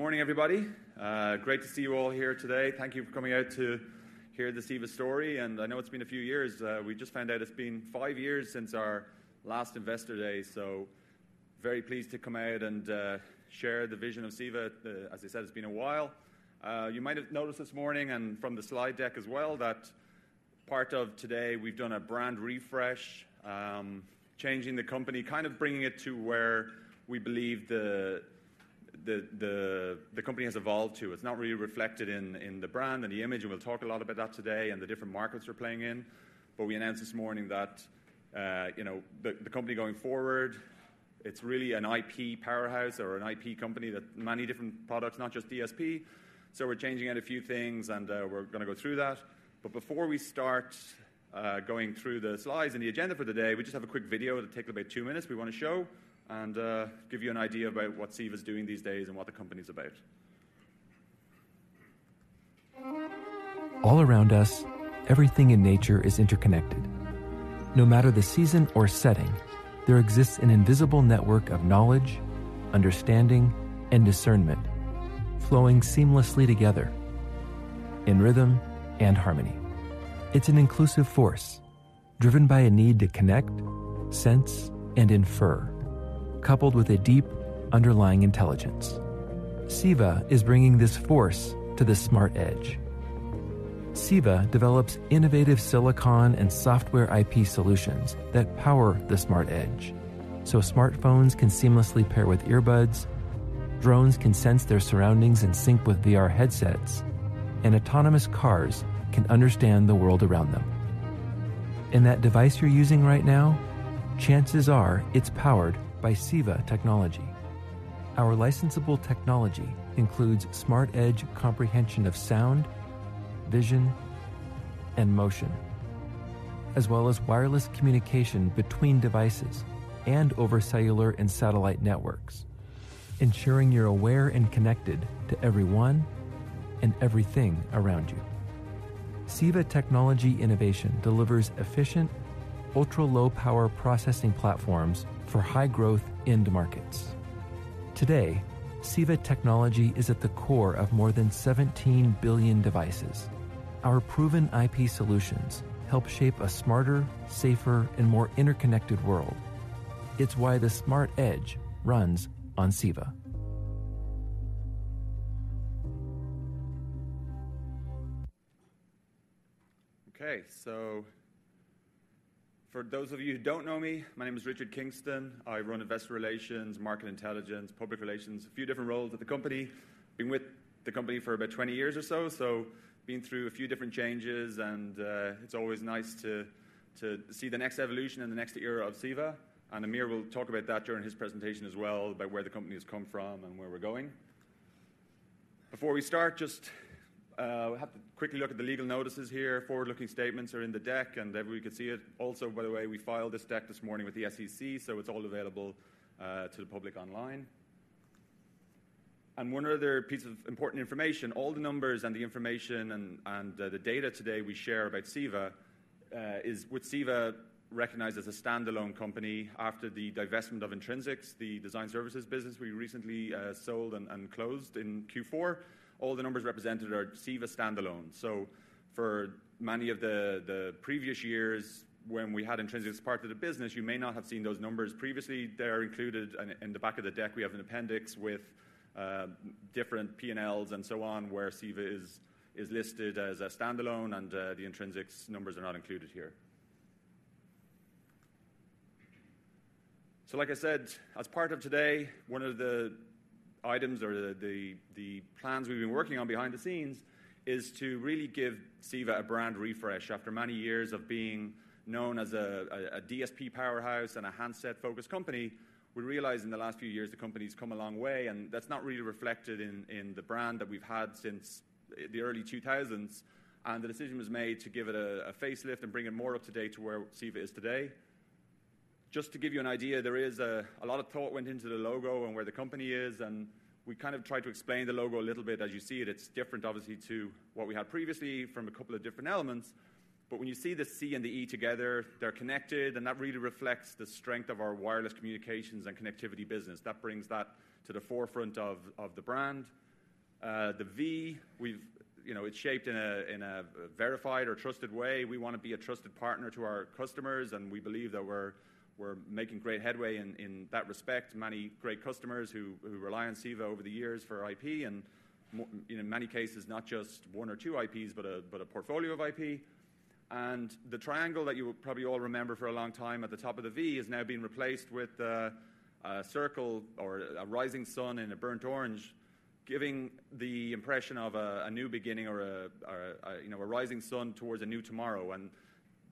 Good morning, everybody. Great to see you all here today. Thank you for coming out to hear the Ceva story, and I know it's been a few years. We just found out it's been five years since our last Investor Day, so very pleased to come out and share the vision of Ceva. As I said, it's been a while. You might have noticed this morning and from the slide deck as well, that part of today we've done a brand refresh, changing the company, kind of bringing it to where we believe the company has evolved to. It's not really reflected in the brand and the image, and we'll talk a lot about that today and the different markets we're playing in. But we announced this morning that, you know, the company going forward, it's really an IP powerhouse or an IP company that many different products, not just DSP. So we're changing out a few things, and we're gonna go through that. But before we start going through the slides and the agenda for today, we just have a quick video. It'll take about two minutes. We wanna show and give you an idea about what Ceva is doing these days and what the company is about. All around us, everything in nature is interconnected. No matter the season or setting, there exists an invisible network of knowledge, understanding, and discernment flowing seamlessly together in rhythm and harmony. It's an inclusive force, driven by a need to connect, sense, and infer, coupled with a deep, underlying intelligence. Ceva is bringing this force to the Smart Edge. Ceva develops innovative silicon and software IP solutions that power the Smart Edge, so smartphones can seamlessly pair with earbuds, drones can sense their surroundings and sync with VR headsets, and autonomous cars can understand the world around them. That device you're using right now, chances are it's powered by Ceva technology. Our licensable technology includes Smart Edge comprehension of sound, vision, and motion, as well as wireless communication between devices and over cellular and satellite networks, ensuring you're aware and connected to everyone and everything around you. Ceva technology innovation delivers efficient, ultra-low power processing platforms for high-growth end markets. Today, Ceva technology is at the core of more than 17 billion devices. Our proven IP solutions help shape a smarter, safer, and more interconnected world. It's why the Smart Edge runs on Ceva. Okay, so for those of you who don't know me, my name is Richard Kingston. I run investor relations, market intelligence, public relations, a few different roles at the company. Been with the company for about 20 years or so, so been through a few different changes and it's always nice to see the next evolution and the next era of Ceva. Amir will talk about that during his presentation as well, about where the company has come from and where we're going. Before we start, just we have to quickly look at the legal notices here. Forward-looking statements are in the deck, and everyone can see it. Also, by the way, we filed this deck this morning with the SEC, so it's all available to the public online. One other piece of important information, all the numbers and the information and, the data today we share about Ceva is with Ceva recognized as a standalone company after the divestment of Intrinsix, the design services business we recently sold and closed in Q4. All the numbers represented are Ceva standalone. So for many of the previous years when we had Intrinsix as part of the business, you may not have seen those numbers previously. They're included. In the back of the deck, we have an appendix with different P&Ls and so on, where Ceva is listed as a standalone and the Intrinsix numbers are not included here. So like I said, as part of today, one of the items or the plans we've been working on behind the scenes is to really give Ceva a brand refresh. After many years of being known as a DSP powerhouse and a handset-focused company, we realized in the last few years the company's come a long way, and that's not really reflected in the brand that we've had since the early 2000s. And the decision was made to give it a facelift and bring it more up to date to where Ceva is today. Just to give you an idea, there is a lot of thought went into the logo and where the company is, and we kind of tried to explain the logo a little bit. As you see it, it's different, obviously, to what we had previously from a couple of different elements. But when you see the C and the E together, they're connected, and that really reflects the strength of our wireless communications and connectivity business. That brings that to the forefront of the brand. The V, you know, it's shaped in a verified or trusted way. We wanna be a trusted partner to our customers, and we believe that we're making great headway in that respect. Many great customers who rely on Ceva over the years for IP, and in many cases, not just one or two IPs, but a portfolio of IP. And the triangle that you will probably all remember for a long time at the top of the V is now being replaced with a circle or a rising sun in a burnt orange, giving the impression of, you know, a rising sun towards a new tomorrow.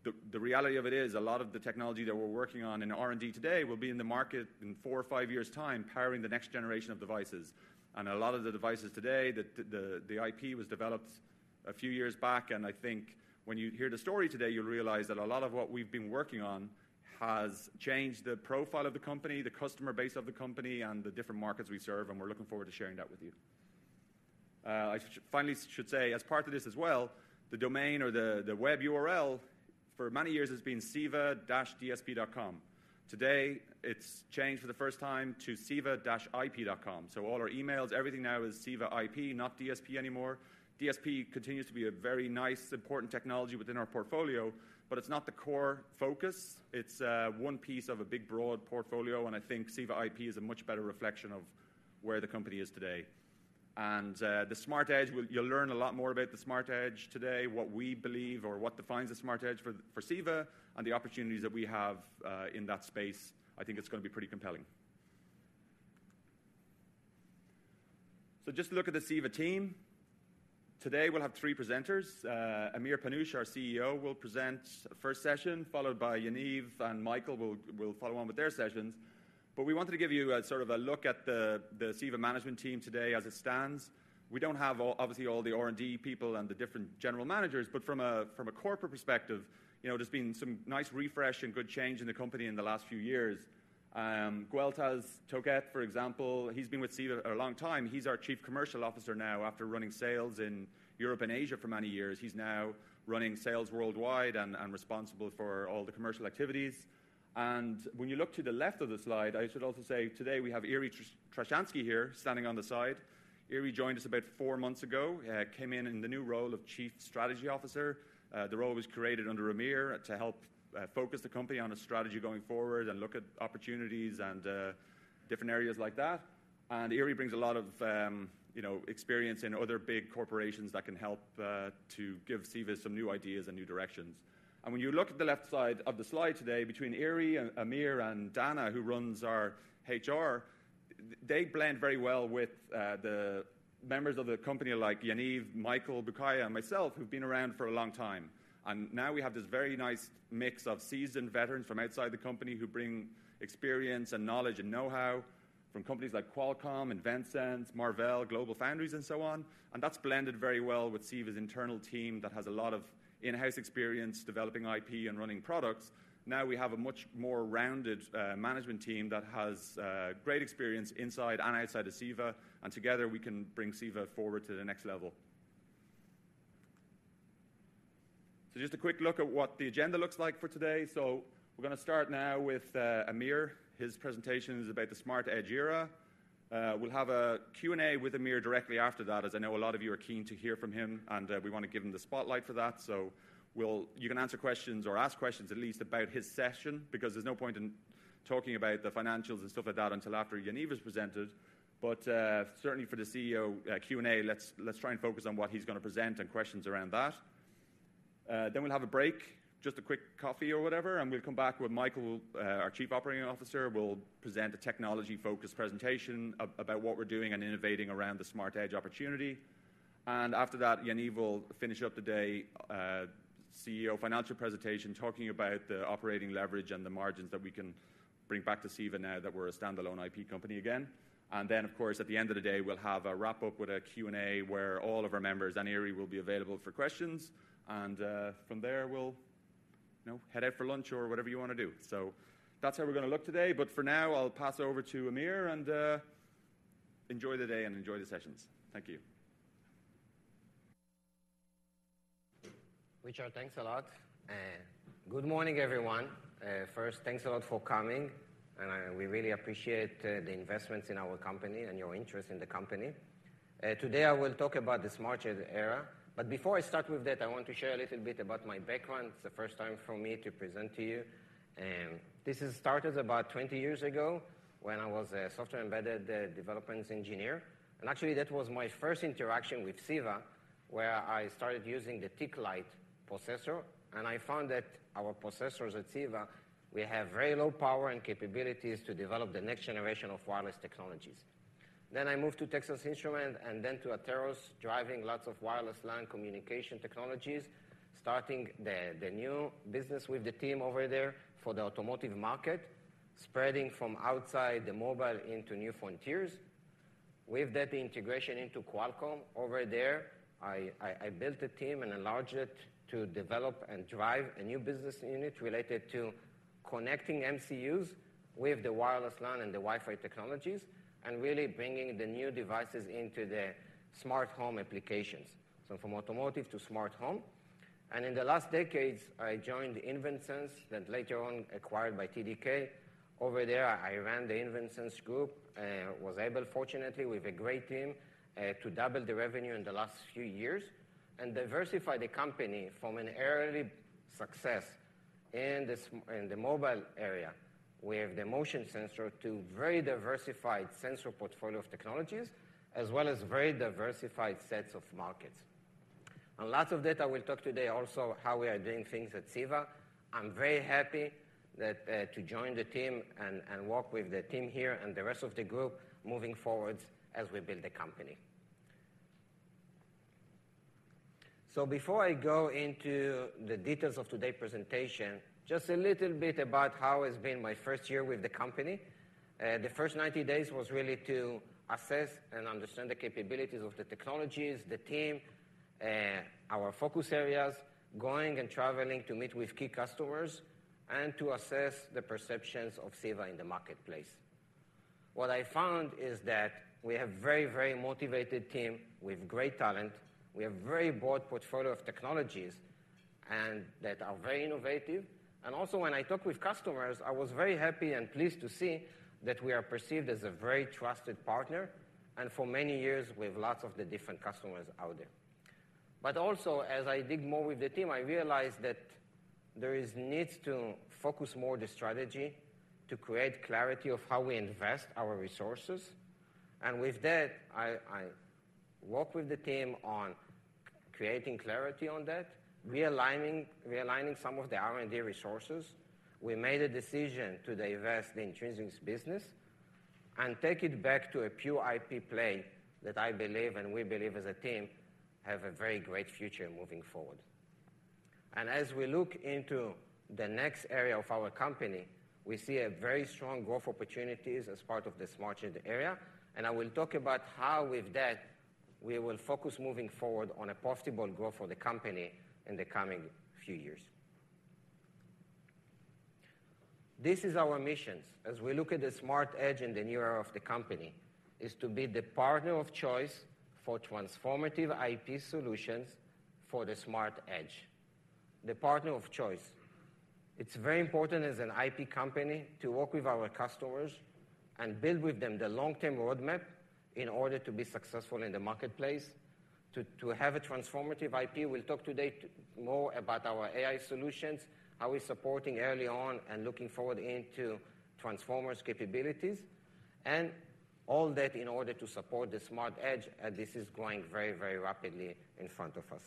And the reality of it is, a lot of the technology that we're working on in R&D today will be in the market in four or five years' time, powering the next generation of devices. A lot of the devices today, the IP was developed a few years back, and I think when you hear the story today, you'll realize that a lot of what we've been working on has changed the profile of the company, the customer base of the company, and the different markets we serve, and we're looking forward to sharing that with you. I should finally say, as part of this as well, the domain or the web URL for many years has been ceva-dsp.com. Today, it's changed for the first time to ceva-ip.com. So all our emails, everything now is Ceva IP, not DSP anymore. DSP continues to be a very nice, important technology within our portfolio, but it's not the core focus. It's one piece of a big, broad portfolio, and I think Ceva IP is a much better reflection of where the company is today. And the smart edge, we'll – you'll learn a lot more about the smart edge today, what we believe or what defines a smart edge for Ceva, and the opportunities that we have in that space. I think it's gonna be pretty compelling. So just to look at the Ceva team. Today, we'll have three presenters. Amir Panush, our CEO, will present the first session, followed by Yaniv and Michael, who will follow on with their sessions. But we wanted to give you a sort of a look at the Ceva management team today as it stands. We don't have all, obviously, all the R&D people and the different general managers, but from a corporate perspective, you know, there's been some nice refresh and good change in the company in the last few years. Gweltaz Toquet, for example, he's been with Ceva a long time. He's our Chief Commercial Officer now, after running sales in Europe and Asia for many years. He's now running sales worldwide and responsible for all the commercial activities. When you look to the left of the slide, I should also say today we have Iri Trashanski here, standing on the side. Iri joined us about four months ago, came in in the new role of Chief Strategy Officer. The role was created under Amir to help focus the company on a strategy going forward and look at opportunities and different areas like that. Iri brings a lot of, you know, experience in other big corporations that can help to give Ceva some new ideas and new directions. And when you look at the left side of the slide today, between Iri, Amir, and Dana, who runs our HR, they blend very well with the members of the company, like Yaniv, Michael Boukaya, and myself, who've been around for a long time. And now we have this very nice mix of seasoned veterans from outside the company who bring experience and knowledge and know-how from companies like Qualcomm, InvenSense, Marvell, GlobalFoundries, and so on. And that's blended very well with Ceva's internal team that has a lot of in-house experience developing IP and running products. Now we have a much more rounded management team that has great experience inside and outside of Ceva, and together, we can bring Ceva forward to the next level. So just a quick look at what the agenda looks like for today. So we're gonna start now with Amir. His presentation is about the Smart Edge era. We'll have a Q&A with Amir directly after that, as I know a lot of you are keen to hear from him, and we want to give him the spotlight for that. So we'll, you can answer questions or ask questions at least about his session, because there's no point in talking about the financials and stuff like that until after Yaniv has presented. But certainly for the CEO Q&A, let's try and focus on what he's gonna present and questions around that. Then we'll have a break, just a quick coffee or whatever, and we'll come back with Michael, our Chief Operating Officer, will present a technology-focused presentation about what we're doing and innovating around the Smart Edge opportunity. And after that, Yaniv will finish up the day, CFO financial presentation, talking about the operating leverage and the margins that we can bring back to Ceva now that we're a standalone IP company again. And then, of course, at the end of the day, we'll have a wrap-up with a Q&A where all of our members and Iri will be available for questions. And, from there, we'll, you know, head out for lunch or whatever you want to do. So that's how we're gonna look today, but for now, I'll pass it over to Amir, and enjoy the day and enjoy the sessions. Thank you. Richard, thanks a lot, and good morning, everyone. First, thanks a lot for coming, and we really appreciate the investments in our company and your interest in the company. Today I will talk about the Smart Edge era, but before I start with that, I want to share a little bit about my background. It's the first time for me to present to you, and this is started about 20 years ago when I was a software embedded developments engineer. Actually, that was my first interaction with Ceva, where I started using the TeakLite processor, and I found that our processors at Ceva, we have very low power and capabilities to develop the next generation of wireless technologies. Then I moved to Texas Instruments and then to Atheros, driving lots of wireless LAN communication technologies, starting the new business with the team over there for the automotive market, spreading from outside the mobile into new frontiers. With that integration into Qualcomm over there, I built a team and enlarged it to develop and drive a new business unit related to connecting MCUs with the wireless LAN and the Wi-Fi technologies, and really bringing the new devices into the smart home applications. So from automotive to smart home. And in the last decades, I joined InvenSense, then later on, acquired by TDK. Over there, I ran the InvenSense group, was able, fortunately, with a great team, to double the revenue in the last few years and diversify the company from an early success in the mobile area, with the motion sensor, to very diversified sensor portfolio of technologies, as well as very diversified sets of markets. And lots of data we'll talk today also, how we are doing things at Ceva. I'm very happy that to join the team and work with the team here and the rest of the group moving forward as we build the company. So before I go into the details of today's presentation, just a little bit about how it's been my first year with the company. The first 90 days was really to assess and understand the capabilities of the technologies, the team. Our focus areas, going and traveling to meet with key customers and to assess the perceptions of Ceva in the marketplace. What I found is that we have a very, very motivated team with great talent. We have a very broad portfolio of technologies and that are very innovative. And also when I talk with customers, I was very happy and pleased to see that we are perceived as a very trusted partner, and for many years with lots of the different customers out there. But also, as I dig more with the team, I realized that there is needs to focus more the strategy to create clarity of how we invest our resources. And with that, I worked with the team on creating clarity on that, realigning some of the R&D resources. We made a decision to divest the Intrinsix business and take it back to a pure IP play that I believe, and we believe as a team, have a very great future moving forward. As we look into the next area of our company, we see a very strong growth opportunities as part of the Smart Edge area, and I will talk about how with that, we will focus moving forward on a possible growth for the company in the coming few years. This is our missions. As we look at the Smart Edge in the near of the company, is to be the partner of choice for transformative IP solutions for the Smart Edge. The partner of choice. It's very important as an IP company to work with our customers and build with them the long-term roadmap in order to be successful in the marketplace, to have a transformative IP. We'll talk today more about our AI solutions, how we're supporting early on and looking forward into Transformers capabilities, and all that in order to support the Smart Edge, and this is growing very, very rapidly in front of us.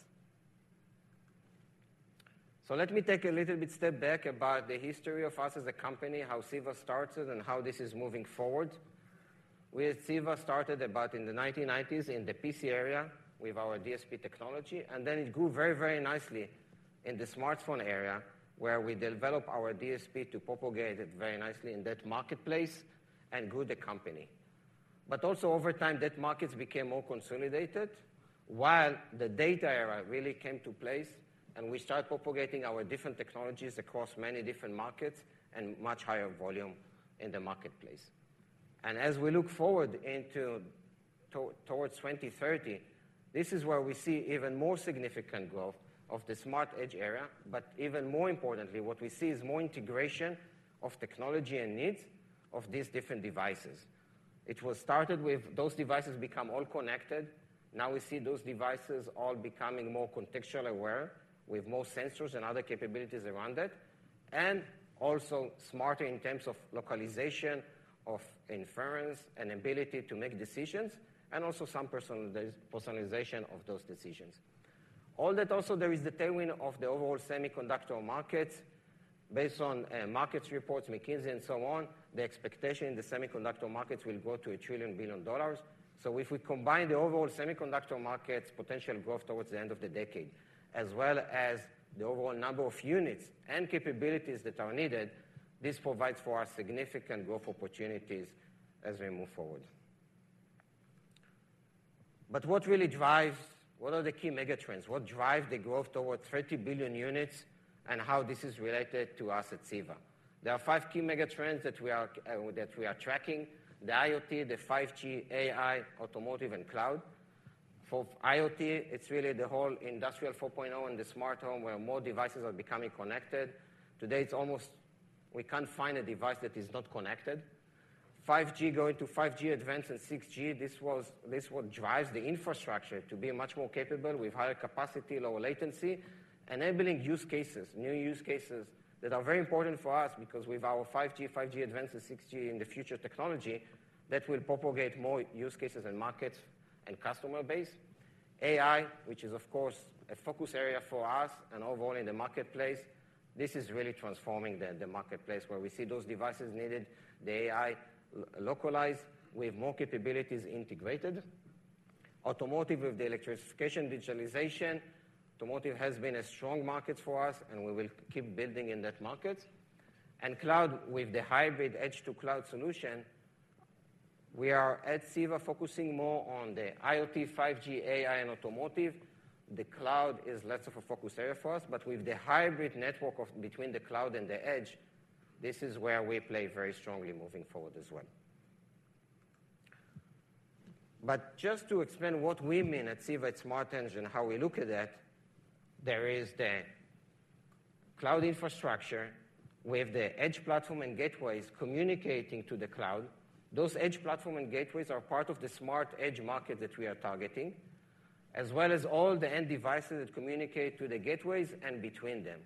So let me take a little bit step back about the history of us as a company, how Ceva started, and how this is moving forward. We at Ceva started about in the 1990s in the PC area with our DSP technology, and then it grew very, very nicely in the smartphone area, where we developed our DSP to propagate it very nicely in that marketplace and grew the company. But also over time, those markets became more consolidated, while the data era really came to place, and we start propagating our different technologies across many different markets and much higher volume in the marketplace. And as we look forward towards 2030, this is where we see even more significant growth of the Smart Edge area. But even more importantly, what we see is more integration of technology and needs of these different devices. It was started with those devices become all connected. Now we see those devices all becoming more contextually aware, with more sensors and other capabilities around it, and also smarter in terms of localization, of inference and ability to make decisions, and also some personalization of those decisions. All that also, there is the tailwind of the overall semiconductor market. Based on markets reports, McKinsey, and so on, the expectation in the semiconductor markets will grow to $1 trillion. So if we combine the overall semiconductor markets potential growth towards the end of the decade, as well as the overall number of units and capabilities that are needed, this provides for us significant growth opportunities as we move forward. But what really drives... What are the key mega trends? What drive the growth toward 30 billion units, and how this is related to us at Ceva? There are 5 key mega trends that we are, that we are tracking: the IoT, the 5G, AI, automotive, and cloud. For IoT, it's really the whole industrial 4.0 and the smart home, where more devices are becoming connected. Today, it's almost we can't find a device that is not connected. 5G, going to 5G Advanced and 6G, this is what drives the infrastructure to be much more capable with higher capacity, lower latency, enabling use cases, new use cases that are very important for us, because with our 5G, 5G Advanced and 6G in the future technology, that will propagate more use cases and markets and customer base. AI, which is, of course, a focus area for us and overall in the marketplace, this is really transforming the marketplace, where we see those devices needed, the AI localized with more capabilities integrated. Automotive, with the electrification, digitalization, automotive has been a strong market for us, and we will keep building in that market. Cloud, with the hybrid edge to cloud solution, we are at Ceva, focusing more on the IoT, 5G, AI, and automotive. The cloud is less of a focus area for us, but with the hybrid network of between the cloud and the edge, this is where we play very strongly moving forward as well. But just to explain what we mean at Ceva at Smart Edge and how we look at that, there is the cloud infrastructure, with the edge platform and gateways communicating to the cloud. Those edge platform and gateways are part of the Smart Edge market that we are targeting, as well as all the end devices that communicate to the gateways and between them.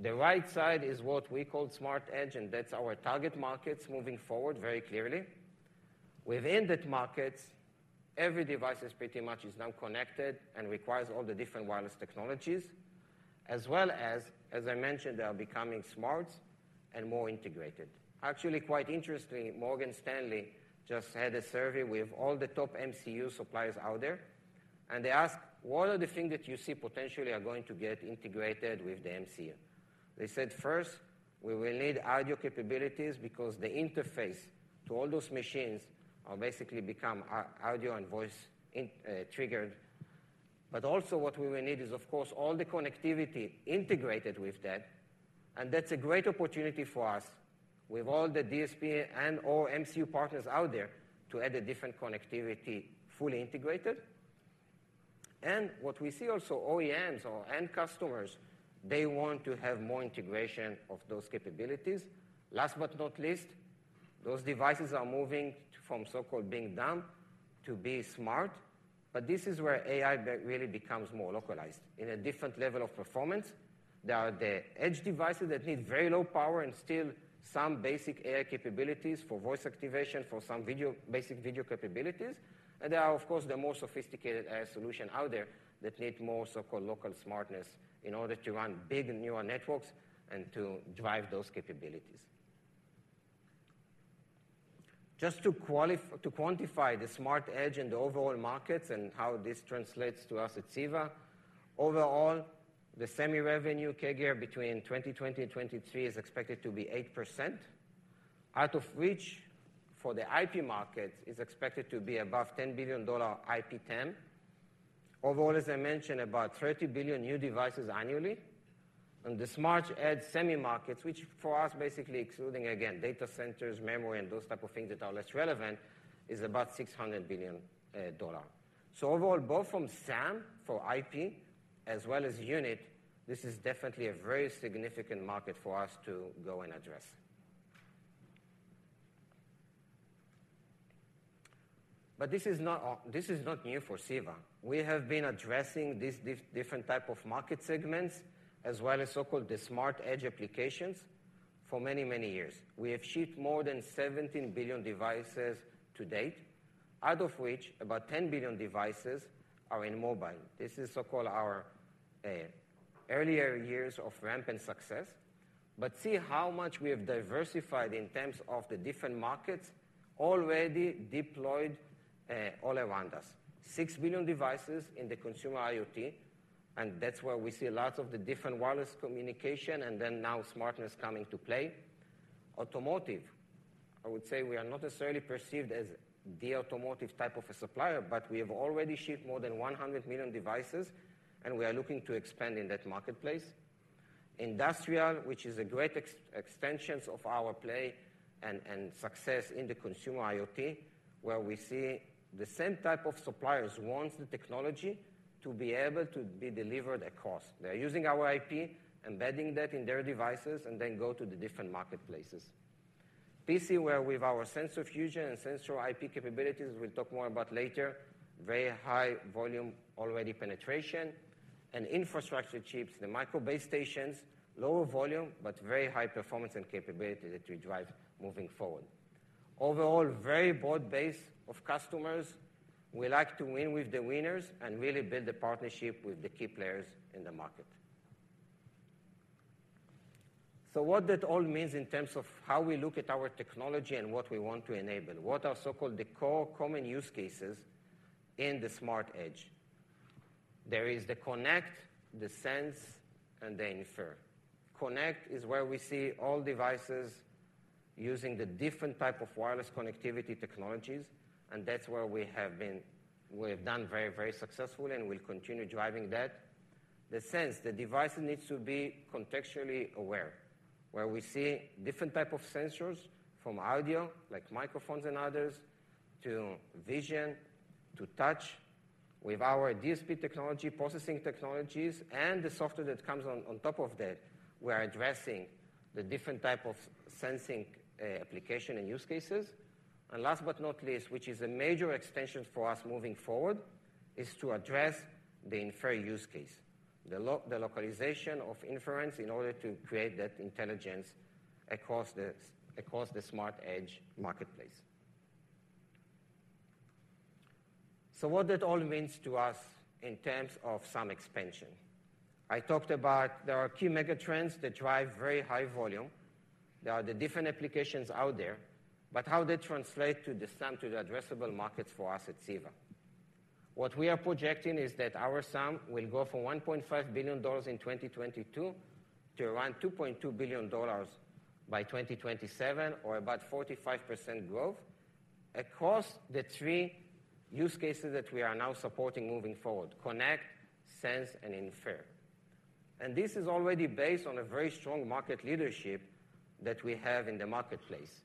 The right side is what we call Smart Edge, and that's our target markets moving forward very clearly. Within that markets, every device is pretty much now connected and requires all the different wireless technologies, as well as, as I mentioned, they are becoming smart and more integrated. Actually, quite interestingly, Morgan Stanley just had a survey with all the top MCU suppliers out there, and they asked, "What are the things that you see potentially are going to get integrated with the MCU?" They said, first, we will need audio capabilities because the interface to all those machines are basically become audio and voice in, triggered. But also what we will need is, of course, all the connectivity integrated with that, and that's a great opportunity for us with all the DSP and all MCU partners out there, to add a different connectivity, fully integrated. And what we see also, OEMs or end customers, they want to have more integration of those capabilities. Last but not least, those devices are moving from so-called being dumb to be smart. But this is where AI really becomes more localized in a different level of performance. There are the edge devices that need very low power and still some basic AI capabilities for voice activation, for some video, basic video capabilities. And there are, of course, the more sophisticated AI solution out there that need more so-called local smartness in order to run big neural networks and to drive those capabilities. Just to quantify the Smart Edge and the overall markets and how this translates to us at Ceva, overall, the semi revenue CAGR between 2020 and 2023 is expected to be 8%, out of which, for the IP market, is expected to be above $10 billion IP TAM. Overall, as I mentioned, about 30 billion new devices annually, and the Smart Edge semi markets, which for us, basically excluding, again, data centers, memory, and those type of things that are less relevant, is about $600 billion. So overall, both from SAM, for IP, as well as unit, this is definitely a very significant market for us to go and address. But this is not, this is not new for CEVA. We have been addressing these different type of market segments, as well as so-called the Smart Edge applications, for many, many years. We have shipped more than 17 billion devices to date, out of which about 10 billion devices are in mobile. This is so-called our earlier years of rampant success. But see how much we have diversified in terms of the different markets already deployed all around us. 6 billion devices in the consumer IoT, and that's where we see a lot of the different wireless communication, and then now smartness coming to play. Automotive, I would say we are not necessarily perceived as the automotive type of a supplier, but we have already shipped more than 100 million devices, and we are looking to expand in that marketplace. Industrial, which is a great extensions of our play and success in the consumer IoT, where we see the same type of suppliers wants the technology to be able to be delivered at cost. They're using our IP, embedding that in their devices, and then go to the different marketplaces. PC, where with our sensor fusion and sensor IP capabilities, we'll talk more about later, very high volume already penetration. Infrastructure chips, the micro base stations, lower volume, but very high performance and capability that we drive moving forward. Overall, very broad base of customers. We like to win with the winners and really build a partnership with the key players in the market. So what that all means in terms of how we look at our technology and what we want to enable, what are so-called the core common use cases in the smart edge? There is the connect, the sense, and the infer. Connect is where we see all devices using the different type of wireless connectivity technologies, and that's where we have been—we have done very, very successfully, and we'll continue driving that. The sense, the device needs to be contextually aware, where we see different type of sensors, from audio, like microphones and others, to vision, to touch. With our DSP technology, processing technologies, and the software that comes on, on top of that, we are addressing the different type of sensing, application and use cases. And last but not least, which is a major extension for us moving forward, is to address the infer use case, the localization of inference in order to create that intelligence across the, across the smart edge marketplace. So what that all means to us in terms of some expansion? I talked about there are key mega trends that drive very high volume. There are the different applications out there, but how they translate to the SAM, to the addressable markets for us at CEVA. What we are projecting is that our SAM will go from $1.5 billion in 2022, to around $2.2 billion by 2027, or about 45% growth across the three use cases that we are now supporting moving forward: connect, sense, and infer. This is already based on a very strong market leadership that we have in the marketplace.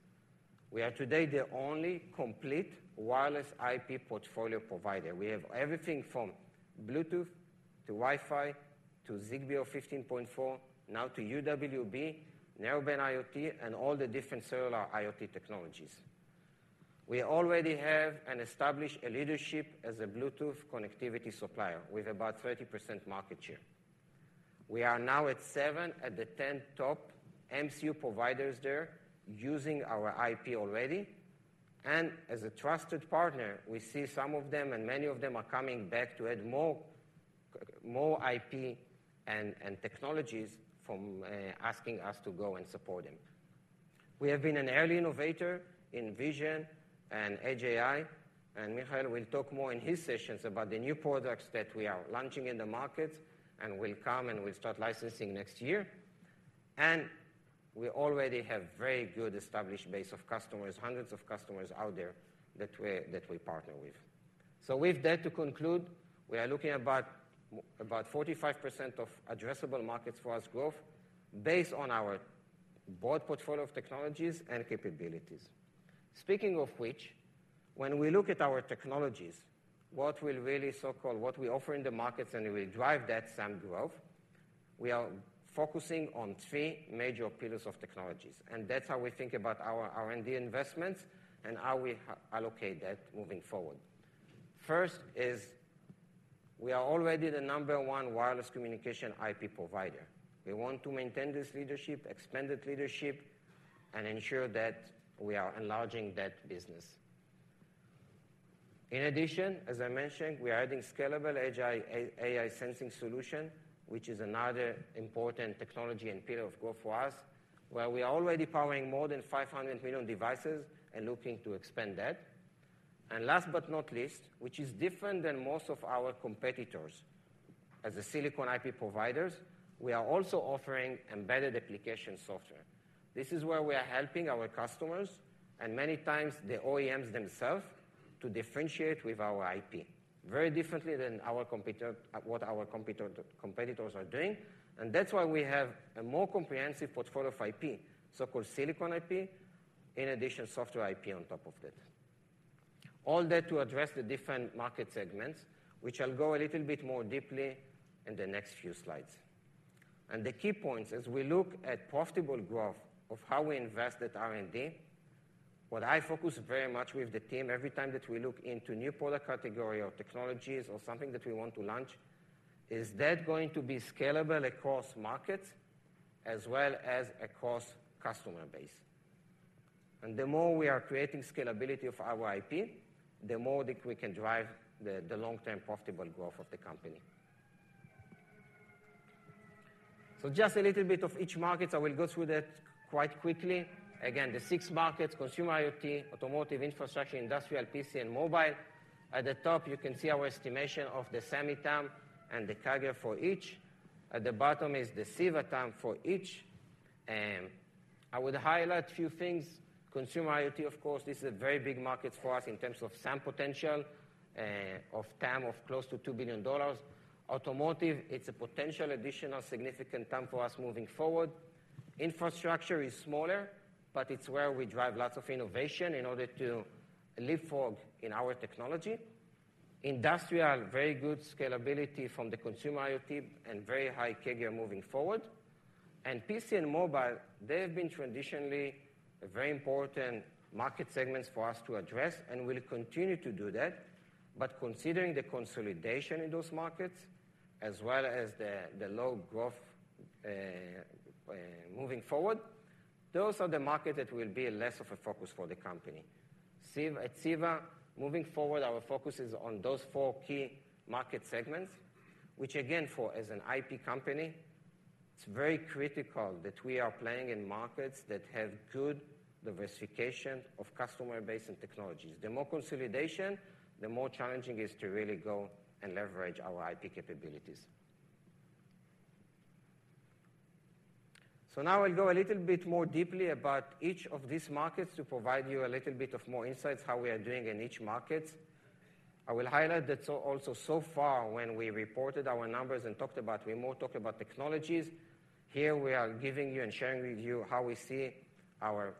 We are today the only complete wireless IP portfolio provider. We have everything from Bluetooth, to Wi-Fi, to Zigbee or 15.4, now to UWB, Narrowband IoT, and all the different cellular IoT technologies. We already have and establish a leadership as a Bluetooth connectivity supplier with about 30% market share. We are now at seven at the 10 top MCU providers there, using our IP already. As a trusted partner, we see some of them, and many of them are coming back to add more, more IP and, and technologies from, asking us to go and support them. We have been an early innovator in vision and Edge AI, and Michael will talk more in his sessions about the new products that we are launching in the market and will come, and we'll start licensing next year. And we already have very good established base of customers, hundreds of customers out there that we partner with. So with that, to conclude, we are looking at about 45% of addressable markets for our growth based on our broad portfolio of technologies and capabilities. Speaking of which, when we look at our technologies, what we really so-called offer in the markets and will drive that same growth, we are focusing on three major pillars of technologies, and that's how we think about our R&D investments and how we allocate that moving forward. First is we are already the number one wireless communication IP provider. We want to maintain this leadership, expand that leadership, and ensure that we are enlarging that business. In addition, as I mentioned, we are adding scalable edge AI, AI sensing solution, which is another important technology and pillar of growth for us, where we are already powering more than 500 million devices and looking to expand that. Last but not least, which is different than most of our competitors, as a silicon IP providers, we are also offering embedded application software. This is where we are helping our customers, and many times the OEMs themselves, to differentiate with our IP, very differently than our competitors are doing. That's why we have a more comprehensive portfolio of IP, so-called silicon IP, in addition, software IP on top of that. All that to address the different market segments, which I'll go a little bit more deeply in the next few slides. The key points, as we look at profitable growth of how we invest at R&D, what I focus very much with the team every time that we look into new product category or technologies or something that we want to launch, is that going to be scalable across markets as well as across customer base? The more we are creating scalability of our IP, the more that we can drive the long-term profitable growth of the company. So just a little bit of each market. I will go through that quite quickly. Again, the six markets: consumer IoT, automotive, infrastructure, industrial, PC, and mobile. At the top, you can see our estimation of the SAM, TAM, and the CAGR for each. At the bottom is the several TAM for each. I would highlight a few things. Consumer IoT, of course, this is a very big market for us in terms of SAM potential, of TAM of close to $2 billion. Automotive, it's a potential additional significant TAM for us moving forward. Infrastructure is smaller, but it's where we drive lots of innovation in order to leapfrog in our technology. Industrial, very good scalability from the consumer IoT and very high CAGR moving forward. PC and mobile, they have been traditionally very important market segments for us to address, and we'll continue to do that. But considering the consolidation in those markets as well as the low growth moving forward, those are the market that will be less of a focus for the company. Ceva. At Ceva, moving forward, our focus is on those four key market segments, which again, for as an IP company, it's very critical that we are playing in markets that have good diversification of customer base and technologies. The more consolidation, the more challenging it is to really go and leverage our IP capabilities. So now I'll go a little bit more deeply about each of these markets to provide you a little bit of more insights, how we are doing in each market. I will highlight that also, so far, when we reported our numbers and talked about, we more talked about technologies. Here we are giving you and sharing with you how we see our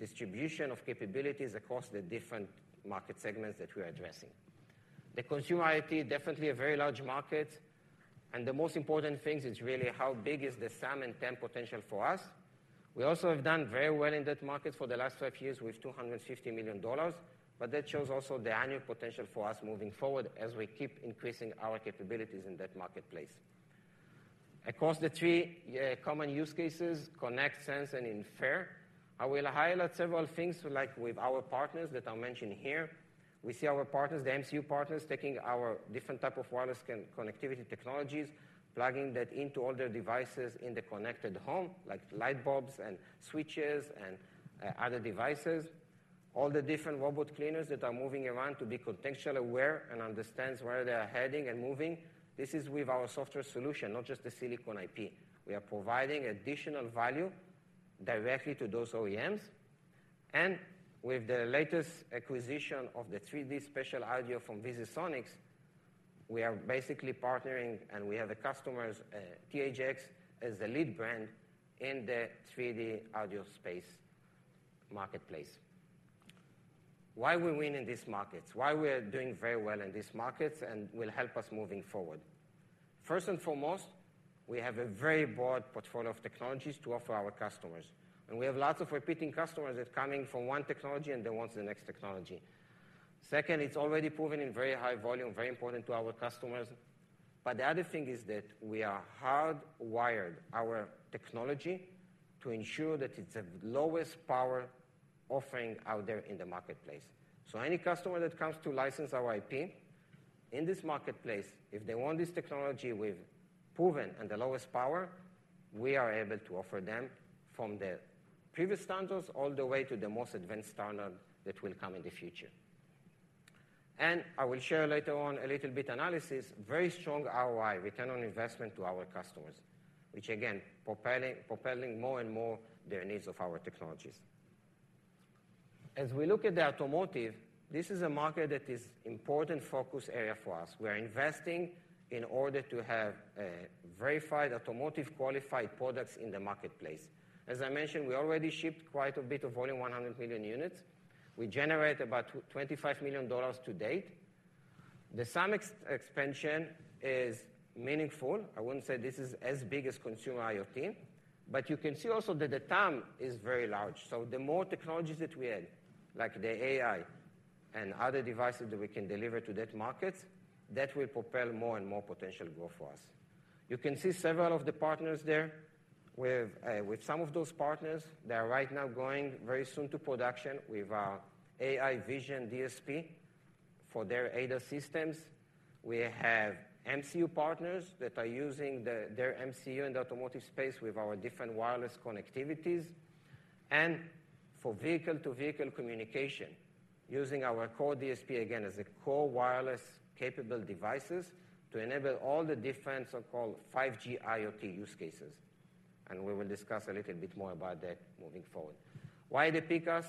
distribution of capabilities across the different market segments that we are addressing. The consumer IoT, definitely a very large market, and the most important things is really how big is the SAM and TAM potential for us. We also have done very well in that market for the last five years with $250 million, but that shows also the annual potential for us moving forward as we keep increasing our capabilities in that marketplace. Across the three common use cases, connect, sense, and infer, I will highlight several things, like with our partners that I mentioned here. We see our partners, the MCU partners, taking our different type of wireless connectivity technologies, plugging that into all their devices in the connected home, like light bulbs and switches and other devices. All the different robot cleaners that are moving around to be contextually aware and understands where they are heading and moving. This is with our software solution, not just the silicon IP. We are providing additional value directly to those OEMs, and with the latest acquisition of the 3D spatial audio from VisiSonics, we are basically partnering, and we have the customers, THX, as the lead brand in the 3D audio space marketplace. Why we win in these markets? Why we are doing very well in these markets and will help us moving forward? First and foremost, we have a very broad portfolio of technologies to offer our customers, and we have lots of repeating customers that coming from one technology and they want the next technology. Second, it's already proven in very high volume, very important to our customers. But the other thing is that we are hardwired our technology to ensure that it's the lowest power offering out there in the marketplace. So any customer that comes to license our IP in this marketplace, if they want this technology with proven and the lowest power, we are able to offer them from the previous standards all the way to the most advanced standard that will come in the future. And I will share later on a little bit analysis, very strong ROI, return on investment, to our customers, which again, propelling, propelling more and more their needs of our technologies. As we look at the automotive, this is a market that is important focus area for us. We are investing in order to have verified automotive qualified products in the marketplace. As I mentioned, we already shipped quite a bit of volume, 100 million units. We generate about twenty-five million dollars to date. The same expansion is meaningful. I wouldn't say this is as big as consumer IoT, but you can see also that the TAM is very large. So the more technologies that we add, like the AI and other devices that we can deliver to that market, that will propel more and more potential growth for us. You can see several of the partners there. With some of those partners, they are right now going very soon to production with our AI vision DSP for their ADAS systems. We have MCU partners that are using their MCU in the automotive space with our different wireless connectivities. And for vehicle-to-vehicle communication, using our core DSP again as a core wireless capable devices to enable all the different so-called 5G IoT use cases, and we will discuss a little bit more about that moving forward. Why they pick us?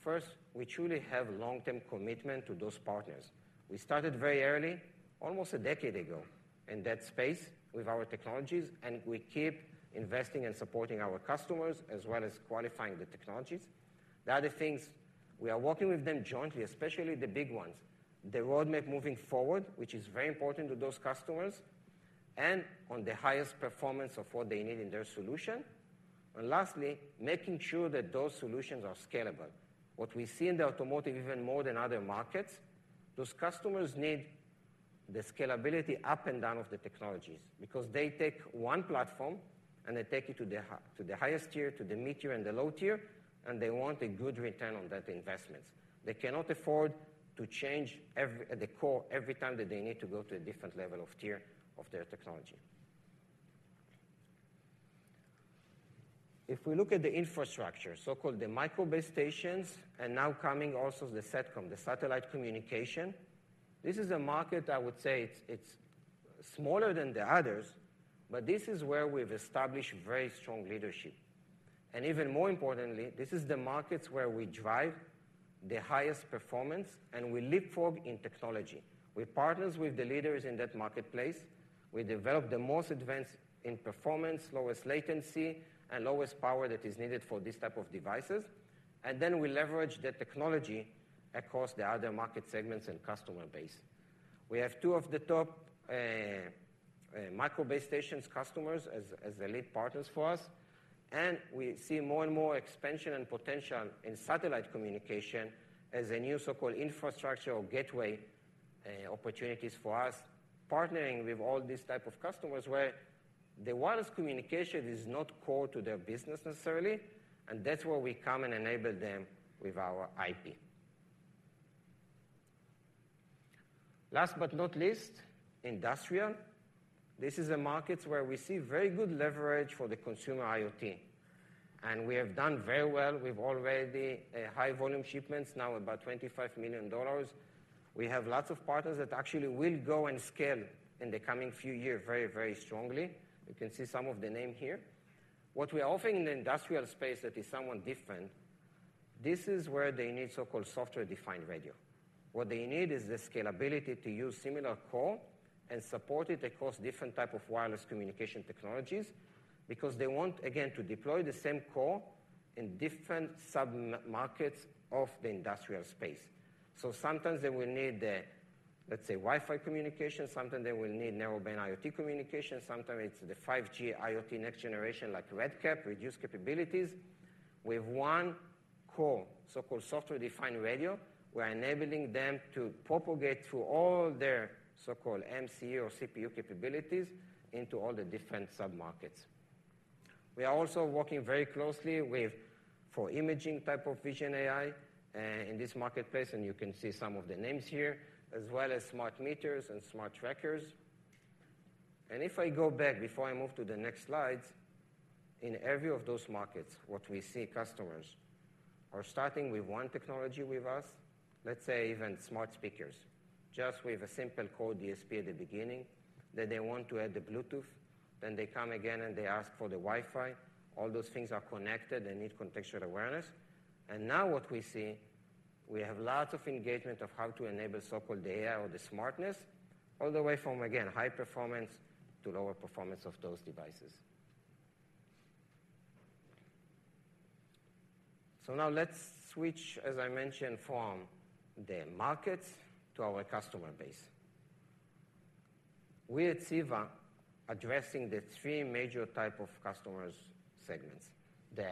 First, we truly have long-term commitment to those partners. We started very early, almost a decade ago, in that space with our technologies, and we keep investing and supporting our customers, as well as qualifying the technologies. The other things, we are working with them jointly, especially the big ones, the roadmap moving forward, which is very important to those customers, and on the highest performance of what they need in their solution. And lastly, making sure that those solutions are scalable. What we see in the automotive, even more than other markets, those customers need the scalability up and down of the technologies because they take one platform, and they take it to the highest tier, to the mid-tier, and the low tier, and they want a good return on that investment. They cannot afford to change every core every time that they need to go to a different level of tier of their technology. If we look at the infrastructure, so-called the micro base stations, and now coming also the Satcom, the satellite communication, this is a market I would say it's, it's smaller than the others, but this is where we've established very strong leadership. And even more importantly, this is the markets where we drive the highest performance, and we leapfrog in technology. We partners with the leaders in that marketplace. We develop the most advanced in performance, lowest latency, and lowest power that is needed for these type of devices. And then we leverage that technology across the other market segments and customer base. We have two of the top micro base stations customers as the lead partners for us, and we see more and more expansion and potential in satellite communication as a new so-called infrastructure or gateway opportunities for us, partnering with all these type of customers where the wireless communication is not core to their business necessarily, and that's where we come and enable them with our IP. Last but not least, industrial. This is a market where we see very good leverage for the consumer IoT, and we have done very well. We've already high volume shipments, now about $25 million. We have lots of partners that actually will go and scale in the coming few years very, very strongly. You can see some of the name here. What we offer in the industrial space that is somewhat different, this is where they need so-called software-defined radio. What they need is the scalability to use similar core and support it across different type of wireless communication technologies, because they want, again, to deploy the same core in different sub-markets of the industrial space. So sometimes they will need a, let's say, Wi-Fi communication, sometimes they will need narrowband IoT communication, sometimes it's the 5G IoT next generation, like RedCap, reduced capabilities. With one core, so-called software-defined radio, we are enabling them to propagate through all their so-called MCU or CPU capabilities into all the different sub-markets. We are also working very closely with... for imaging type of vision AI, in this marketplace, and you can see some of the names here, as well as smart meters and smart trackers. If I go back before I move to the next slide, in every of those markets, what we see customers are starting with one technology with us, let's say even smart speakers. Just with a simple core DSP at the beginning, then they want to add the Bluetooth, then they come again and they ask for the Wi-Fi. All those things are connected and need contextual awareness. And now what we see, we have lots of engagement of how to enable so-called AI or the smartness, all the way from, again, high performance to lower performance of those devices. So now let's switch, as I mentioned, from the markets to our customer base. We at Ceva, addressing the three major type of customers segments: the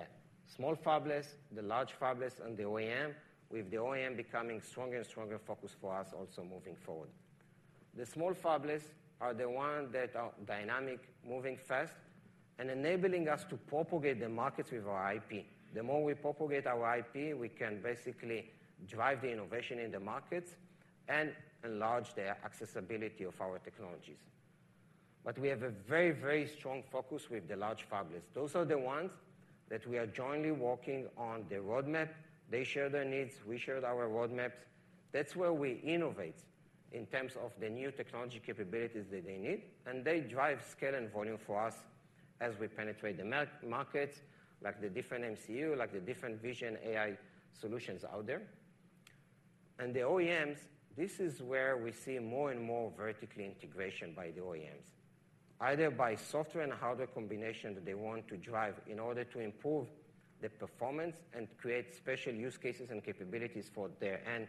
small fabless, the large fabless, and the OEM, with the OEM becoming stronger and stronger focus for us also moving forward. The small fabless are the ones that are dynamic, moving fast, and enabling us to propagate the markets with our IP. The more we propagate our IP, we can basically drive the innovation in the markets and enlarge the accessibility of our technologies. But we have a very, very strong focus with the large fabless. Those are the ones that we are jointly working on the roadmap. They share their needs, we share our roadmaps. That's where we innovate in terms of the new technology capabilities that they need, and they drive scale and volume for us as we penetrate the markets, like the different MCU, like the different vision AI solutions out there. The OEMs, this is where we see more and more vertical integration by the OEMs, either by software and hardware combination that they want to drive in order to improve the performance and create special use cases and capabilities for their end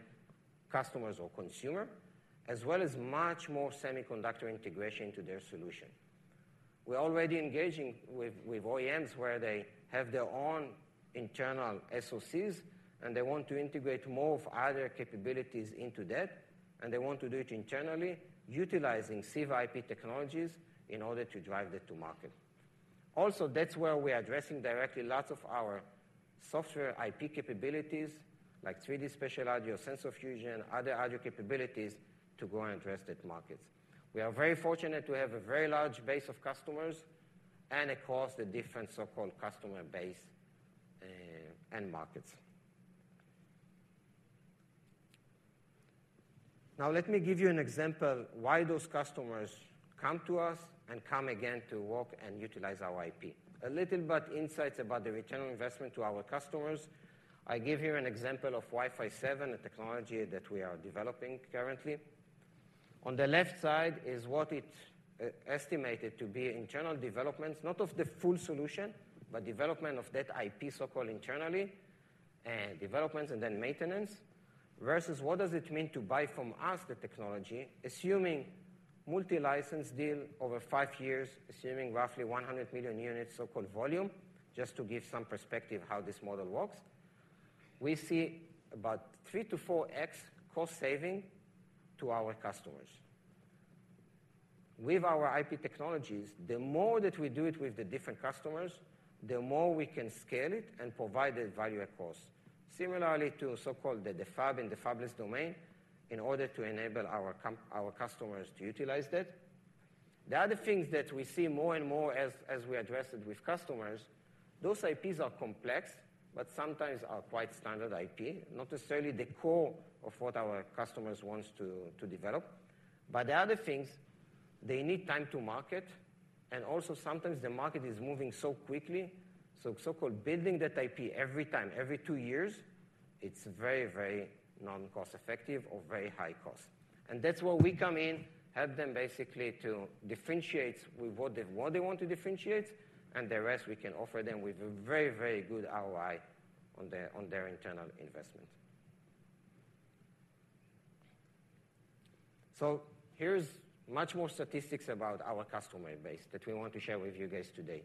customers or consumer, as well as much more semiconductor integration to their solution. We're already engaging with, with OEMs, where they have their own internal SoCs, and they want to integrate more of other capabilities into that, and they want to do it internally, utilizing Ceva IP technologies in order to drive that to market. Also, that's where we're addressing directly lots of our software IP capabilities, like 3D spatial audio, sensor fusion, other audio capabilities to go and address that markets. We are very fortunate to have a very large base of customers and across the different so-called customer base, and markets. Now, let me give you an example why those customers come to us and come again to work and utilize our IP. A little bit insights about the return on investment to our customers. I give you an example of Wi-Fi 7, a technology that we are developing currently. On the left side is what it estimated to be internal developments, not of the full solution, but development of that IP, so-called internally, development and then maintenance, versus what does it mean to buy from us the technology, assuming multi-license deal over five years, assuming roughly 100 million units, so-called volume, just to give some perspective how this model works. We see about 3x-4x cost saving to our customers. With our IP technologies, the more that we do it with the different customers, the more we can scale it and provide the value across. Similarly to so-called the fab and the fabless domain, in order to enable our customers to utilize that. The other things that we see more and more as we address it with customers, those IPs are complex, but sometimes are quite standard IP, not necessarily the core of what our customers wants to, to develop. But the other things, they need time to market, and also sometimes the market is moving so quickly. So, so-called building that IP every time, every two years, it's very, very non-cost effective or very high cost. And that's where we come in, help them basically to differentiate with what they, what they want to differentiate, and the rest we can offer them with a very, very good ROI on their, on their internal investment. So here's much more statistics about our customer base that we want to share with you guys today.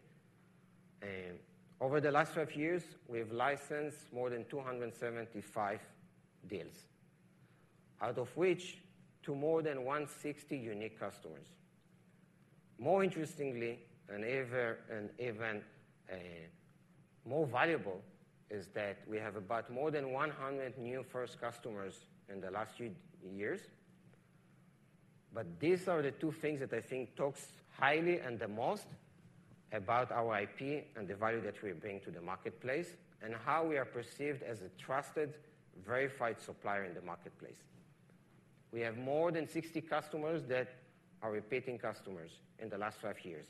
Over the last five years, we've licensed more than 275 deals, out of which to more than 160 unique customers. More interestingly, and even more valuable, is that we have about more than 100 new first customers in the last few years. But these are the two things that I think talks highly and the most about our IP and the value that we bring to the marketplace, and how we are perceived as a trusted, verified supplier in the marketplace. We have more than 60 customers that are repeating customers in the last five years.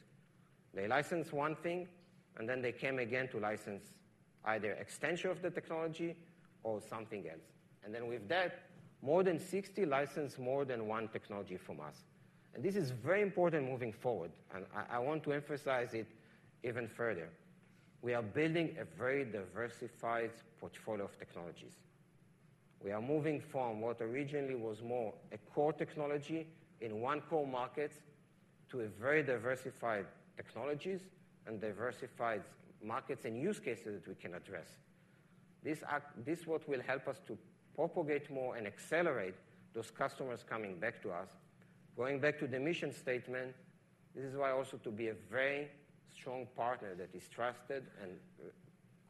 They licensed one thing, and then they came again to license either extension of the technology or something else. And then with that, more than 60 licensed more than one technology from us. And this is very important moving forward, and I, I want to emphasize it even further. We are building a very diversified portfolio of technologies. We are moving from what originally was more a core technology in one core market, to a very diversified technologies and diversified markets and use cases that we can address. This, what will help us to propagate more and accelerate those customers coming back to us. Going back to the mission statement, this is why also to be a very strong partner that is trusted and,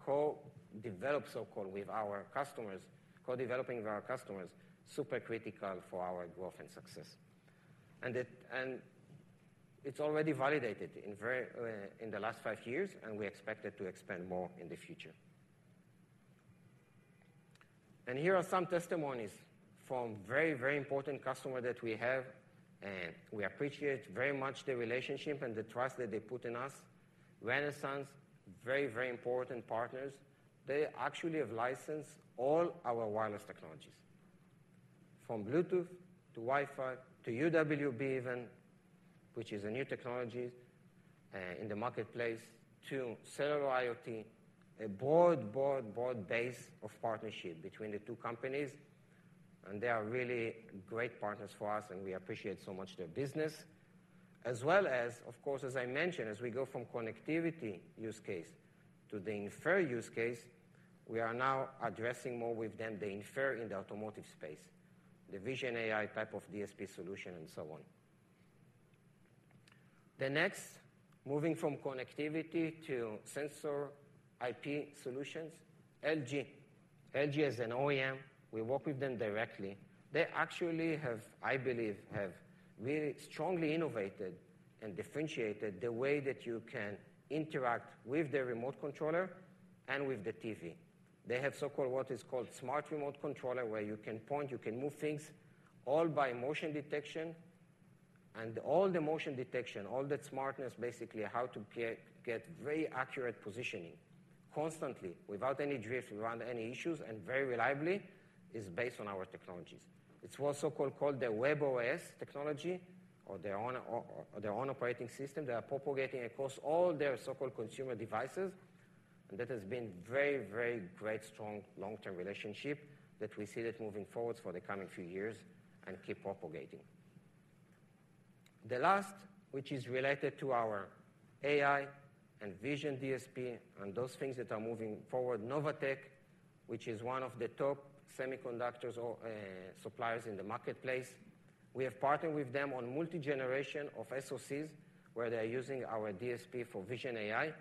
co-develop, so-called, with our customers, co-developing with our customers, super critical for our growth and success. And it, and it's already validated in very, in the last five years, and we expect it to expand more in the future. Here are some testimonies from very, very important customer that we have, we appreciate very much the relationship and the trust that they put in us. Renesas, very, very important partners. They actually have licensed all our wireless technologies, from Bluetooth to Wi-Fi to UWB even, which is a new technology, in the marketplace, to cellular IoT. A broad, broad, broad base of partnership between the two companies, and they are really great partners for us, and we appreciate so much their business. As well as, of course, as I mentioned, as we go from connectivity use case to the infer use case, we are now addressing more with them, the infer in the automotive space... the vision AI type of DSP solution, and so on. The next, moving from connectivity to sensor IP solutions, LG. LG is an OEM. We work with them directly. They actually have, I believe, really strongly innovated and differentiated the way that you can interact with the remote controller and with the TV. They have so-called, what is called smart remote controller, where you can point, you can move things, all by motion detection. And all the motion detection, all that smartness, basically how to get very accurate positioning constantly without any drift, without any issues, and very reliably, is based on our technologies. It's what so-called, called the webOS technology or their own or their own operating system. They are propagating across all their so-called consumer devices, and that has been very, very great, strong, long-term relationship that we see that moving forward for the coming few years and keep propagating. The last, which is related to our AI and vision DSP and those things that are moving forward, Novatek, which is one of the top semiconductors or suppliers in the marketplace. We have partnered with them on multi-generation of SoCs, where they're using our DSP for vision AI,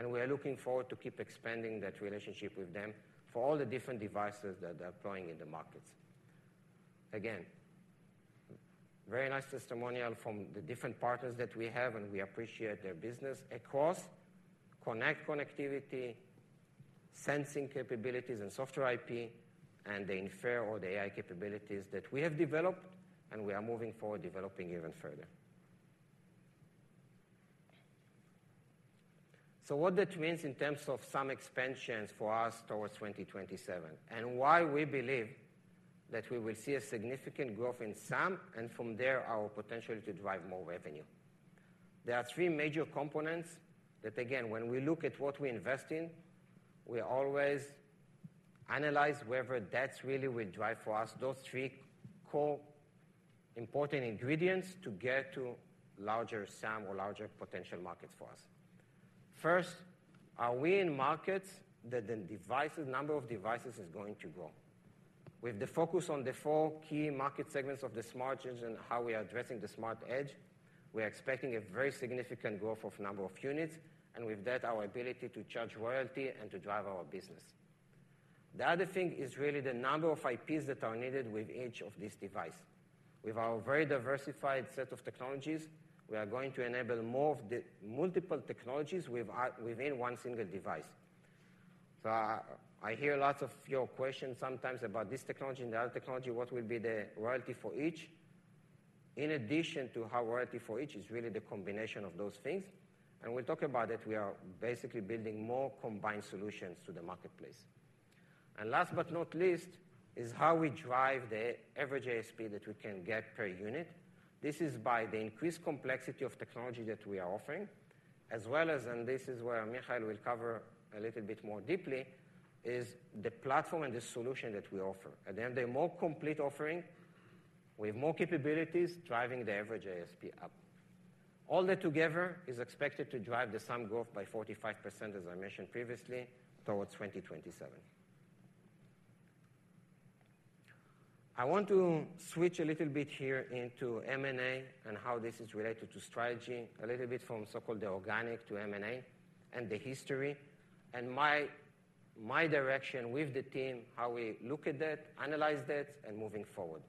and we are looking forward to keep expanding that relationship with them for all the different devices that they're deploying in the markets. Again, very nice testimonial from the different partners that we have, and we appreciate their business across connect connectivity, sensing capabilities, and software IP, and the infer or the AI capabilities that we have developed and we are moving forward, developing even further. So what that means in terms of some expansions for us towards 2027, and why we believe that we will see a significant growth in SAM, and from there, our potential to drive more revenue. There are three major components that, again, when we look at what we invest in, we always analyze whether that really will drive for us, those three core important ingredients to get to larger SAM or larger potential markets for us. First, are we in markets that the number of devices is going to grow? With the focus on the four key market segments of the Smart Edge and how we are addressing the Smart Edge, we are expecting a very significant growth of number of units, and with that, our ability to charge royalty and to drive our business. The other thing is really the number of IPs that are needed with each of these devices. With our very diversified set of technologies, we are going to enable more of the multiple technologies within one single device. So I hear lots of your questions sometimes about this technology and the other technology, what will be the royalty for each? In addition to our royalty for each is really the combination of those things, and we'll talk about that. We are basically building more combined solutions to the marketplace. Last but not least is how we drive the average ASP that we can get per unit. This is by the increased complexity of technology that we are offering, as well as, and this is where Michael will cover a little bit more deeply, the platform and the solution that we offer. At the end, the more complete offering, we have more capabilities driving the average ASP up. All that together is expected to drive the same growth by 45%, as I mentioned previously, towards 2027. I want to switch a little bit here into M&A and how this is related to strategy, a little bit from so-called the organic to M&A and the history, and my, my direction with the team, how we look at that, analyze that, and moving forward.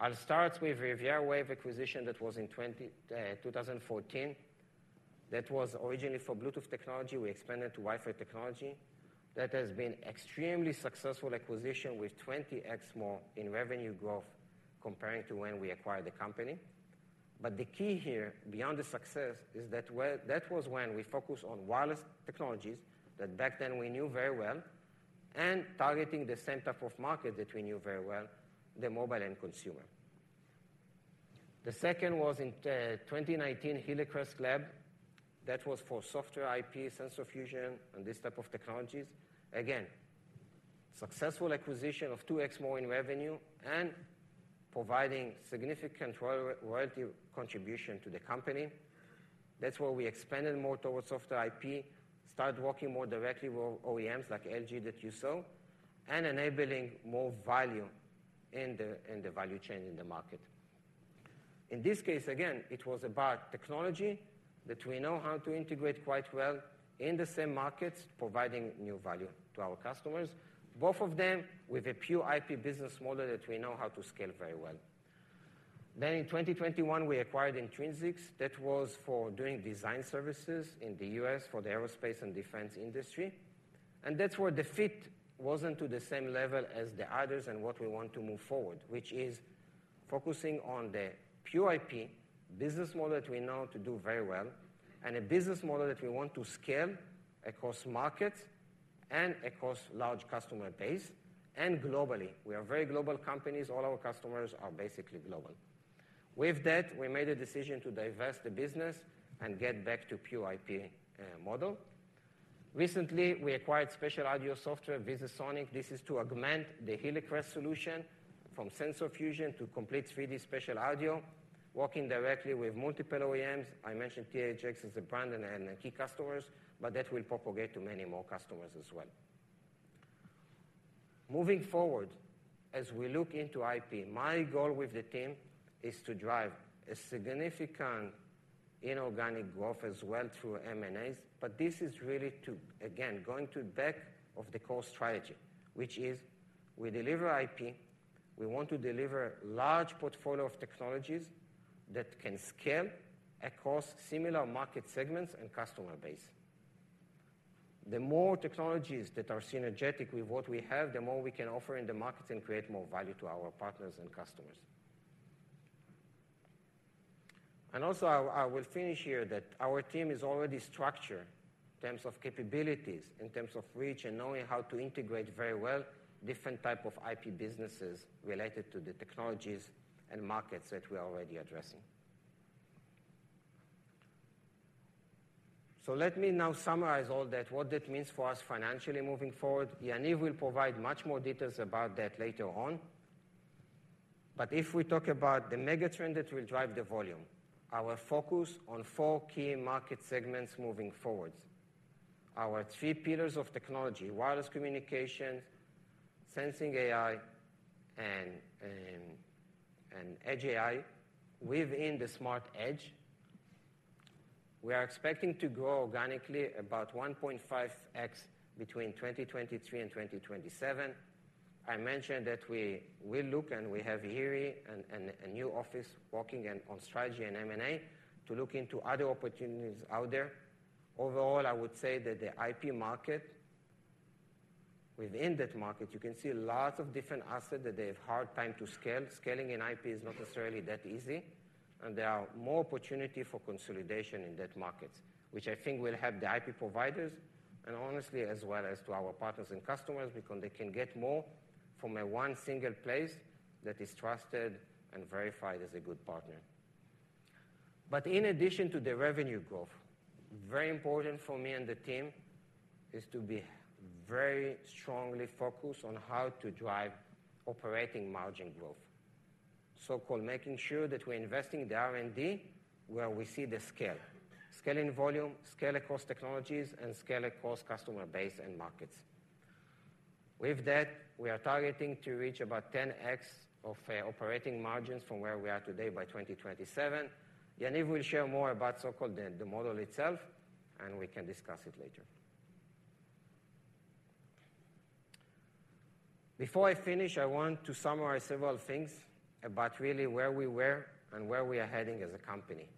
I'll start with RivieraWaves acquisition. That was in 2014. That was originally for Bluetooth technology. We expanded to Wi-Fi technology. That has been extremely successful acquisition, with 20x more in revenue growth comparing to when we acquired the company. But the key here, beyond the success, is that that was when we focused on wireless technologies, that back then we knew very well, and targeting the same type of market that we knew very well, the mobile and consumer. The second was in 2019, Hillcrest Labs. That was for software IP, sensor fusion, and this type of technologies. Again, successful acquisition of 2x more in revenue and providing significant royalty contribution to the company. That's where we expanded more towards software IP, started working more directly with OEMs like LG that you saw, and enabling more value in the, in the value chain in the market. In this case, again, it was about technology that we know how to integrate quite well in the same markets, providing new value to our customers, both of them with a pure IP business model that we know how to scale very well. Then in 2021, we acquired Intrinsix. That was for doing design services in the U.S. for the aerospace and defense industry, and that's where the fit wasn't to the same level as the others and what we want to move forward, which is focusing on the pure IP business model that we know to do very well, and a business model that we want to scale across markets and across large customer base and globally. We are very global companies. All our customers are basically global. With that, we made a decision to divest the business and get back to pure IP model. Recently, we acquired spatial audio software, VisiSonics. This is to augment the Hillcrest solution from sensor fusion to complete 3D spatial audio, working directly with multiple OEMs. I mentioned THX as a brand and a key customer, but that will propagate to many more customers as well. Moving forward, as we look into IP, my goal with the team is to drive a significant inorganic growth as well through M&As. But this is really to, again, going back to the core strategy, which is we deliver IP. We want to deliver a large portfolio of technologies that can scale across similar market segments and customer base. The more technologies that are synergetic with what we have, the more we can offer in the market and create more value to our partners and customers. Also, I will finish here that our team is already structured in terms of capabilities, in terms of reach, and knowing how to integrate very well different type of IP businesses related to the technologies and markets that we are already addressing. Let me now summarize all that, what that means for us financially moving forward. Yaniv will provide much more details about that later on. If we talk about the megatrend that will drive the volume, our focus on four key market segments moving forward. Our three pillars of technology: Wireless Communication, Sensing AI, and Edge AI within the Smart Edge. We are expecting to grow organically about 1.5x between 2023 and 2027. I mentioned that we look and we have Iri and a new office working on strategy and M&A to look into other opportunities out there. Overall, I would say that the IP market, within that market, you can see a lot of different assets that they have hard time to scale. Scaling in IP is not necessarily that easy, and there are more opportunity for consolidation in that market, which I think will help the IP providers and honestly, as well as to our partners and customers, because they can get more from a one single place that is trusted and verified as a good partner. But in addition to the revenue growth, very important for me and the team is to be very strongly focused on how to drive operating margin growth. So-called making sure that we're investing the R&D where we see the scale. Scaling volume, scale across technologies, and scale across customer base and markets. With that, we are targeting to reach about 10x of operating margins from where we are today by 2027. Yaniv will share more about so-called the model itself, and we can discuss it later. Before I finish, I want to summarize several things about really where we were and where we are heading as a company.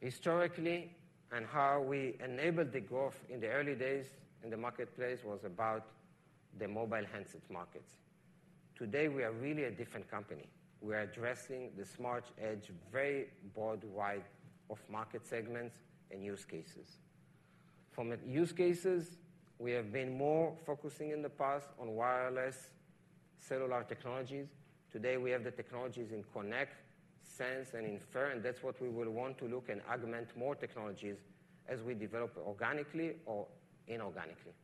Historically, and how we enabled the growth in the early days in the marketplace was about the mobile handsets markets. Today, we are really a different company. We are addressing the Smart Edge, very broad wide of market segments and use cases. From a use cases, we have been more focusing in the past on wireless cellular technologies. Today, we have the technologies in connect, sense, and infer, and that's what we will want to look and augment more technologies as we develop organically or inorganically.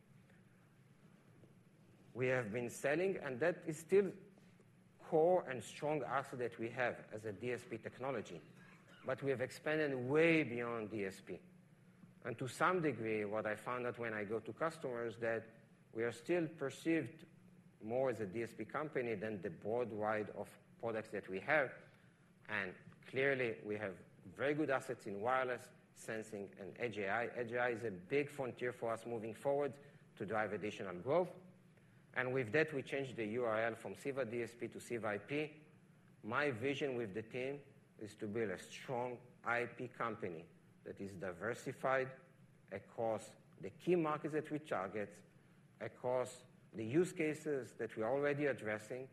We have been selling, and that is still core and strong asset that we have as a DSP technology, but we have expanded way beyond DSP. To some degree, what I found out when I go to customers, that we are still perceived more as a DSP company than the broad wide of products that we have. Clearly, we have very good assets in wireless, sensing, and Edge AI. Edge AI is a big frontier for us moving forward to drive additional growth. With that, we changed the URL from Ceva DSP to Ceva IP. My vision with the team is to build a strong IP company that is diversified across the key markets that we target, across the use cases that we are already addressing,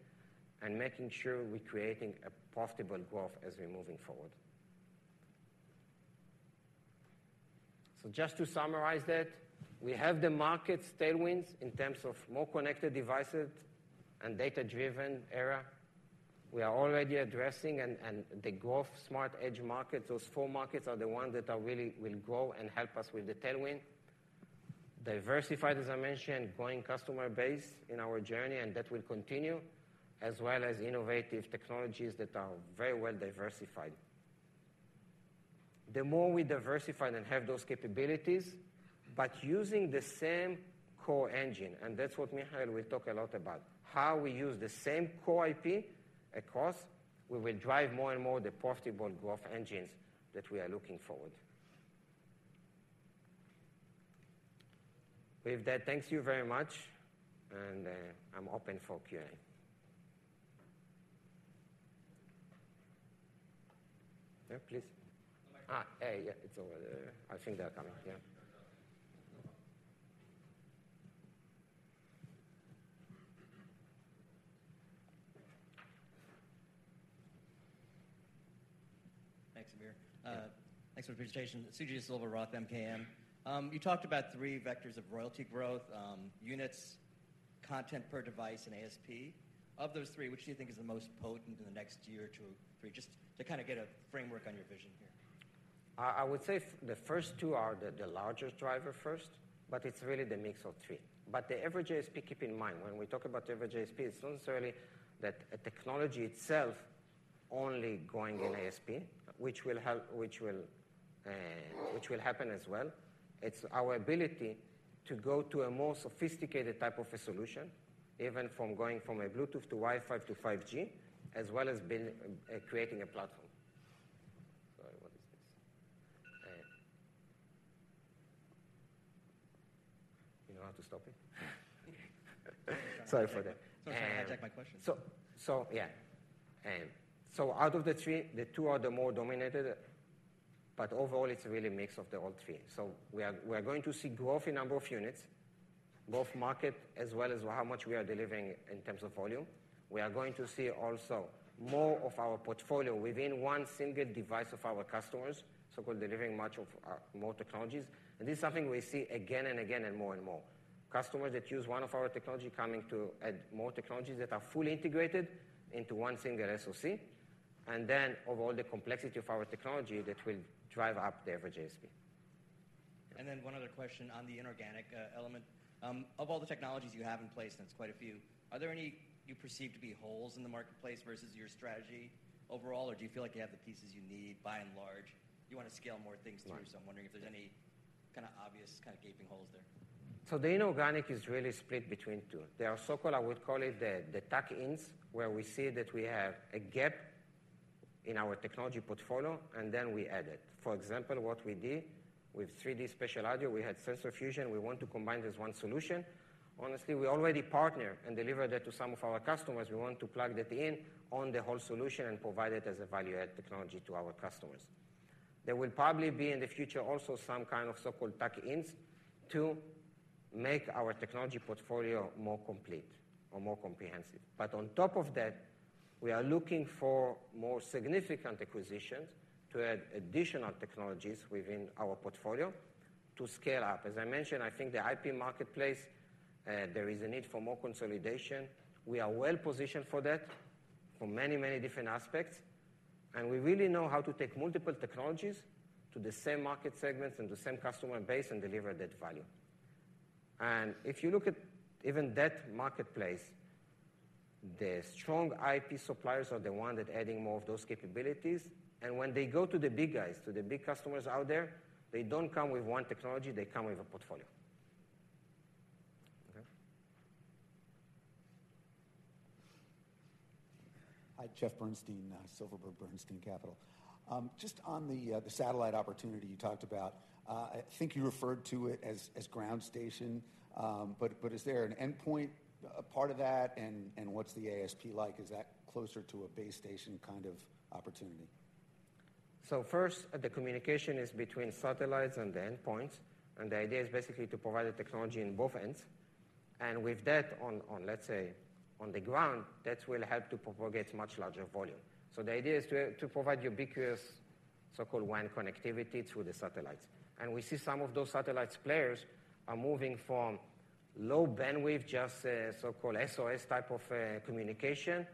and making sure we're creating a profitable growth as we're moving forward. So just to summarize that, we have the market tailwinds in terms of more connected devices and data-driven era. We are already addressing, and the growth smart edge market. Those four markets are the ones that are really will grow and help us with the tailwind. Diversified, as I mentioned, growing customer base in our journey, and that will continue, as well as innovative technologies that are very well diversified. The more we diversify and have those capabilities, but using the same core engine, and that's what Michael will talk a lot about, how we use the same core IP across, we will drive more and more the profitable growth engines that we are looking forward. With that, thank you very much, and, I'm open for Q&A. Yeah, please. Yeah, it's over there. I think they are coming. Yeah. Thanks, Amir. Thanks for the presentation. Suji Desilva, ROTH MKM. You talked about three vectors of royalty growth, units, content per device, and ASP. Of those three, which do you think is the most potent in the next year or two, three? Just to kind of get a framework on your vision here. I would say the first two are the largest driver first, but it's really the mix of three. But the average ASP, keep in mind, when we talk about the average ASP, it's not necessarily that a technology itself only going in ASP, which will help, which will happen as well. It's our ability to go to a more sophisticated type of a solution, even from going from a Bluetooth to Wi-Fi to 5G, as well as build, creating a platform. Should I hijack my question? So, yeah. So out of the three, the two are the more dominated, but overall, it's really a mix of the all three. So we are going to see growth in number of units, growth market, as well as how much we are delivering in terms of volume. We are going to see also more of our portfolio within one single device of our customers, so-called delivering much of, more technologies. And this is something we see again and again and more and more. Customers that use one of our technology coming to add more technologies that are fully integrated into one single SoC, and then of all the complexity of our technology that will drive up the average ASP. Then one other question on the inorganic element. Of all the technologies you have in place, and it's quite a few, are there any you perceive to be holes in the marketplace versus your strategy overall? Or do you feel like you have the pieces you need, by and large? You wanna scale more things through, so I'm wondering if there's any kind of obvious, kinda gaping holes there. So the inorganic is really split between two. There are so-called, I would call it the tuck-ins, where we see that we have a gap in our technology portfolio, and then we add it. For example, what we did with 3D spatial audio, we had sensor fusion. We want to combine this one solution. Honestly, we already partner and deliver that to some of our customers. We want to plug that in on the whole solution and provide it as a value-add technology to our customers. There will probably be in the future also some kind of so-called tuck-ins to make our technology portfolio more complete or more comprehensive. But on top of that, we are looking for more significant acquisitions to add additional technologies within our portfolio to scale up. As I mentioned, I think the IP marketplace, there is a need for more consolidation. We are well positioned for that from many, many different aspects, and we really know how to take multiple technologies to the same market segments and the same customer base and deliver that value. If you look at even that marketplace, the strong IP suppliers are the ones that are adding more of those capabilities. When they go to the big guys, to the big customers out there, they don't come with one technology, they come with a portfolio. Okay? Hi, Jeff Bernstein, Silverberg Bernstein Capital. Just on the satellite opportunity you talked about, I think you referred to it as ground station. But, is there an endpoint, a part of that, and what's the ASP like? Is that closer to a base station kind of opportunity? So first, the communication is between satellites and the endpoint, and the idea is basically to provide the technology in both ends. With that on the ground, that will help to propagate much larger volume. So the idea is to provide ubiquitous, so-called WAN connectivity through the satellites. We see some of those satellites players moving from low bandwidth, just a so-called SOS type of communication,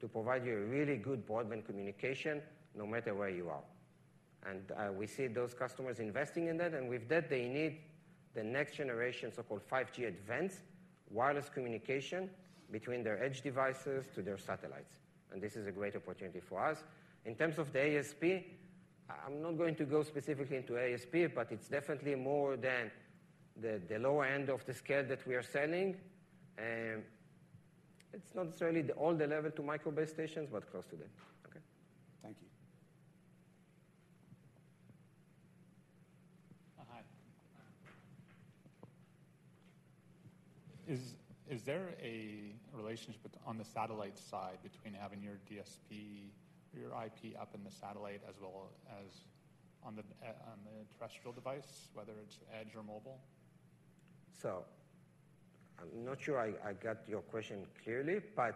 to provide you a really good broadband communication no matter where you are. We see those customers investing in that. With that, they need the next generation, so-called 5G Advanced wireless communication between their edge devices to their satellites. This is a great opportunity for us. In terms of the ASP, I'm not going to go specifically into ASP, but it's definitely more than the lower end of the scale that we are selling. It's not necessarily the on the level to micro base stations, but close to that. Okay? Thank you. Hi. Is, is there a relationship with on the satellite side between having your DSP or your IP up in the satellite as well as on the, on the terrestrial device, whether it's edge or mobile? So I'm not sure I got your question clearly, but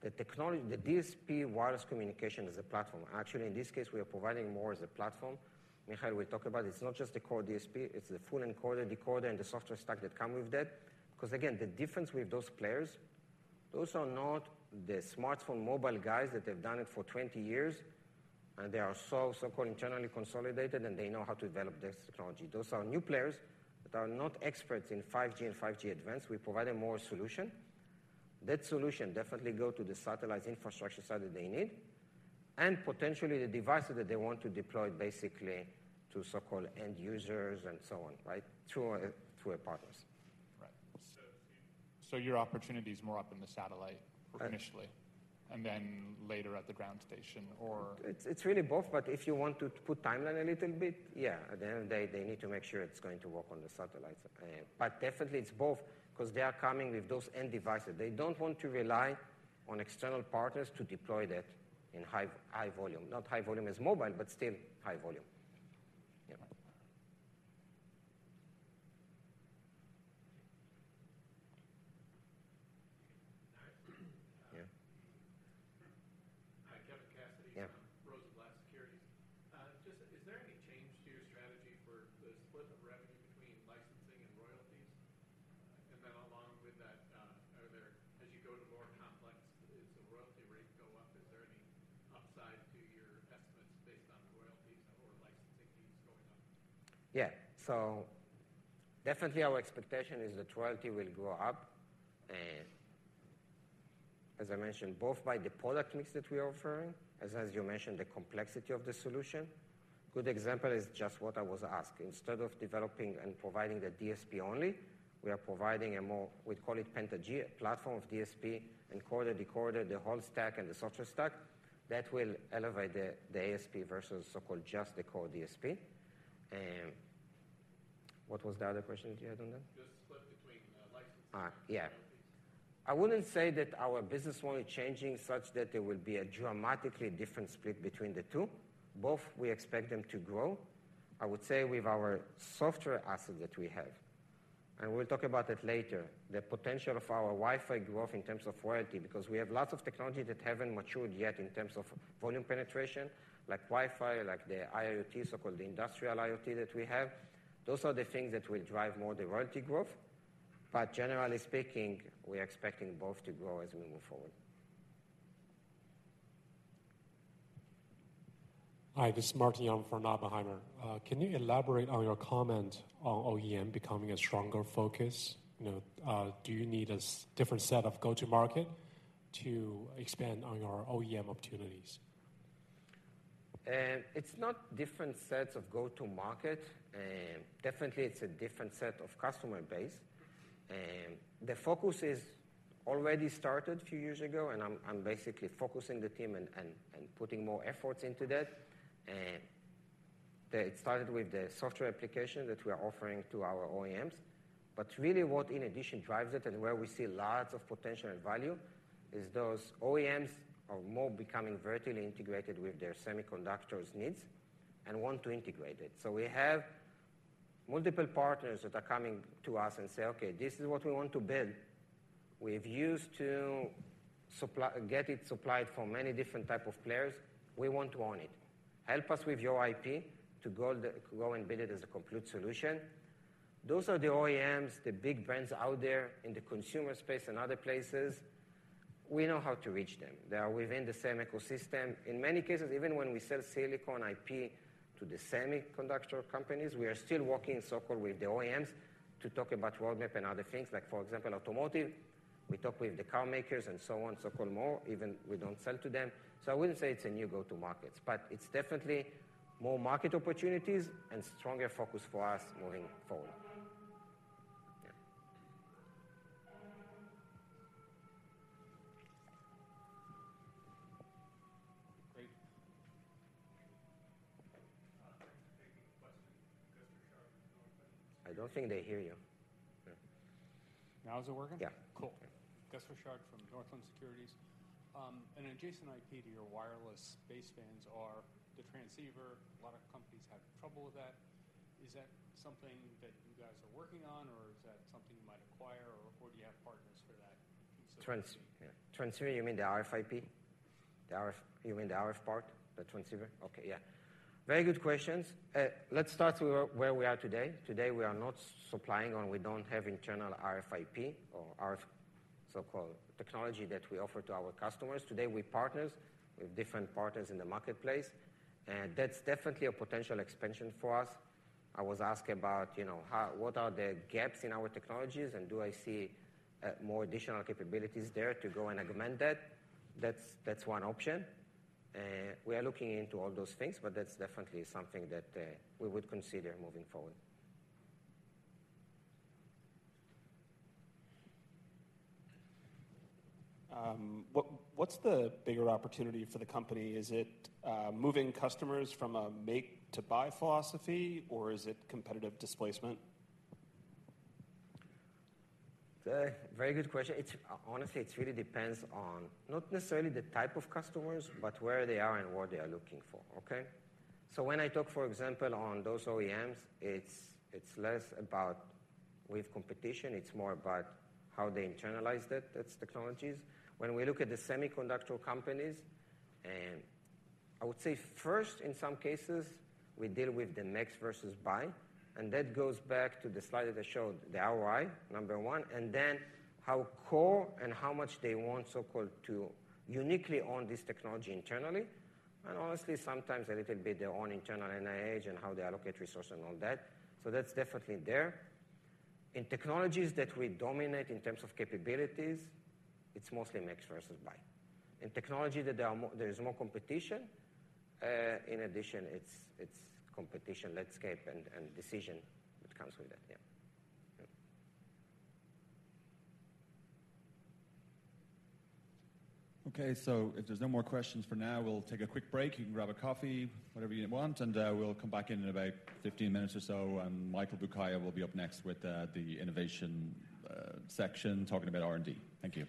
the technology, the DSP wireless communication is a platform. Actually, in this case, we are providing more as a platform. Michael will talk about it. It's not just the core DSP, it's the full encoder, decoder, and the software stack that come with that. Because again, the difference with those players, those are not the smartphone mobile guys that have done it for 20 years, and they are so-called internally consolidated, and they know how to develop this technology. Those are new players that are not experts in 5G and 5G Advanced. We provide a more solution. That solution definitely go to the satellite infrastructure side that they need, and potentially the devices that they want to deploy basically to so-called end users and so on, right? Through a partners. Right. So, your opportunity is more up in the satellite- Uh- initially, and then later at the ground station, or? It's really both, but if you want to put timeline a little bit, yeah, at the end of the day, they need to make sure it's going to work on the satellites. But definitely it's both, 'cause they are coming with those end devices. They don't want to rely on external partners to deploy that in high, high volume. Not high volume as mobile, but still high volume. Yeah. Hi. Yeah. Hi, Kevin Cassidy- Yeah. - from Rosenblatt Securities. Just, is there any change to your strategy for the split of revenue between licensing and royalties? And then along with that, are there... As you go to more complex, does the royalty rate go up? Is there any upside to-... Yeah, so definitely our expectation is that royalty will go up. As I mentioned, both by the product mix that we are offering, as you mentioned, the complexity of the solution. Good example is just what I was asked. Instead of developing and providing the DSP only, we are providing a more, we call it PentaG, platform of DSP, encoder, decoder, the whole stack, and the software stack. That will elevate the ASP versus so-called just the core DSP. What was the other question that you had on that? The split between, licenses. Ah, yeah. I wouldn't say that our business model is changing such that there will be a dramatically different split between the two. Both, we expect them to grow. I would say with our software asset that we have, and we'll talk about that later, the potential of our Wi-Fi growth in terms of royalty, because we have lots of technology that haven't matured yet in terms of volume penetration, like Wi-Fi, like the IoT, so-called industrial IoT that we have. Those are the things that will drive more the royalty growth. But generally speaking, we're expecting both to grow as we move forward. Hi, this is Martin Yang from Oppenheimer. Can you elaborate on your comment on OEM becoming a stronger focus? You know, do you need a different set of go-to-market to expand on your OEM opportunities? It's not different sets of go-to-market. Definitely it's a different set of customer base. The focus is already started a few years ago, and I'm basically focusing the team and putting more efforts into that. It started with the software application that we are offering to our OEMs. But really what in addition drives it and where we see lots of potential and value, is those OEMs are more becoming vertically integrated with their semiconductors needs and want to integrate it. So we have multiple partners that are coming to us and say, "Okay, this is what we want to build. We've used to supply, get it supplied from many different type of players. We want to own it. Help us with your IP to go and build it as a complete solution." Those are the OEMs, the big brands out there in the consumer space and other places. We know how to reach them. They are within the same ecosystem. In many cases, even when we sell silicon IP to the semiconductor companies, we are still working so-called with the OEMs, to talk about roadmap and other things. Like, for example, automotive, we talk with the car makers and so on, so-called more, even if we don't sell to them. So I wouldn't say it's a new go-to markets, but it's definitely more market opportunities and stronger focus for us moving forward. Yeah. Great. Taking a question, Gus Richard. I don't think they hear you. Yeah. Now, is it working? Yeah. Cool. Gus Richard from Northland Securities. An adjacent IP to your wireless basebands are the transceiver. A lot of companies have trouble with that. Is that something that you guys are working on, or is that something you might acquire, or do you have partners for that piece of- Yeah, transceiver, you mean the RF IP? The RF—you mean the RF part, the transceiver? Okay. Yeah, very good questions. Let's start with where we are today. Today, we are not supplying, and we don't have internal RF IP or RF, so-called technology that we offer to our customers. Today, we partners with different partners in the marketplace, and that's definitely a potential expansion for us. I was asked about, you know, how—what are the gaps in our technologies, and do I see more additional capabilities there to go and augment that? That's one option. We are looking into all those things, but that's definitely something that we would consider moving forward. What, what's the bigger opportunity for the company? Is it, moving customers from a make to buy philosophy, or is it competitive displacement? Very good question. It's honestly, it really depends on not necessarily the type of customers, but where they are and what they are looking for. Okay? So when I talk, for example, on those OEMs, it's, it's less about with competition, it's more about how they internalize that, that's technologies. When we look at the semiconductor companies, and I would say first, in some cases, we deal with the make versus buy, and that goes back to the slide that I showed, the ROI, number one, and then how core and how much they want, so-called, to uniquely own this technology internally. And honestly, sometimes a little bit their own internal NIH and how they allocate resource and all that. So that's definitely there. In technologies that we dominate in terms of capabilities, it's mostly make versus buy. In technology, there is more competition, in addition, it's competition landscape and decision, which comes with it. Yeah. Okay, so if there's no more questions for now, we'll take a quick break. You can grab a coffee, whatever you want, and we'll come back in about 15 minutes or so, and Michael Boukaya will be up next with the innovation section, talking about R&D. Thank you.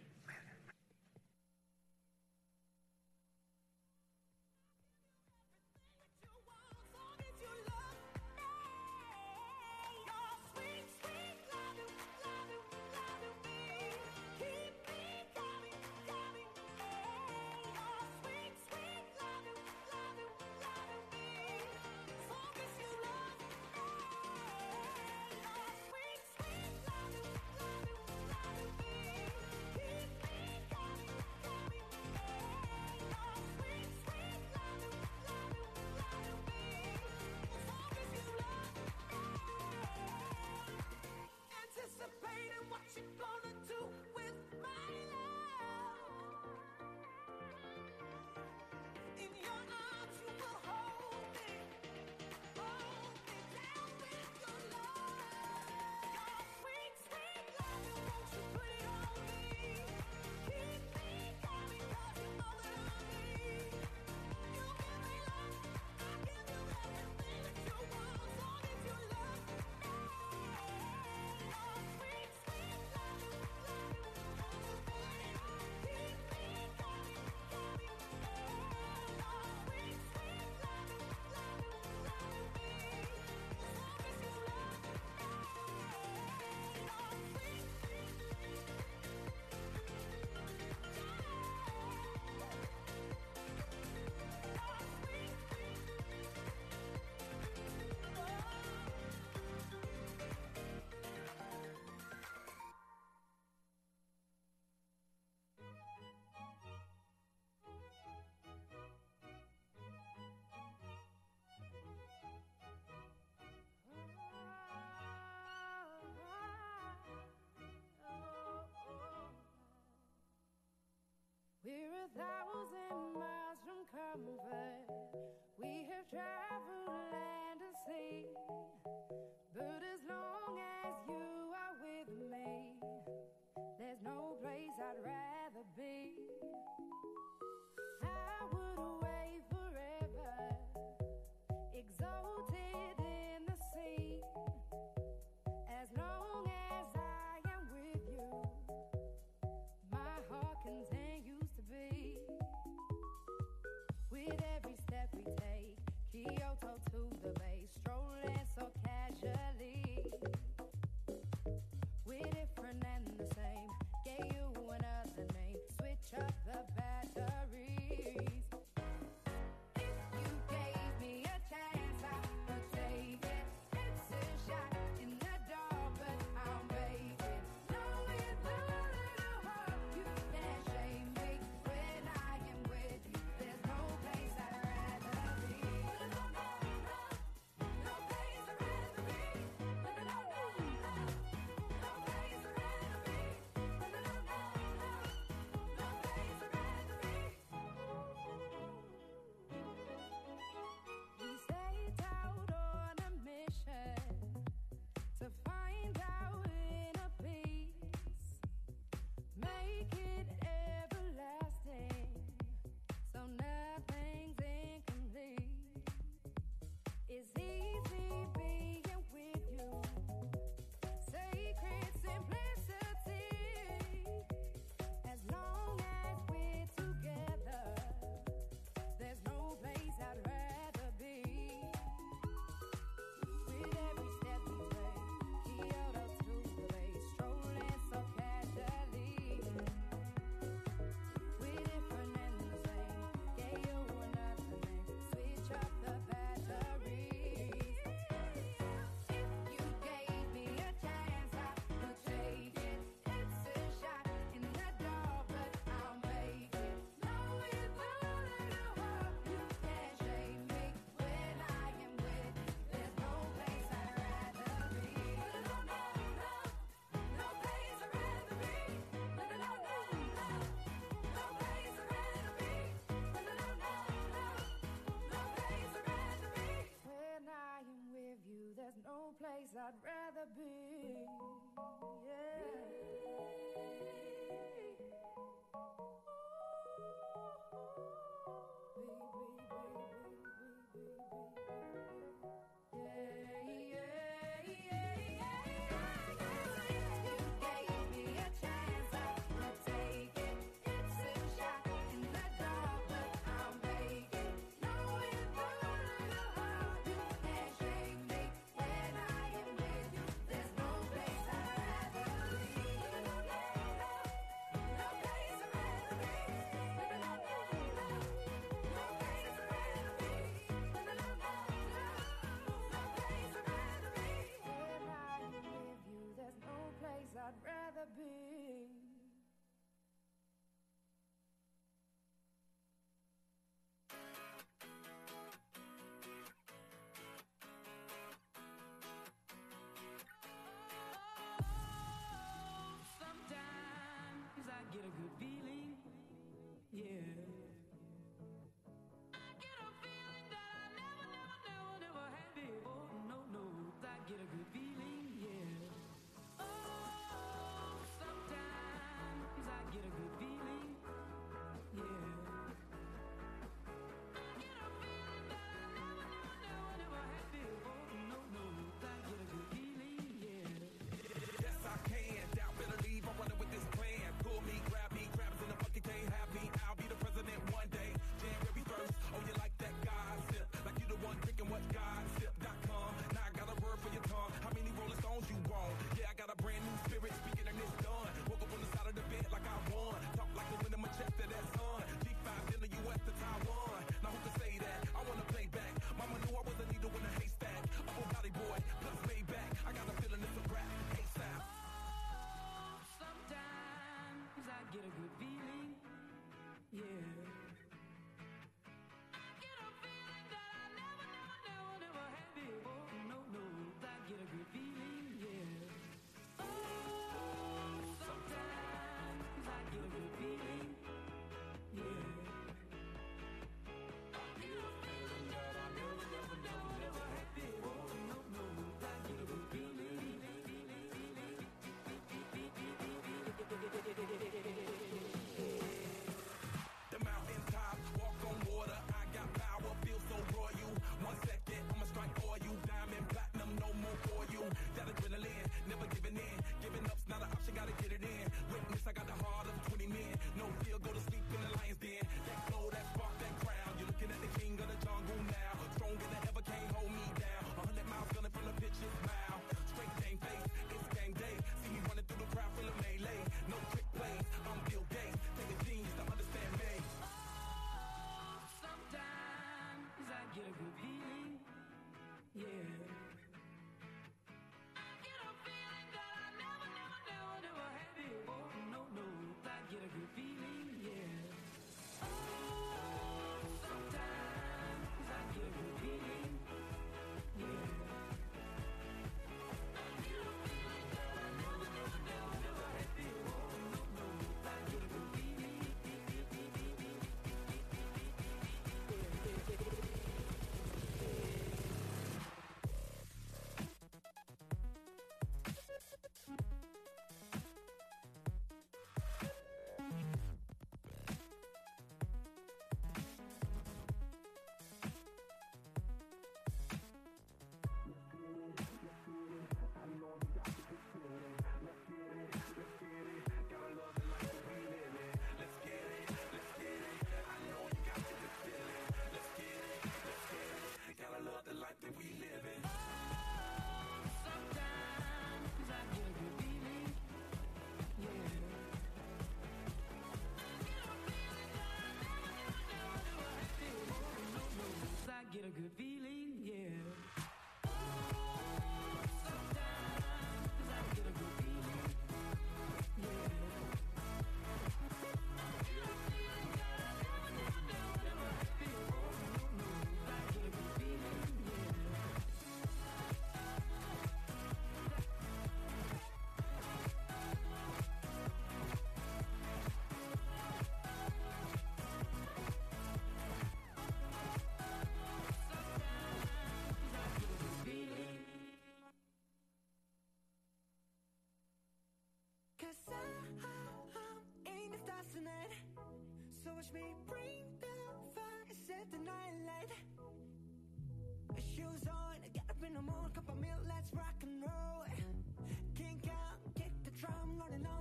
Hello,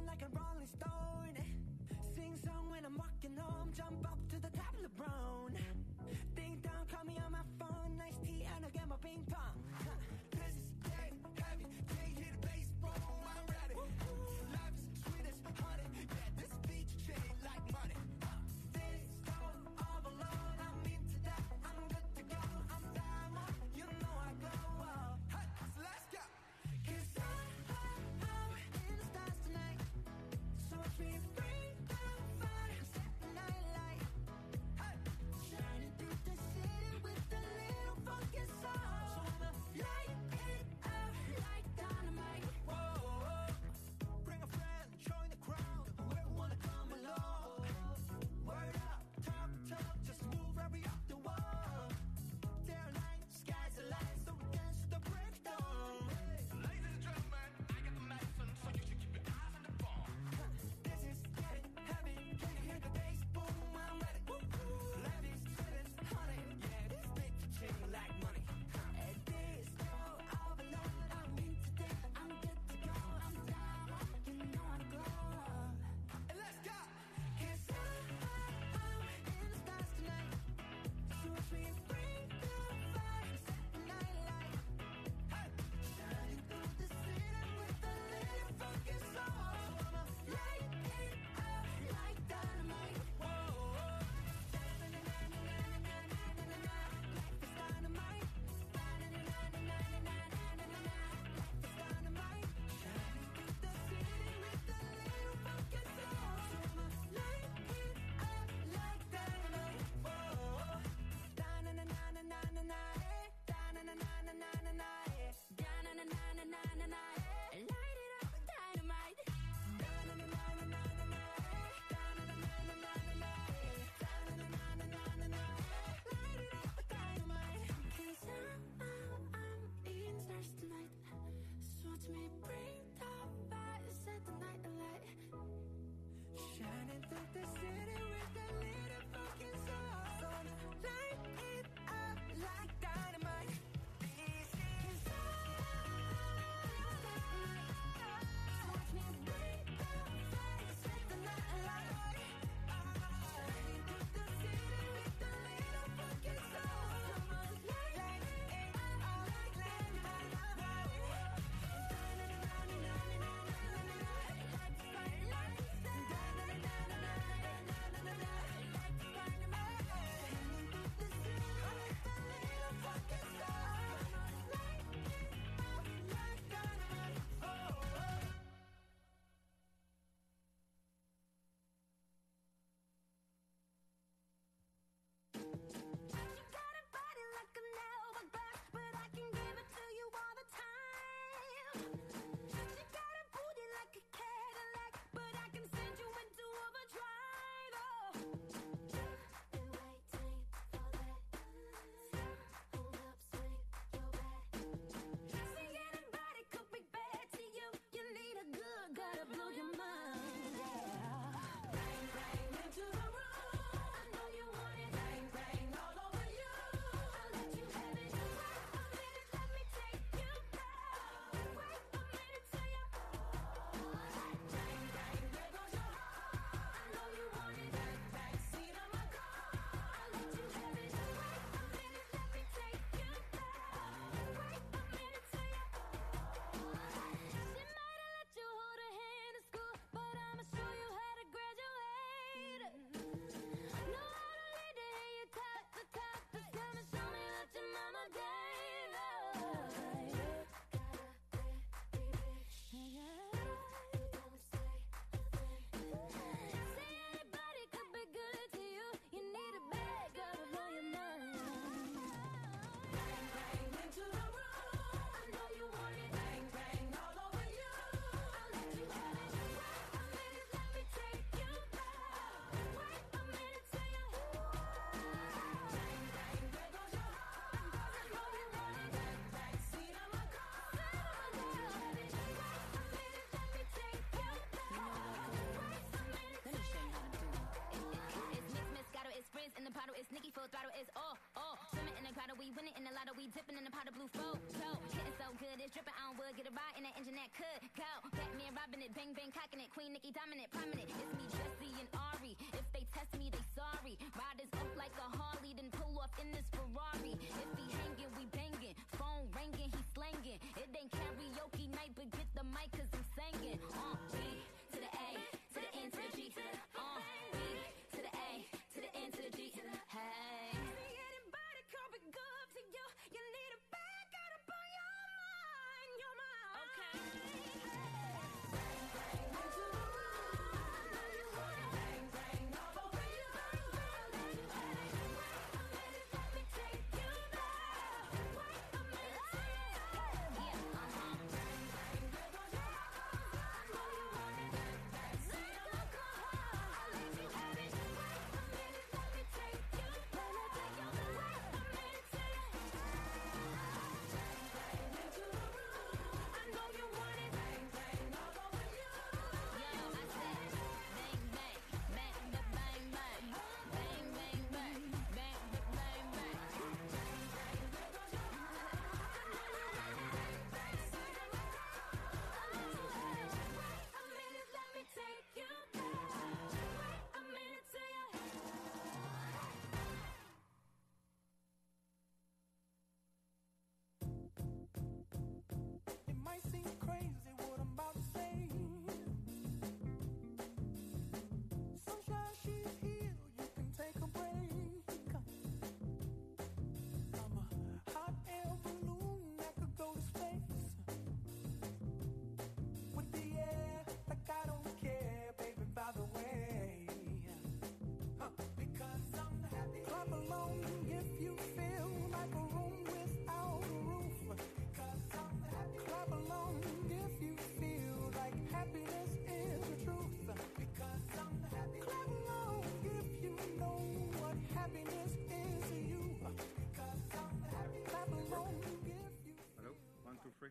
one, two, three.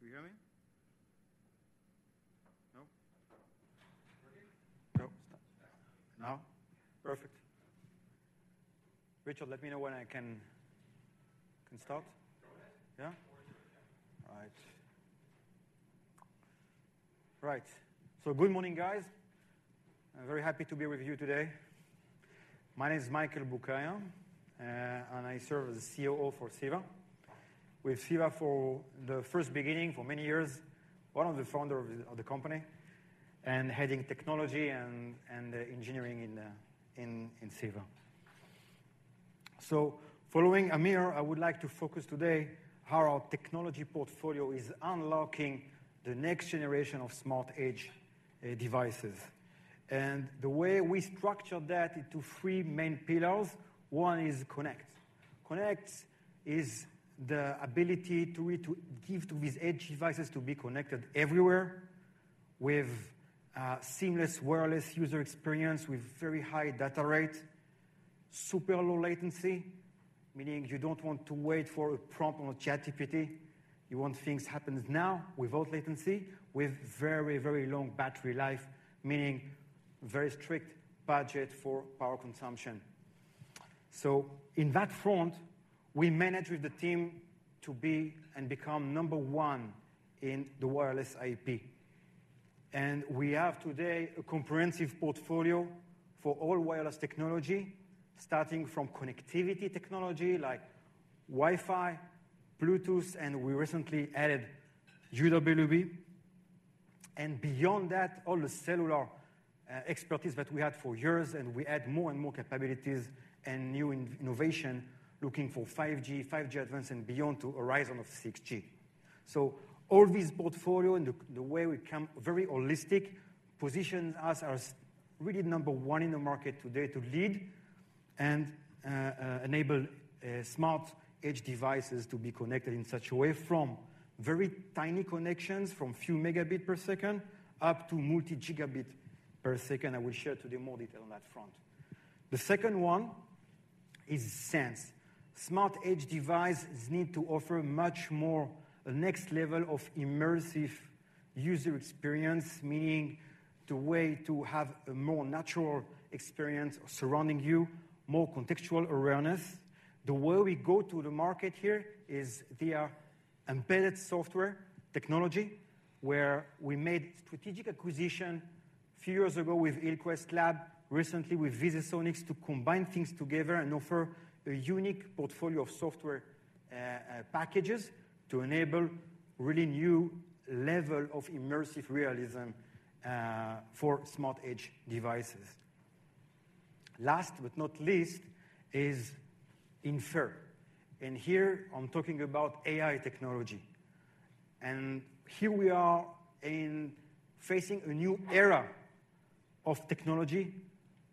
Do you hear me? No? We're here. No, stop. Now? Perfect. Richard, let me know when I can, I can start. Go ahead. Yeah? Or you can. All right. Right. So good morning, guys. I'm very happy to be with you today. My name is Michael Boukaya, and I serve as the COO for Ceva. With Ceva from the very beginning, for many years, one of the founders of the company, and heading technology and engineering in Ceva. So following Amir, I would like to focus today how our technology portfolio is unlocking the next generation of smart edge devices. And the way we structure that into three main pillars, one is connect. Connect is the ability to give to these edge devices to be connected everywhere with seamless wireless user experience, with very high data rate, super low latency, meaning you don't want to wait for a prompt on ChatGPT. You want things happens now without latency, with very, very long battery life, meaning very strict budget for power consumption. So in that front, we managed with the team to be and become number one in the wireless IP. And we have today a comprehensive portfolio for all wireless technology, starting from connectivity technology like Wi-Fi, Bluetooth, and we recently added UWB. And beyond that, all the cellular expertise that we had for years, and we add more and more capabilities and new innovation, looking for 5G, 5G Advanced, and beyond to horizon of 6G. So all this portfolio and the way we come, very holistic, positions us as really number one in the market today to lead and enable Smart Edge devices to be connected in such a way, from very tiny connections, from few megabit per second, up to multi-Gbps. I will share to you more detail on that front. The second one is sense. Smart Edge devices need to offer much more, the next level of immersive user experience, meaning the way to have a more natural experience surrounding you, more contextual awareness. The way we go to the market here is via embedded software technology, where we made strategic acquisition a few years ago with Hillcrest Labs, recently with VisiSonics, to combine things together and offer a unique portfolio of software packages to enable really new level of immersive realism for Smart Edge devices. Last but not least is infer. And here I'm talking about AI technology. Here we are facing a new era of technology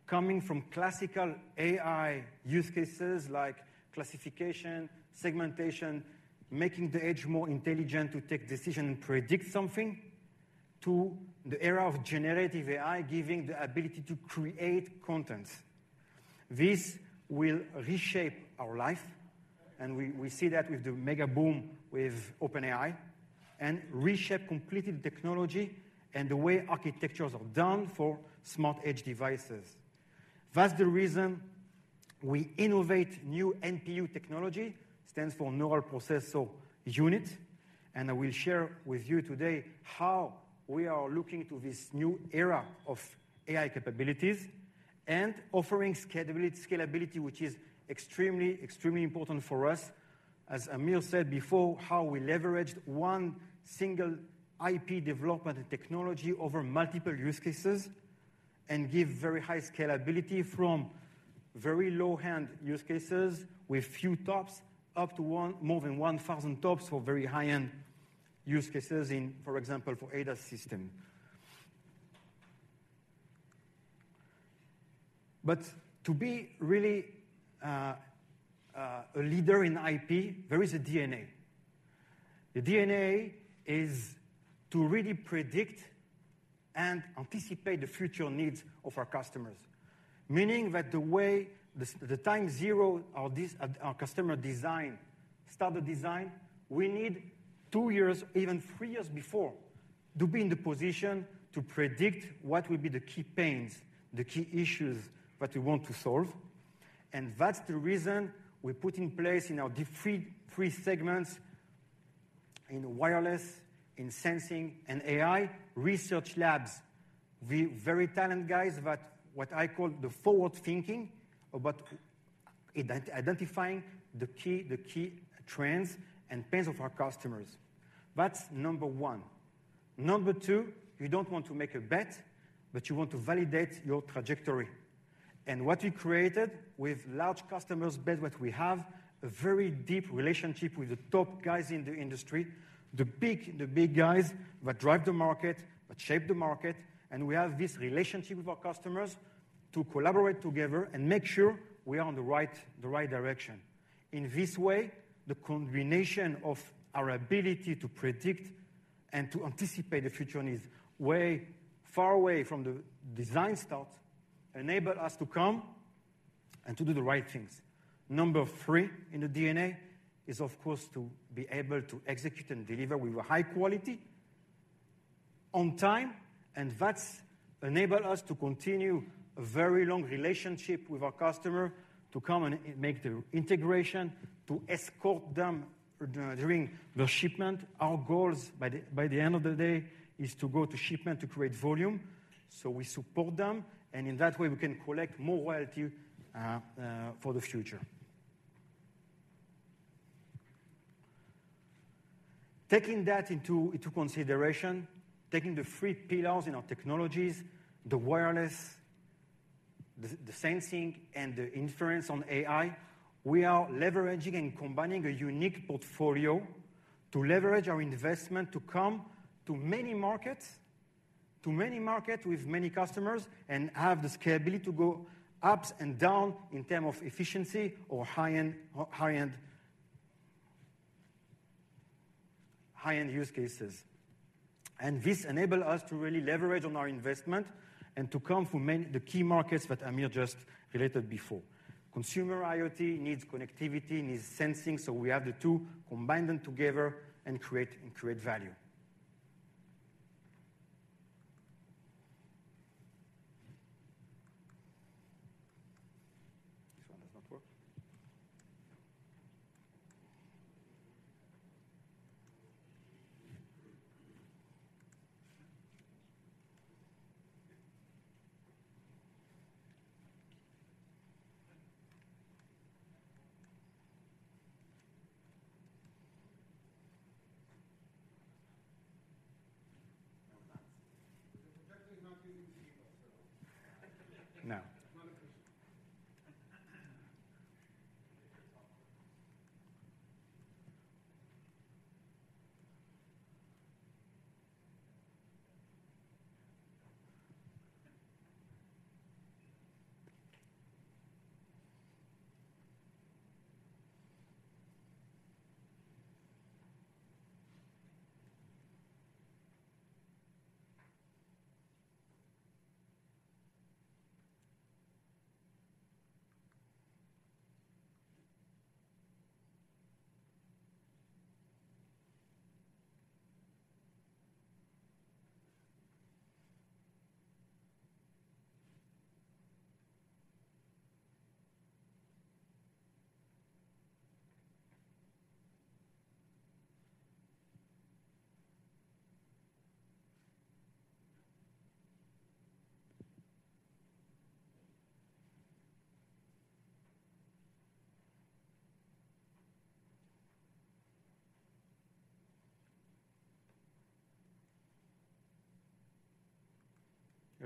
coming from classical AI use cases like classification, segmentation, making the edge more intelligent to take decision and predict something, to the era of generative AI, giving the ability to create content. This will reshape our life, and we, we see that with the mega boom with OpenAI, and reshape completely the technology and the way architectures are done for smart edge devices. That's the reason we innovate new NPU technology, stands for neural processor unit, and I will share with you today how we are looking to this new era of AI capabilities and offering scalability, which is extremely, extremely important for us. As Amir said before, how we leveraged one single IP development and technology over multiple use cases, and give very high scalability from very low-end use cases with few TOPS, up to one- more than 1,000 TOPS for very high-end use cases in, for example, for ADAS system. But to be really, a leader in IP, there is a DNA. The DNA is to really predict and anticipate the future needs of our customers. Meaning that the way the time zero of this, of our customer design, start the design, we need two years, even three years before, to be in the position to predict what will be the key pains, the key issues that we want to solve. And that's the reason we put in place in our three segments, in wireless, in sensing and AI, research labs. With very talented guys, but what I call the forward-thinking about identifying the key, the key trends and pains of our customers. That's number one. Number two, you don't want to make a bet, but you want to validate your trajectory. What we created with large customer base, that we have a very deep relationship with the top guys in the industry, the big, the big guys that drive the market, that shape the market, and we have this relationship with our customers to collaborate together and make sure we are on the right, the right direction. In this way, the combination of our ability to predict and to anticipate the future needs way far away from the design start, enable us to come and to do the right things. Number three in the DNA is, of course, to be able to execute and deliver with a high quality, on time, and that's enable us to continue a very long relationship with our customer, to come and make the integration, to escort them during the shipment. Our goals by the end of the day is to go to shipment, to create volume, so we support them, and in that way, we can collect more royalty for the future. Taking that into consideration, taking the three pillars in our technologies, the wireless, the sensing, and the inference on AI, we are leveraging and combining a unique portfolio to leverage our investment to come to many markets, to many markets with many customers, and have the scalability to go up and down in term of efficiency or high-end, or high-end high-end use cases. This enables us to really leverage on our investment and to come to many—the key markets that Amir just related before. Consumer IoT needs connectivity, needs sensing, so we have the two, combine them together and create, and create value.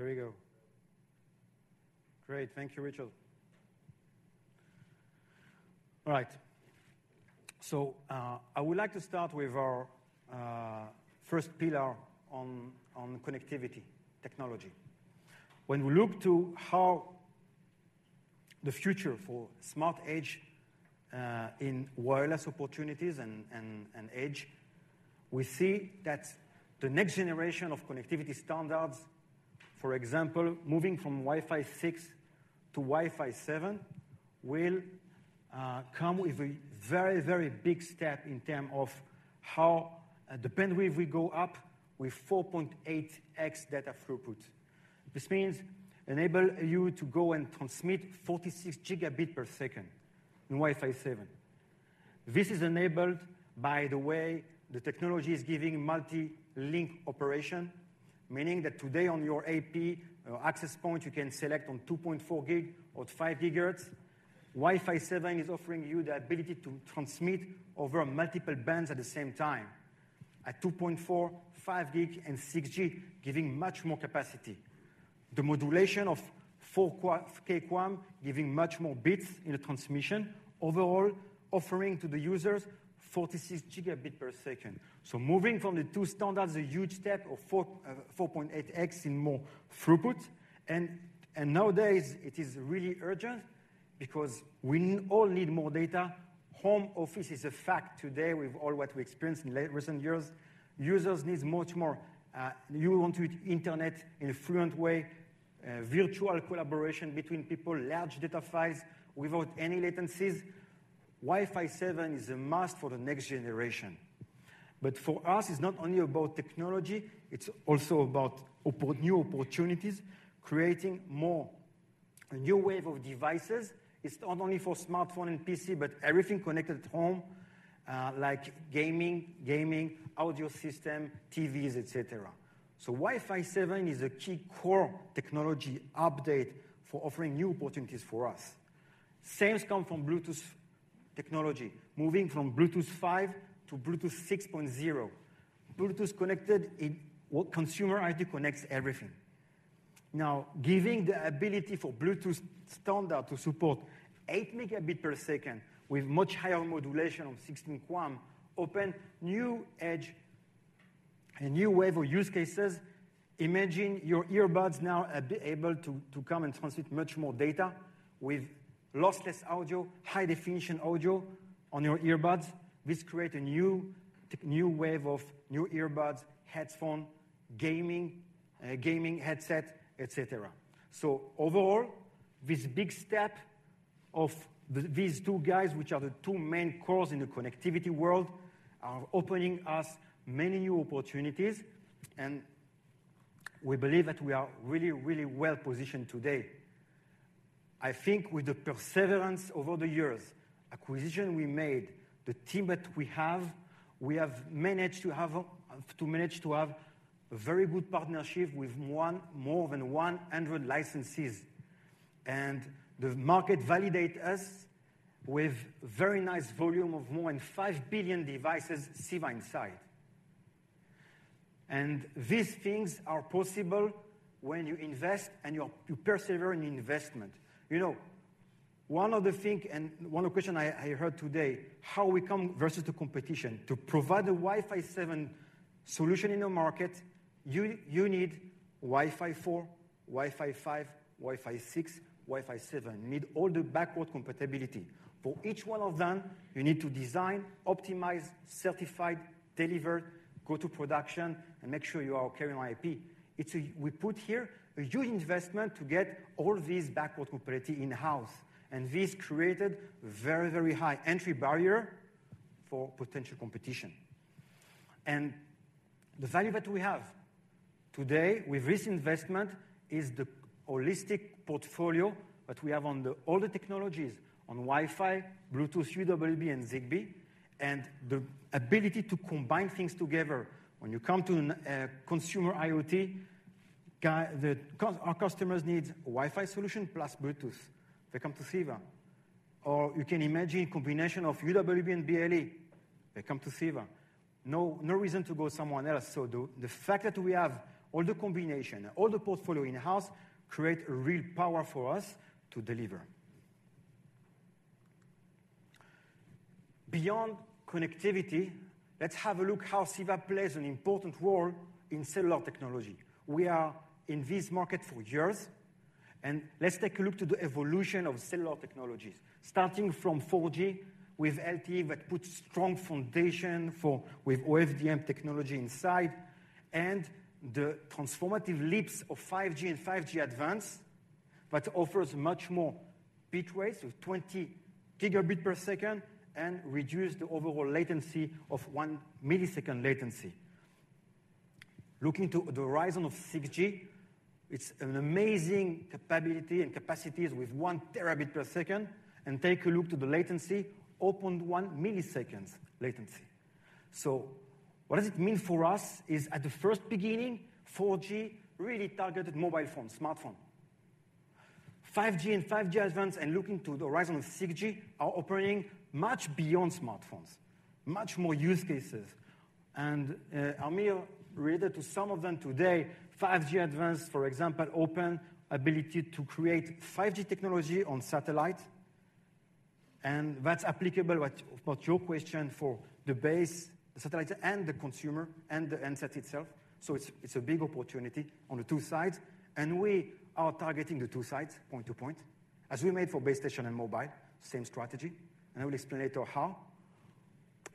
This one does not work?... The projector is not using the email, so no. Not a question. Here we go. Great. Thank you, Richard. All right. So, I would like to start with our first pillar on connectivity technology. When we look to how the future for Smart Edge in wireless opportunities and, and, and edge, we see that the next generation of connectivity standards, for example, moving from Wi-Fi 6 to Wi-Fi 7, will come with a very, very big step in term of how the bandwidth we go up with 4.8x data throughput. This means enable you to go and transmit 46 Gbps in Wi-Fi 7. This is enabled by the way the technology is giving multi-link operation, meaning that today on your AP, or access point, you can select on 2.4 GHz or 5 GHz. Wi-Fi 7 is offering you the ability to transmit over multiple bands at the same time, at 2.4, 5 GHz, and 6 GHz, giving much more capacity. The modulation of 4K QAM giving much more bits in the transmission. Overall, offering to the users 46 Gbps. So moving from the two standards, a huge step of 4.8x in more throughput. And nowadays, it is really urgent because we all need more data. Home office is a fact today with all what we experienced in recent years. Users needs much more, you want to internet in a fluent way, virtual collaboration between people, large data files without any latencies. Wi-Fi 7 is a must for the next generation. But for us, it's not only about technology, it's also about new opportunities, creating more, a new wave of devices. It's not only for smartphone and PC, but everything connected at home, like gaming, audio system, TVs, et cetera. So Wi-Fi 7 is a key core technology update for offering new opportunities for us. Same come from Bluetooth technology, moving from Bluetooth 5 to Bluetooth 6.0. Bluetooth connected in what consumer IT connects everything. Now, giving the ability for Bluetooth standard to support 8 Mbps, with much higher modulation of 16 QAM, open new edge and new wave of use cases. Imagine your earbuds now are be able to, to come and transmit much more data with lossless audio, high definition audio on your earbuds. This create a new, new wave of new earbuds, headphone, gaming, gaming headset, et cetera. So overall, this big step of these two guys, which are the two main cores in the connectivity world, are opening us many new opportunities, and we believe that we are really, really well positioned today. I think with the perseverance over the years, acquisition we made, the team that we have, we have managed to have, to manage to have a very good partnership with more than 100 licensees. And the market validate us with very nice volume of more than five billion devices CEVA inside. And these things are possible when you invest and you persevere in investment. You know, one of the thing and one question I, I heard today, how we come versus the competition? To provide a Wi-Fi 7 solution in the market, you, you need Wi-Fi 4, Wi-Fi 5, Wi-Fi 6, Wi-Fi 7. You need all the backward compatibility. For each one of them, you need to design, optimize, certified, deliver, go to production, and make sure you are carrying on IP. It's a... We put here a huge investment to get all these backward compatibility in-house, and this created very, very high entry barrier for potential competition. And the value that we have today with this investment is the holistic portfolio that we have on the all the technologies, on Wi-Fi, Bluetooth, UWB, and Zigbee, and the ability to combine things together. When you come to an consumer IoT-... Our customers need Wi-Fi solution plus Bluetooth, they come to CEVA. Or you can imagine a combination of UWB and BLE, they come to CEVA. No, no reason to go someone else. So the fact that we have all the combination, all the portfolio in-house, create a real power for us to deliver. Beyond connectivity, let's have a look how CEVA plays an important role in cellular technology. We are in this market for years, and let's take a look to the evolution of cellular technologies, starting from 4G with LTE, that puts strong foundation for with OFDM technology inside, and the transformative leaps of 5G and 5G Advanced, that offers much more bit rates with 20 Gbps and reduce the overall latency of one millisecond latency. Looking to the horizon of 6G, it's an amazing capability and capacities with 1 terabit per second, and take a look to the latency, under 1 ms latency. So what does it mean for us? In the first beginning, 4G really targeted mobile phone, smartphone. 5G and 5G Advanced, and looking to the horizon of 6G, are operating much beyond smartphones, much more use cases. And Amir related to some of them today, 5G Advanced, for example, the ability to create 5G technology on satellite, and that's applicable with, with your question for the base station and the consumer and the handset itself. So it's, it's a big opportunity on the two sides, and we are targeting the two sides, point-to-point, as we made for base station and mobile, same strategy, and I will explain later how.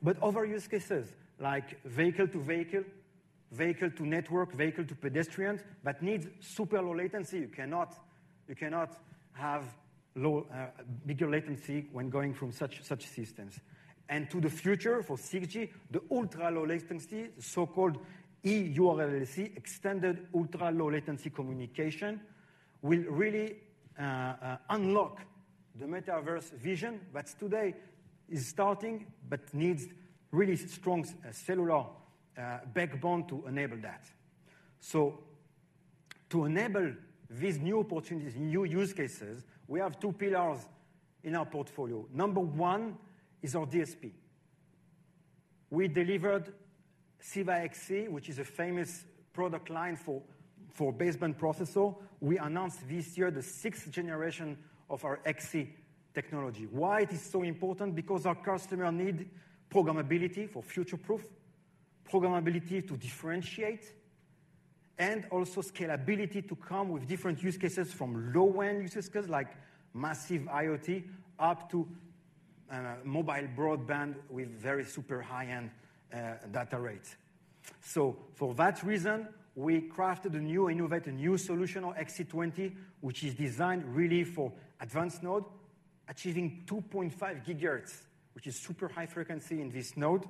But other use cases, like vehicle to vehicle, vehicle to network, vehicle to pedestrians, that needs super low latency. You cannot, you cannot have low, bigger latency when going from such, such systems. And to the future for 6G, the ultra-low latency, the so-called eURLLC, Extended Ultra-Low Latency Communication, will really unlock the metaverse vision. That's today is starting, but needs really strong cellular backbone to enable that. So to enable these new opportunities, new use cases, we have two pillars in our portfolio. Number one is our DSP. We delivered Ceva-XC, which is a famous product line for baseband processor. We announced this year the sixth generation of our XC technology. Why it is so important? Because our customer need programmability for future-proof, programmability to differentiate, and also scalability to come with different use cases, from low-end use cases, like massive IoT, up to mobile broadband with very super high-end data rates. So for that reason, we crafted a new, innovate a new solution on XC20, which is designed really for advanced node, achieving 2.5 GHz, which is super high frequency in this node.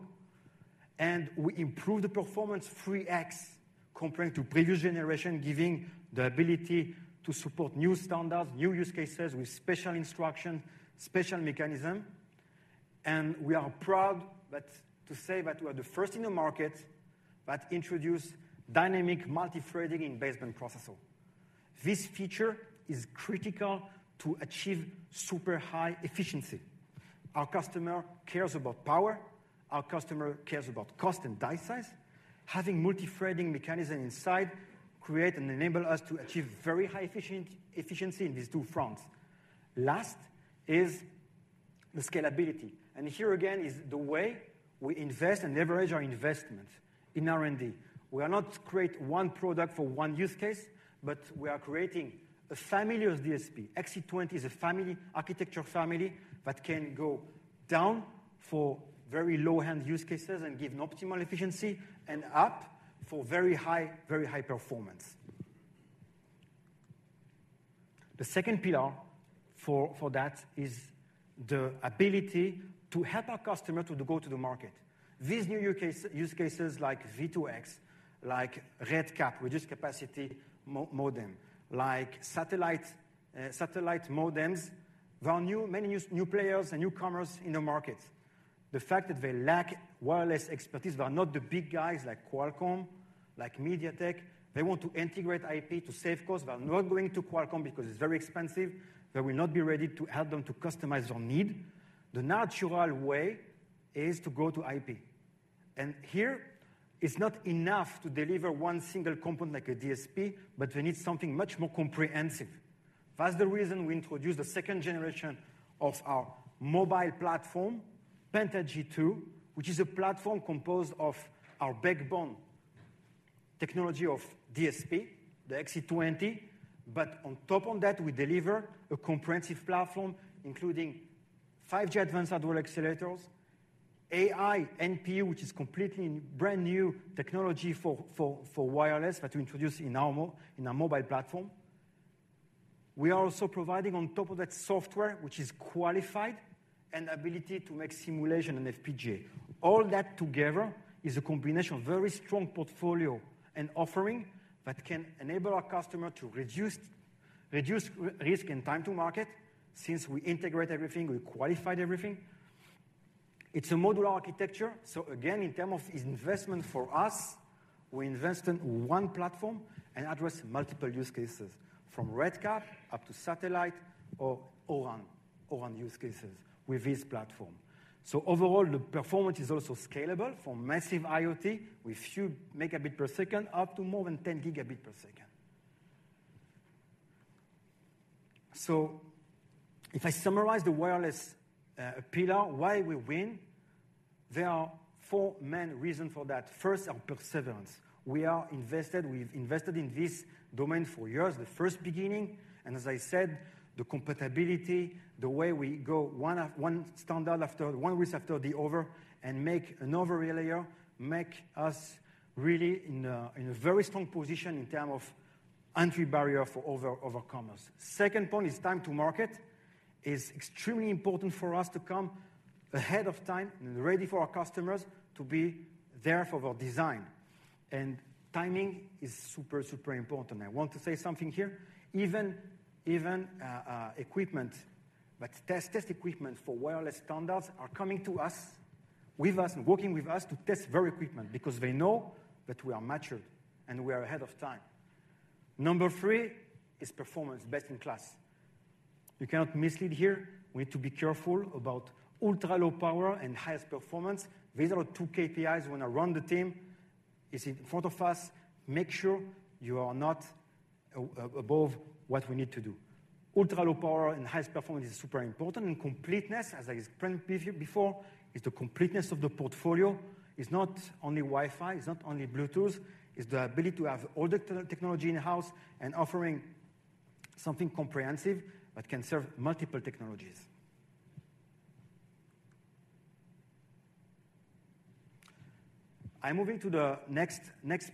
And we improve the performance 3x compared to previous generation, giving the ability to support new standards, new use cases with special instruction, special mechanism. And we are proud that-- to say that we are the first in the market that introduce dynamic multithreading in baseband processor. This feature is critical to achieve super high efficiency. Our customer cares about power, our customer cares about cost and die size. Having multithreading mechanism inside create and enable us to achieve very high efficiency in these two fronts. Last is the scalability, and here again is the way we invest and leverage our investment in R&D. We are not create one product for one use case, but we are creating a family of DSP. XC20 is a family, architectural family, that can go down for very low-end use cases and give an optimal efficiency and up for very high, very high performance. The second pillar for that is the ability to help our customer to go to the market. These new use cases like V2X, like RedCap, reduced capacity modem, like satellite, satellite modems. There are new, many new players and newcomers in the market. The fact that they lack wireless expertise, they are not the big guys like Qualcomm, like MediaTek. They want to integrate IP to save cost. They are not going to Qualcomm because it's very expensive. They will not be ready to help them to customize their need. The natural way is to go to IP, and here it's not enough to deliver one single component, like a DSP, but we need something much more comprehensive. That's the reason we introduced the second generation of our mobile platform, PentaG2, which is a platform composed of our backbone technology of DSP, the XC20. But on top of that, we deliver a comprehensive platform, including 5G Advanced hardware accelerators, AI, NPU, which is completely brand-new technology for wireless, that we introduce in our mobile platform. We are also providing on top of that software, which is qualified, and ability to make simulation in FPGA. All that together is a combination of very strong portfolio and offering that can enable our customer to reduce, reduce risk and time to market, since we integrate everything, we qualified everything.... It's a modular architecture, so again, in term of investment for us, we invest in one platform and address multiple use cases, from RedCap up to satellite or O-RAN, O-RAN use cases with this platform. So overall, the performance is also scalable for massive IoT, with few megabit per second, up to more than 10 Gbps. So if I summarize the wireless pillar, why we win, there are four main reasons for that. First, our perseverance. We've invested in this domain for years, the first beginning, and as I said, the compatibility, the way we go one standard after another, one risk after the other, and make another layer, make us really in a very strong position in terms of entry barrier for other competitors. Second point is time to market. It's extremely important for us to come ahead of time and ready for our customers to be there for their design. And timing is super, super important. I want to say something here. Even equipment, but test equipment for wireless standards are coming to us, with us, and working with us to test their equipment because they know that we are mature and we are ahead of time. Number three is performance, best-in-class. You cannot mislead here. We need to be careful about ultra-low power and highest performance. These are two KPIs when I run the team. It's in front of us. Make sure you are not above what we need to do. Ultra-low power and highest performance is super important, and completeness, as I explained before, is the completeness of the portfolio. It's not only Wi-Fi, it's not only Bluetooth, it's the ability to have all the technology in-house and offering something comprehensive that can serve multiple technologies. I'm moving to the next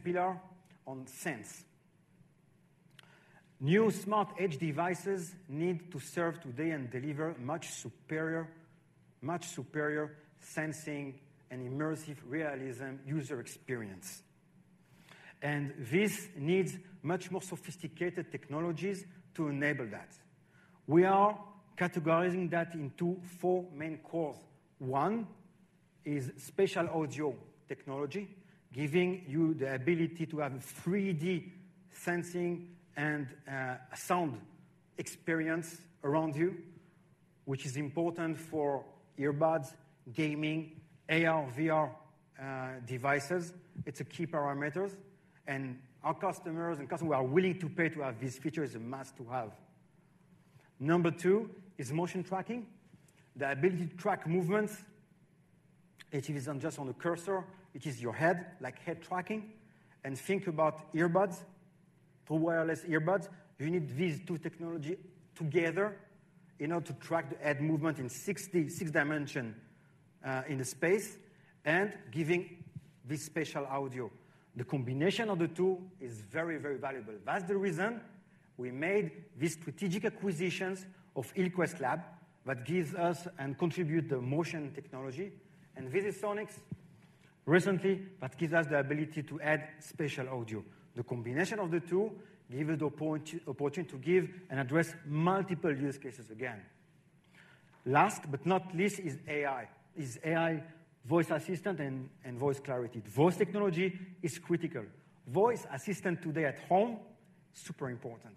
pillar on sense. New Smart Edge devices need to serve today and deliver much superior, much superior sensing and immersive realism user experience. This needs much more sophisticated technologies to enable that. We are categorizing that into four main cores. One is spatial audio technology, giving you the ability to have 3D sensing and sound experience around you, which is important for earbuds, gaming, AR/VR devices. It's a key parameter, and our customers and customers are willing to pay to have these features, a must-have. Number two is motion tracking, the ability to track movements. It isn't just on a cursor, it is your head, like head tracking. And think about earbuds, to wireless earbuds. You need these two technology together in order to track the head movement in six dimensions in the space and giving this spatial audio. The combination of the two is very, very valuable. That's the reason we made these strategic acquisitions of Hillcrest Labs, that gives us and contribute the motion technology, and VisiSonics recently, that gives us the ability to add spatial audio. The combination of the two give us the opportunity to give and address multiple use cases again. Last but not least, is AI voice assistant and voice clarity. Voice technology is critical. Voice assistant today at home, super important,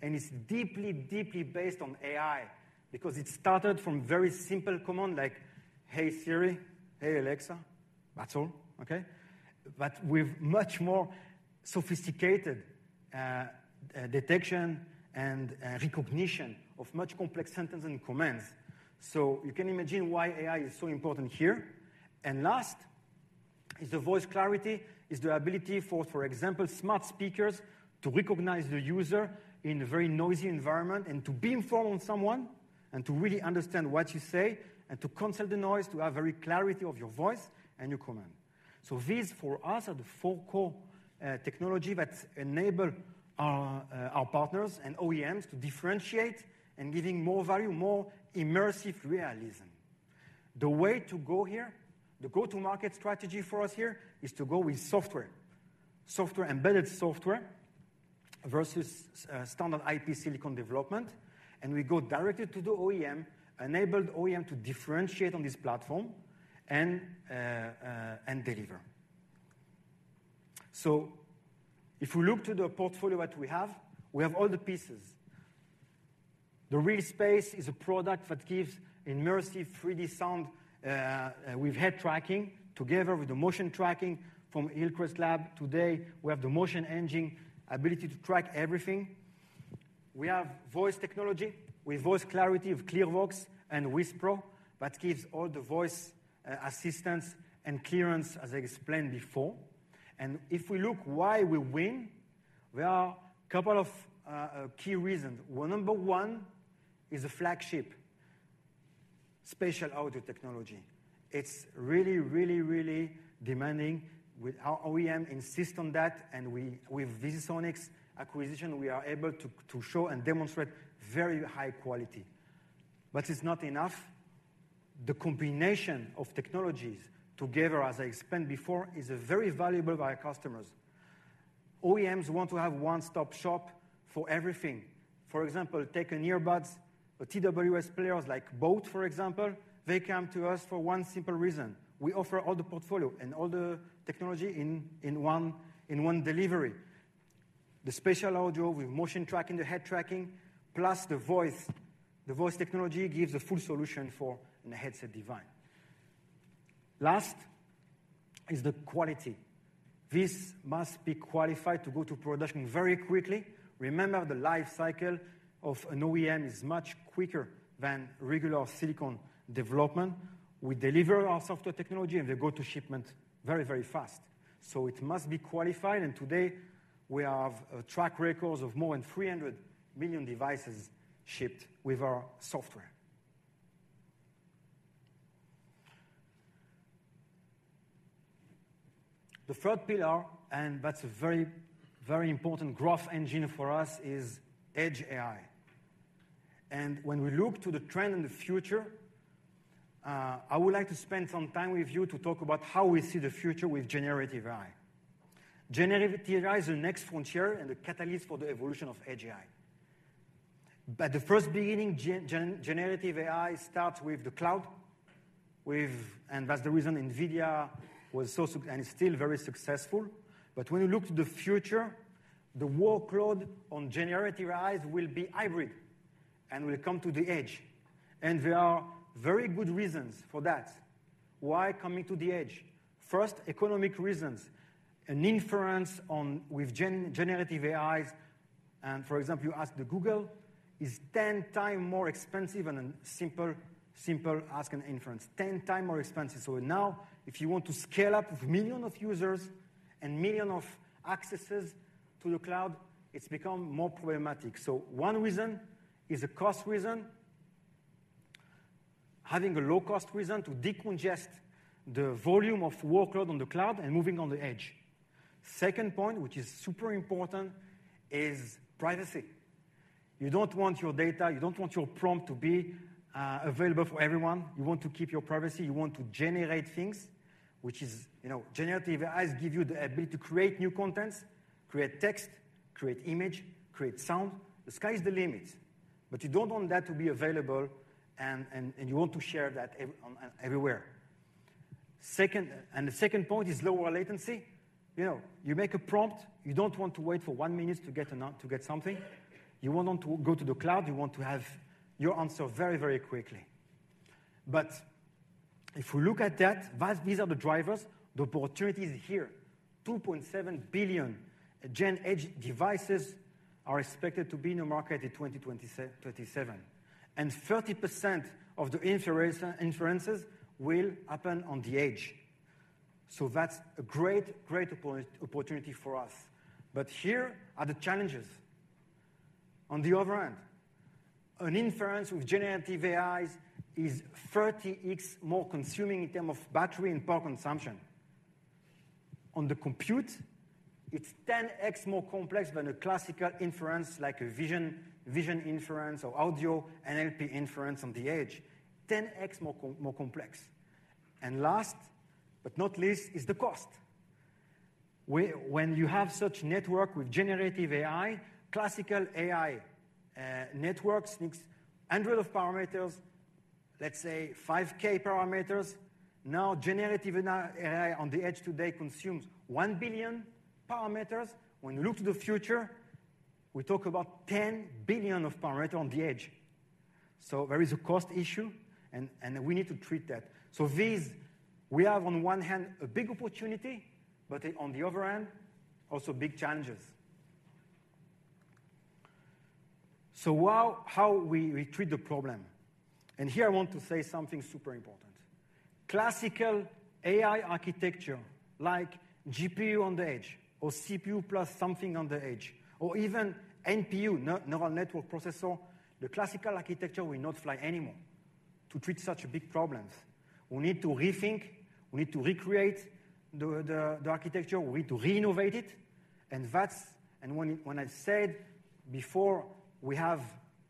and it's deeply, deeply based on AI because it started from very simple command like, "Hey, Siri," "Hey, Alexa." That's all, okay? But with much more sophisticated detection and recognition of much complex sentence and commands. So you can imagine why AI is so important here. And last is the voice clarity, is the ability for, for example, smart speakers to recognize the user in a very noisy environment and to beam form on someone, and to really understand what you say, and to cancel the noise, to have very clarity of your voice and your command. So these, for us, are the four core, technology that enable our, our partners and OEMs to differentiate and giving more value, more immersive realism. The way to go here, the go-to-market strategy for us here, is to go with software. Software, embedded software versus, standard IP silicon development, and we go directly to the OEM, enable the OEM to differentiate on this platform and, and deliver. So if you look to the portfolio that we have, we have all the pieces. The RealSpace is a product that gives immersive 3D sound, with head tracking together with the motion tracking from Hillcrest Labs. Today, we have the motion engine ability to track everything. We have voice technology with voice clarity of ClearVox and WhisPro, that gives all the voice, assistance and clearance, as I explained before. If we look why we win, there are a couple of key reasons. Well, number one is a flagship spatial audio technology. It's really, really, really demanding. With our OEM insist on that and with VisiSonics acquisition, we are able to show and demonstrate very high quality. But it's not enough. The combination of technologies together, as I explained before, is a very valuable to our customers... OEMs want to have one-stop shop for everything. For example, take an earbuds, a TWS players like boAt, for example, they come to us for one simple reason: we offer all the portfolio and all the technology in one delivery. The spatial audio with motion tracking, the head tracking, plus the voice. The voice technology gives a full solution for a headset device. Last is the quality. This must be qualified to go to production very quickly. Remember, the life cycle of an OEM is much quicker than regular silicon development. We deliver our software technology, and they go to shipment very, very fast. So it must be qualified, and today we have a track record of more than 300 million devices shipped with our software. The third pillar, and that's a very, very important growth engine for us, is Edge AI. When we look to the trend in the future, I would like to spend some time with you to talk about how we see the future with generative AI. Generative AI is the next frontier and the catalyst for the evolution of Edge AI. The first beginning, generative AI starts with the cloud, with, and that's the reason NVIDIA was so successful and is still very successful. But when you look to the future, the workload on Generative AI will be hybrid and will come to the edge, and there are very good reasons for that. Why coming to the edge? First, economic reasons. An inference on, with generative AIs, and for example, you ask the Google, is 10 times more expensive than a simple, simple ask and inference. 10 times more expensive. So now, if you want to scale up with million of users and million of accesses to the cloud, it's become more problematic. So one reason is a cost reason, having a low-cost reason to decongest the volume of workload on the cloud and moving on the edge. Second point, which is super important, is privacy. You don't want your data, you don't want your prompt to be available for everyone. You want to keep your privacy. You want to generate things, which is, you know, generative AIs give you the ability to create new contents, create text, create image, create sound. The sky is the limit, but you don't want that to be available, and you want to share that everywhere. Second, and the second point is lower latency. You know, you make a prompt, you don't want to wait for one minute to get an answer to get something. You want not to go to the cloud; you want to have your answer very, very quickly. But if we look at that, these are the drivers, the opportunity is here. 2.7 billion gen edge devices are expected to be in the market in 2027, and 30% of the inferences will happen on the edge. So that's a great opportunity for us. But here are the challenges. On the other hand, an inference with generative AIs is 30x more consuming in term of battery and power consumption. On the compute, it's 10x more complex than a classical inference, like a vision, vision inference or audio, NLP inference on the edge, 10x more complex. And last, but not least, is the cost. When you have such network with generative AI, classical AI networks needs 100 of parameters, let's say 5K parameters. Now, generative AI on the edge today consumes 1 billion parameters. When you look to the future, we talk about 10 billion of parameter on the edge. So there is a cost issue, and we need to treat that. So these, we have, on one hand, a big opportunity, but on the other hand, also big challenges. So how, how we treat the problem? And here I want to say something super important. Classical AI architecture like GPU on the edge or CPU plus something on the edge, or even NPU, neural network processor, the classical architecture will not fly anymore to treat such big problems. We need to rethink, we need to recreate the architecture. We need to renovate it, and that's... And when I said before,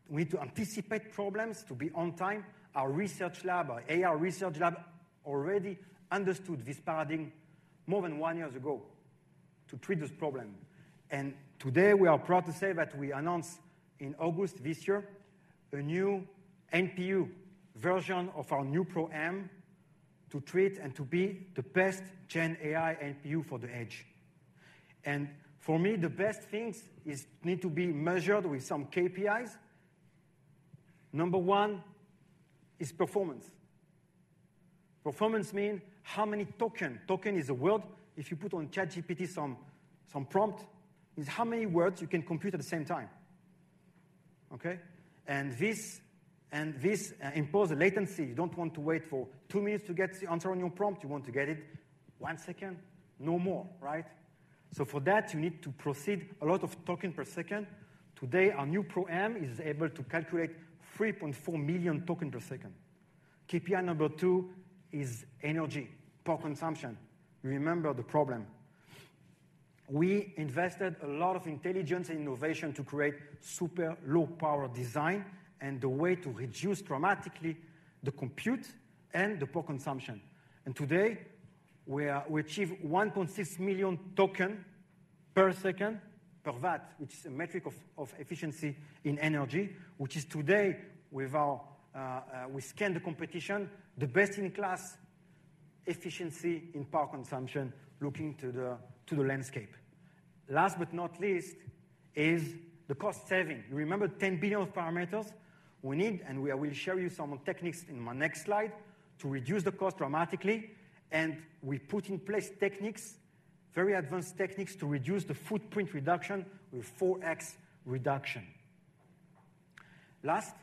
we need to anticipate problems to be on time, our research lab, our AI research lab, already understood this paradigm more than one years ago to treat this problem. And today, we are proud to say that we announced in August this year, a new NPU version of our NeuPro-M to treat and to be the best Gen AI NPU for the edge. For me, the best things is need to be measured with some KPIs. Number one is performance. Performance mean how many token? Token is a word. If you put on ChatGPT some prompt, is how many words you can compute at the same time, okay? And this impose a latency. You don't want to wait for two minutes to get the answer on your prompt. You want to get it one second, no more, right? So for that, you need to proceed a lot of token per second. Today, our NeuPro-M is able to calculate 3.4 million token per second. KPI number two is energy, power consumption. You remember the problem. We invested a lot of intelligence and innovation to create super low power design and the way to reduce dramatically the compute and the power consumption... Today, we achieve 1.6 million tokens per second per watt, which is a metric of efficiency in energy, which is today with our, we scan the competition, the best-in-class efficiency in power consumption, looking to the landscape. Last but not least, is the cost saving. You remember 10 billion parameters? We need, and we will show you some of the techniques in my next slide, to reduce the cost dramatically, and we put in place techniques, very advanced techniques, to reduce the footprint reduction with 4x reduction. Last,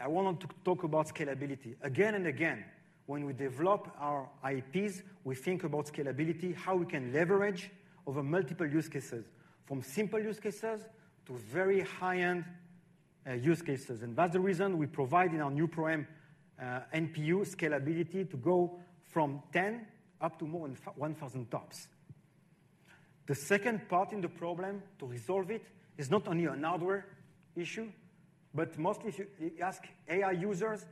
I want to talk about scalability. Again and again, when we develop our IPs, we think about scalability, how we can leverage over multiple use cases, from simple use cases to very high-end use cases. That's the reason we provide in our new NeuPro-M NPU scalability to go from 10 up to more than 1,000 TOPS. The second part in the problem to resolve it is not only a hardware issue, but mostly, if you ask AI users,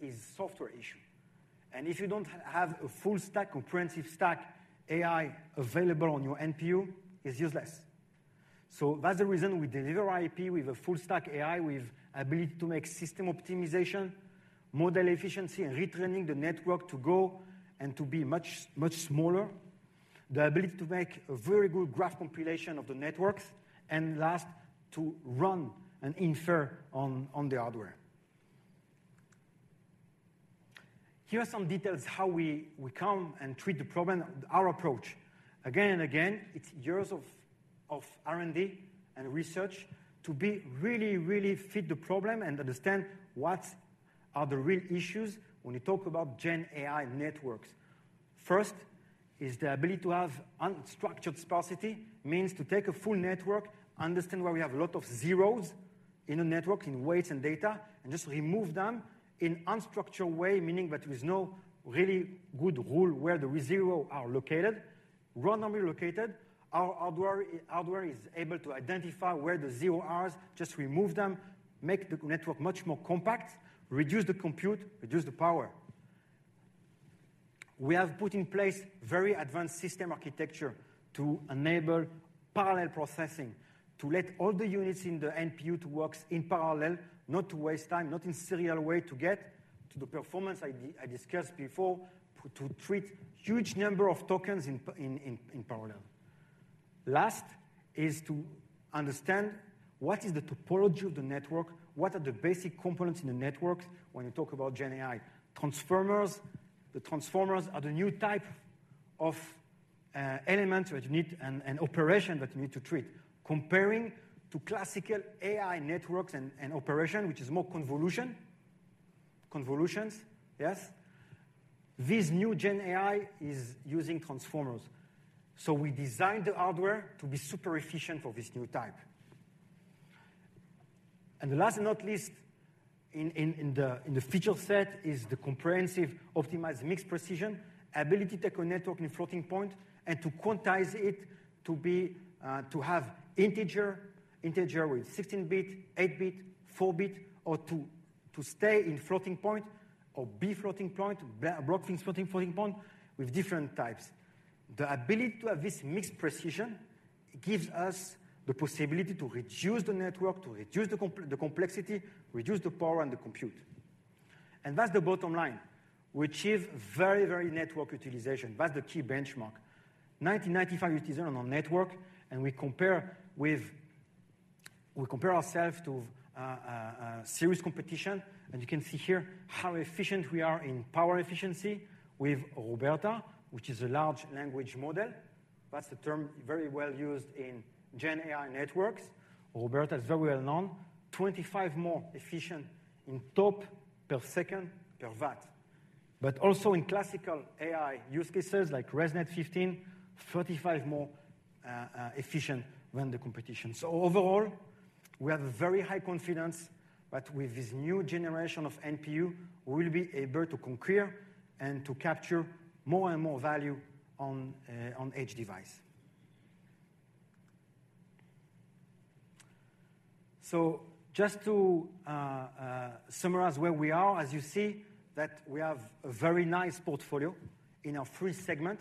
is software issue. And if you don't have a full stack, comprehensive stack, AI available on your NPU, it's useless. So that's the reason we deliver IP with a full stack AI, with ability to make system optimization, model efficiency, and retraining the network to go and to be much, much smaller. The ability to make a very good graph compilation of the networks, and last, to run and infer on the hardware. Here are some details how we come and treat the problem, our approach. Again and again, it's years of R&D and research to be really, really fit the problem and understand what are the real issues when we talk about gen AI networks. First is the ability to have unstructured sparsity, means to take a full network, understand where we have a lot of zeros in a network, in weights and data, and just remove them in unstructured way, meaning that there is no really good rule where the zero are located. Randomly located, our hardware is able to identify where the zero are, just remove them, make the network much more compact, reduce the compute, reduce the power. We have put in place very advanced system architecture to enable parallel processing, to let all the units in the NPU to work in parallel, not to waste time, not in serial way, to get to the performance I discussed before, to treat huge number of tokens in parallel. Last is to understand what is the topology of the network, what are the basic components in the network when you talk about gen AI. Transformers, the transformers are the new type of elements which need an operation that you need to treat. Comparing to classical AI networks and operation, which is more convolution. Convolutions, yes? This new gen AI is using transformers. So we designed the hardware to be super efficient for this new type. The last but not least in the feature set is the comprehensive optimized mixed precision ability to take a network in floating point and to quantize it to have integer with 16-bit, eight-bit, four-bit, or to stay in floating point or be floating point broken floating point with different types. The ability to have this mixed precision gives us the possibility to reduce the network, to reduce the complexity, reduce the power and the compute. And that's the bottom line. We achieve very, very network utilization. That's the key benchmark. 95 utilization on network, and we compare ourselves to serious competition, and you can see here how efficient we are in power efficiency with RoBERTa, which is a large language model. That's the term very well used in gen AI networks. RoBERTa is very well known, 25 more efficient in TOPS per second per watt. But also in classical AI use cases like ResNet-15, 35 more efficient than the competition. So overall, we have very high confidence that with this new generation of NPU, we will be able to conquer and to capture more and more value on edge device. So just to summarize where we are, as you see, that we have a very nice portfolio in our three segment.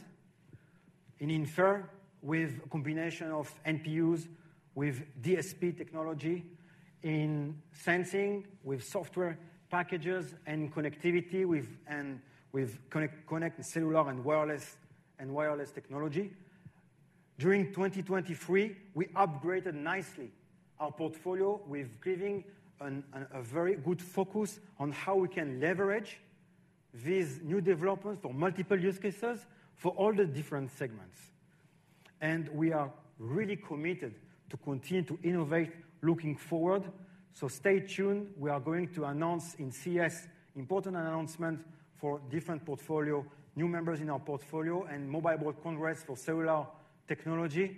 In infer, with a combination of NPUs, with DSP technology, in sensing, with software packages and connectivity, with and with connect, connect cellular and wireless, and wireless technology. During 2023, we upgraded nicely our portfolio with giving a very good focus on how we can leverage these new developments for multiple use cases for all the different segments. And we are really committed to continue to innovate looking forward. So stay tuned. We are going to announce in CS important announcement for different portfolio, new members in our portfolio and Mobile World Congress for cellular technology,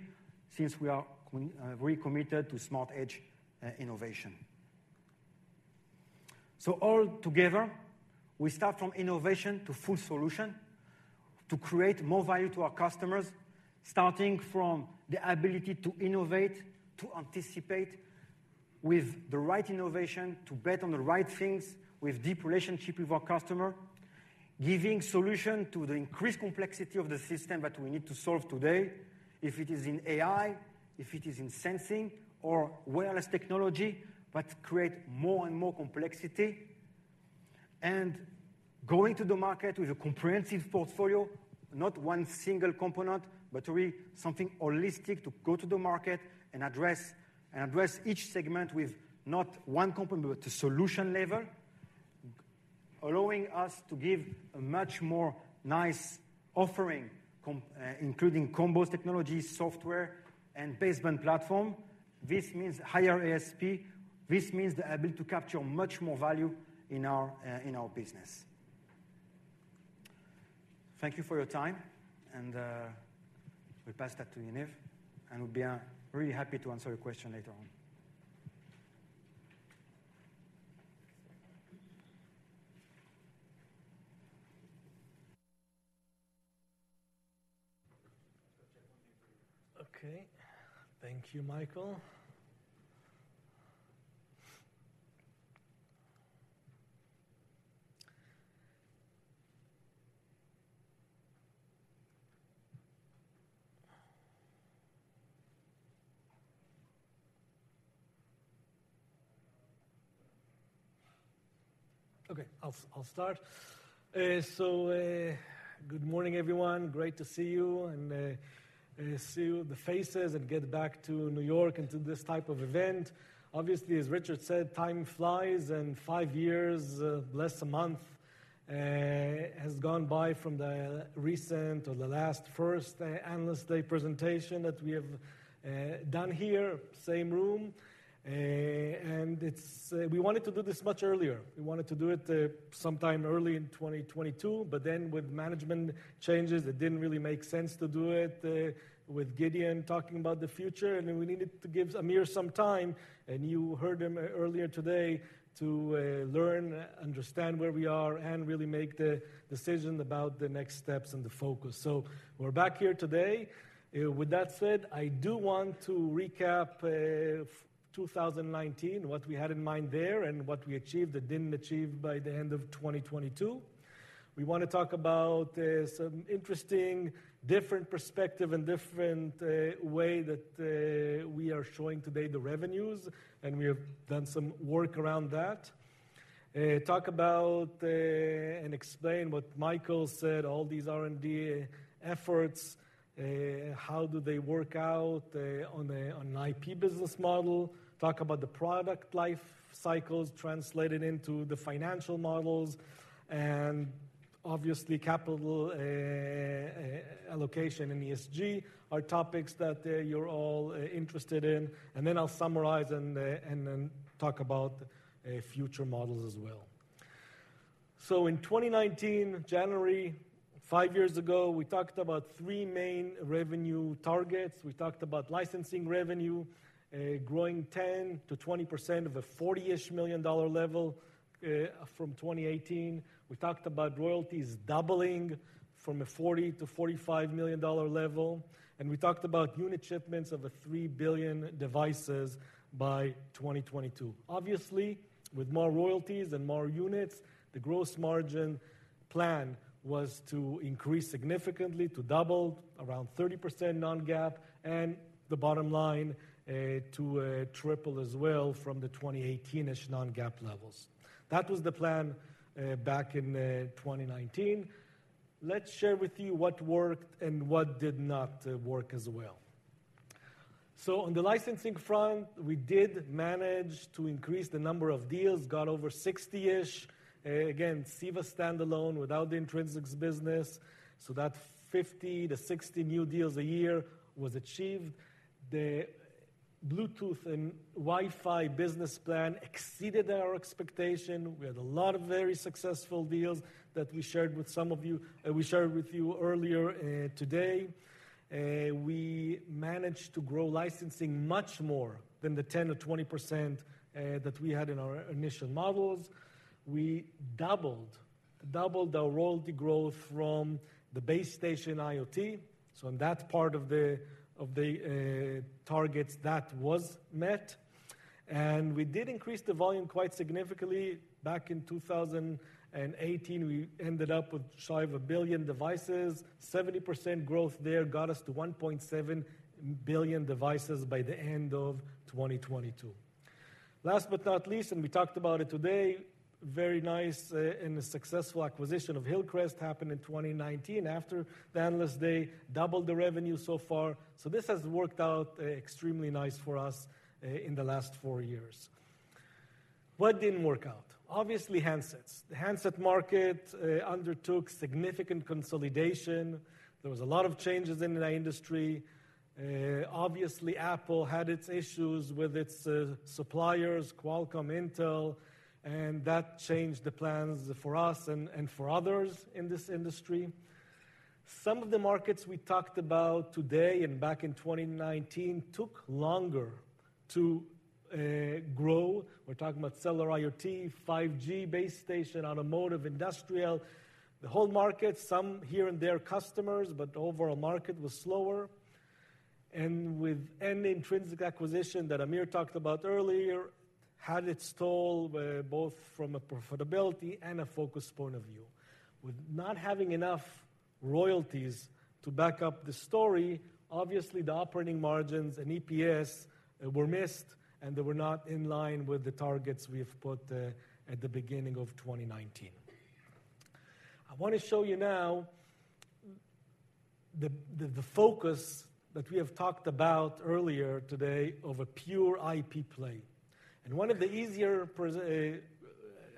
since we are recommitted to Smart Edge innovation. So all together, we start from innovation to full solution to create more value to our customers, starting from the ability to innovate, to anticipate.... with the right innovation to bet on the right things, with deep relationship with our customer, giving solution to the increased complexity of the system that we need to solve today. If it is in AI, if it is in sensing or wireless technology, but create more and more complexity, and going to the market with a comprehensive portfolio, not one single component, but really something holistic to go to the market and address, and address each segment with not one component, but a solution level, allowing us to give a much more nice offering, including combos, technologies, software, and baseband platform. This means higher ASP. This means the ability to capture much more value in our, in our business. Thank you for your time, and, we pass that to Yaniv, and we'll be, really happy to answer your question later on. Okay. Thank you, Michael. Okay, I'll start. So, good morning, everyone. Great to see you and see the faces and get back to New York and to this type of event. Obviously, as Richard said, time flies, and five years, less a month, has gone by from the recent or the last first Analyst Day presentation that we have done here, same room. And it's. We wanted to do this much earlier. We wanted to do it sometime early in 2022, but then with management changes, it didn't really make sense to do it with Gideon talking about the future, and then we needed to give Amir some time, and you heard him earlier today, to learn, understand where we are and really make the decision about the next steps and the focus. So we're back here today. With that said, I do want to recap 2019, what we had in mind there and what we achieved and didn't achieve by the end of 2022. We wanna talk about some interesting, different perspective and different way that we are showing today the revenues, and we have done some work around that. Talk about and explain what Michael said, all these R&D efforts. How do they work out on a, on an IP business model? Talk about the product life cycles translated into the financial models and obviously, capital allocation in ESG are topics that you're all interested in. And then I'll summarize and then talk about future models as well. So in 2019, January, five years ago, we talked about three main revenue targets. We talked about licensing revenue growing 10%-20% of a $40-ish million level from 2018. We talked about royalties doubling from a $40-$45 million level, and we talked about unit shipments of three billion devices by 2022. Obviously, with more royalties and more units, the gross margin plan was to increase significantly, to double around 30% non-GAAP, and the bottom line to triple as well from the 2018-ish non-GAAP levels. That was the plan back in 2019. Let's share with you what worked and what did not work as well. So on the licensing front, we did manage to increase the number of deals, got over 60-ish. Again, CEVA standalone without the Intrinsix business, so that 50-60 new deals a year was achieved. The Bluetooth and Wi-Fi business plan exceeded our expectation. We had a lot of very successful deals that we shared with some of you, we shared with you earlier, today. We managed to grow licensing much more than the 10%-20% that we had in our initial models. We doubled, doubled our royalty growth from the base station IoT. So on that part of the targets, that was met, and we did increase the volume quite significantly. Back in 2018, we ended up with shy of one billion devices. 70% growth there got us to 1.7 billion devices by the end of 2022. Last but not least, and we talked about it today, very nice, and a successful acquisition of Hillcrest happened in 2019 after the Analyst Day, doubled the revenue so far. So this has worked out, extremely nice for us, in the last four years. What didn't work out? Obviously, handsets. The handset market, undertook significant consolidation. There was a lot of changes in the industry. Obviously, Apple had its issues with its, suppliers, Qualcomm, Intel, and that changed the plans for us and, and for others in this industry. Some of the markets we talked about today and back in 2019 took longer to, grow. We're talking about cellular IoT, 5G, base station, automotive, industrial, the whole market, some here and there customers, but the overall market was slower. With any Intrinsix acquisition that Amir talked about earlier, had its toll, both from a profitability and a focus point of view. With not having enough royalties to back up the story, obviously, the operating margins and EPS were missed, and they were not in line with the targets we've put at the beginning of 2019. I want to show you now the focus that we have talked about earlier today of a pure IP play. One of the easier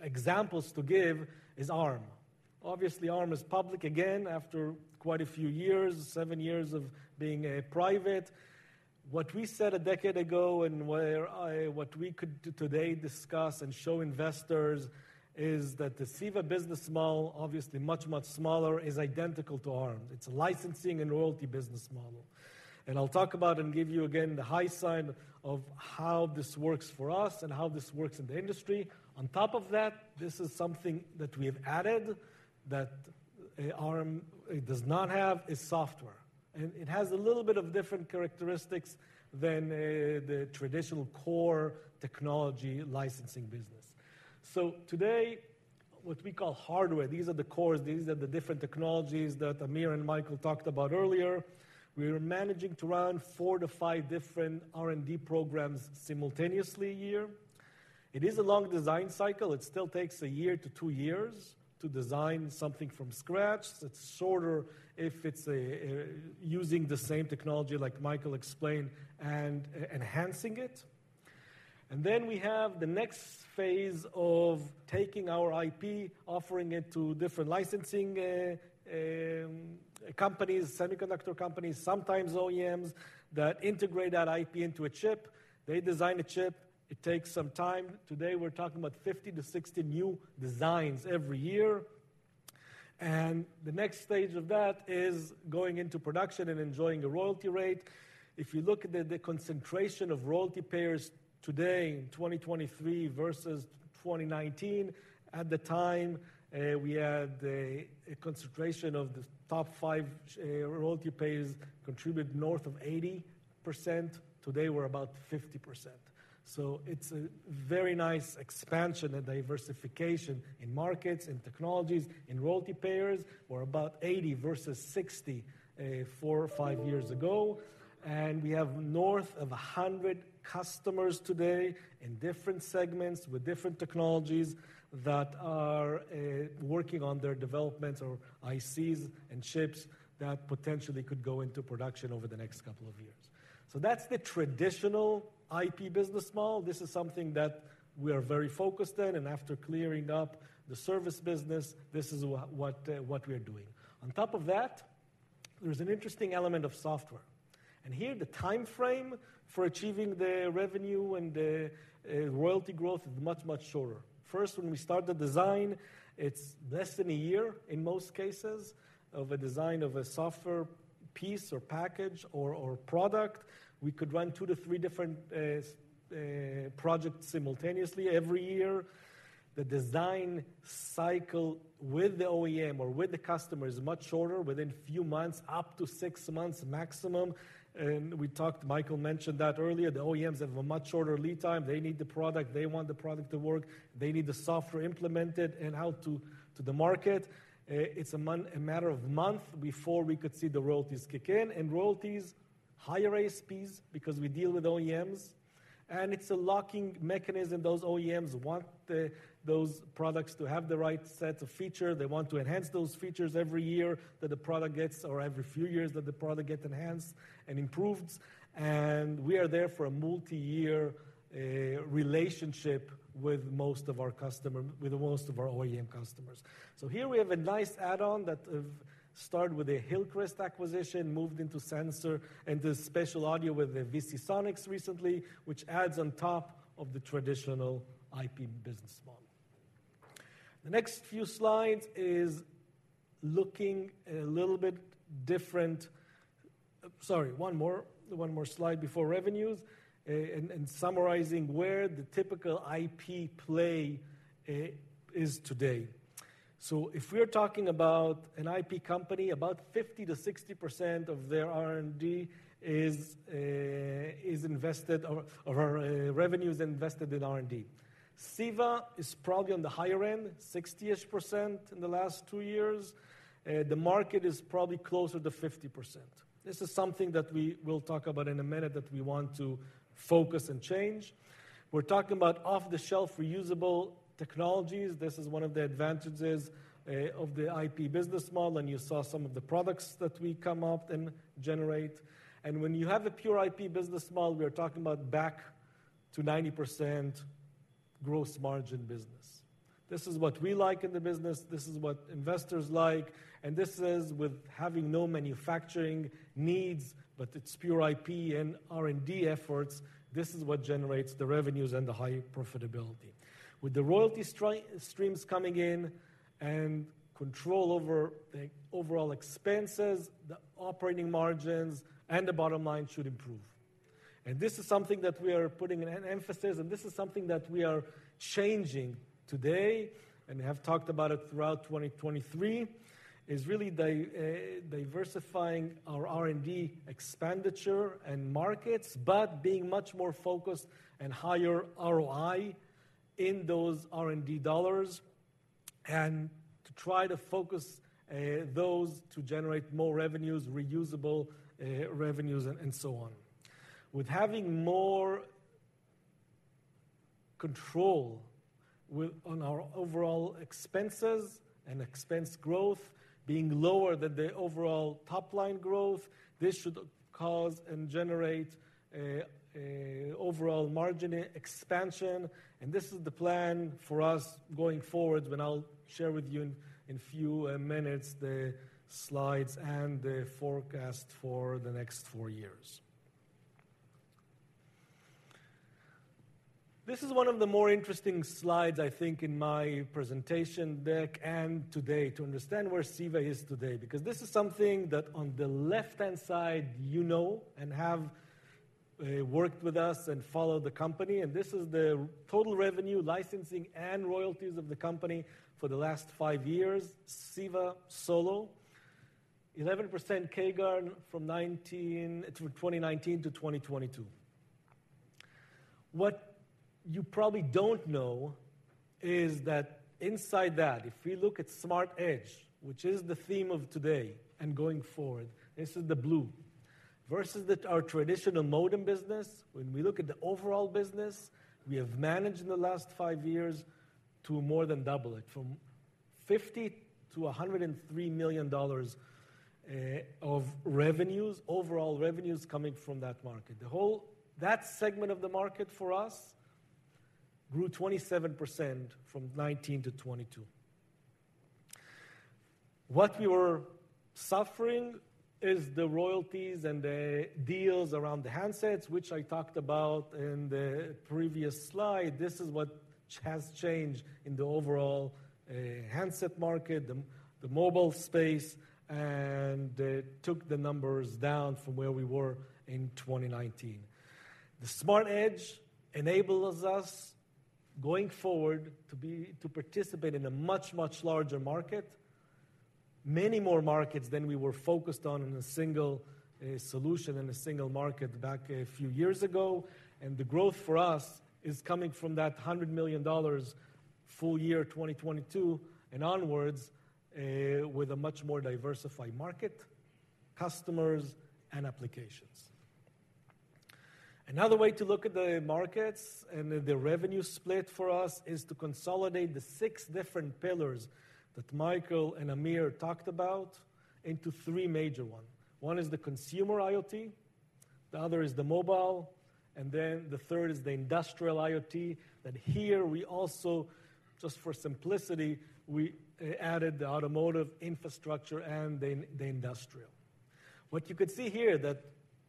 examples to give is Arm. Obviously, Arm is public again after quite a few years, seven years of being private. What we said a decade ago and what we could today discuss and show investors is that the CEVA business model, obviously much, much smaller, is identical to Arm's. It's a licensing and royalty business model. I'll talk about and give you again the high side of how this works for us and how this works in the industry. On top of that, this is something that we've added that Arm does not have, is software. It has a little bit of different characteristics than the traditional core technology licensing business. Today, what we call hardware, these are the cores, these are the different technologies that Amir and Michael talked about earlier. We are managing to run four to five different R&D programs simultaneously a year. It is a long design cycle. It still takes a year to two years to design something from scratch. It's shorter if it's using the same technology, like Michael explained, and enhancing it. Then we have the next phase of taking our IP, offering it to different licensing companies, semiconductor companies, sometimes OEMs, that integrate that IP into a chip. They design a chip. It takes some time. Today, we're talking about 50-60 new designs every year. And the next stage of that is going into production and enjoying a royalty rate. If you look at the concentration of royalty payers today in 2023 versus 2019, at the time, we had a concentration of the top five royalty payers contribute north of 80%. Today, we're about 50%. So it's a very nice expansion and diversification in markets, in technologies, in royalty payers, we're about 80 versus 60, four or five years ago. And we have north of 100 customers today in different segments with different technologies that are working on their development or ICs and chips that potentially could go into production over the next couple of years. So that's the traditional IP business model. This is something that we are very focused in, and after clearing up the service business, this is what we are doing. On top of that, there's an interesting element of software, and here the timeframe for achieving the revenue and the royalty growth is much, much shorter. First, when we start the design, it's less than a year in most cases, of a design of a software piece or package or product. We could run two to three different projects simultaneously every year. The design cycle with the OEM or with the customer is much shorter, within a few months, up to six months maximum. We talked, Michael mentioned that earlier. The OEMs have a much shorter lead time. They need the product. They want the product to work, they need the software implemented and out to the market. It's a matter of months before we could see the royalties kick in. And royalties, higher ASPs, because we deal with OEMs, and it's a locking mechanism. Those OEMs want those products to have the right set of features. They want to enhance those features every year that the product gets, or every few years, that the product gets enhanced and improved. And we are there for a multiyear relationship with most of our customer, with most of our OEM customers. So here we have a nice add-on that have started with the Hillcrest acquisition, moved into sensor and the spatial audio with the VisiSonics recently, which adds on top of the traditional IP business model. The next few slides is looking a little bit different... Sorry, one more, one more slide before revenues, and summarizing where the typical IP play is today. So if we're talking about an IP company, about 50%-60% of their R&D is invested or revenues invested in R&D. Ceva is probably on the higher end, 60-ish% in the last two years. The market is probably closer to 50%. This is something that we will talk about in a minute, that we want to focus and change. We're talking about off-the-shelf reusable technologies. This is one of the advantages of the IP business model, and you saw some of the products that we come up and generate. And when you have a pure IP business model, we are talking about back to 90% gross margin business. This is what we like in the business, this is what investors like, and this is with having no manufacturing needs, but it's pure IP and R&D efforts. This is what generates the revenues and the high profitability. With the royalty streams coming in and control over the overall expenses, the operating margins and the bottom line should improve. This is something that we are putting an emphasis on, and this is something that we are changing today and have talked about it throughout 2023, is really diversifying our R&D expenditure and markets, but being much more focused and higher ROI in those R&D dollars, and to try to focus those to generate more revenues, reusable revenues, and so on. With having more control on our overall expenses and expense growth being lower than the overall top-line growth, this should cause and generate a overall margin expansion, and this is the plan for us going forward, when I'll share with you in a few minutes, the slides and the forecast for the next four years. This is one of the more interesting slides, I think, in my presentation deck and today, to understand where Ceva is today, because this is something that on the left-hand side, you know, and have worked with us and followed the company, and this is the total revenue, licensing, and royalties of the company for the last five years. Ceva overall, 11% CAGR from 2019 through 2022. What you probably don't know is that inside that, if we look at Smart Edge, which is the theme of today and going forward, this is the blue. Versus the, our traditional modem business, when we look at the overall business, we have managed in the last five years to more than double it, from $50 million to $103 million of revenues, overall revenues coming from that market. That segment of the market for us grew 27% from 2019 to 2022. What we were suffering is the royalties and the deals around the handsets, which I talked about in the previous slide. This is what has changed in the overall handset market, the mobile space, and it took the numbers down from where we were in 2019. The Smart Edge enables us, going forward, to participate in a much, much larger market, many more markets than we were focused on in a single solution and a single market back a few years ago. The growth for us is coming from that $100 million, full year 2022 and onwards, with a much more diversified market, customers, and applications. Another way to look at the markets and the revenue split for us is to consolidate the six different pillars that Michael and Amir talked about into three major ones. One is the consumer IoT, the other is the mobile, and then the third is the industrial IoT. And here, we also, just for simplicity, we added the automotive infrastructure and the industrial. What you could see here, that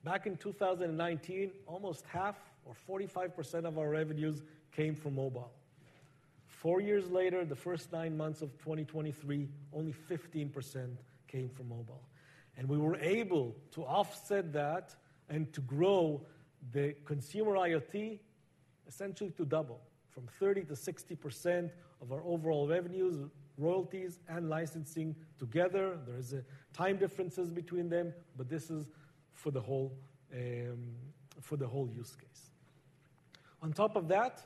back in 2019, almost half or 45% of our revenues came from mobile. Four years later, the first nine months of 2023, only 15% came from mobile. And we were able to offset that and to grow the consumer IoT, essentially to double, from 30%-60% of our overall revenues, royalties, and licensing together. There is a time difference between them, but this is for the whole for the whole use case. On top of that,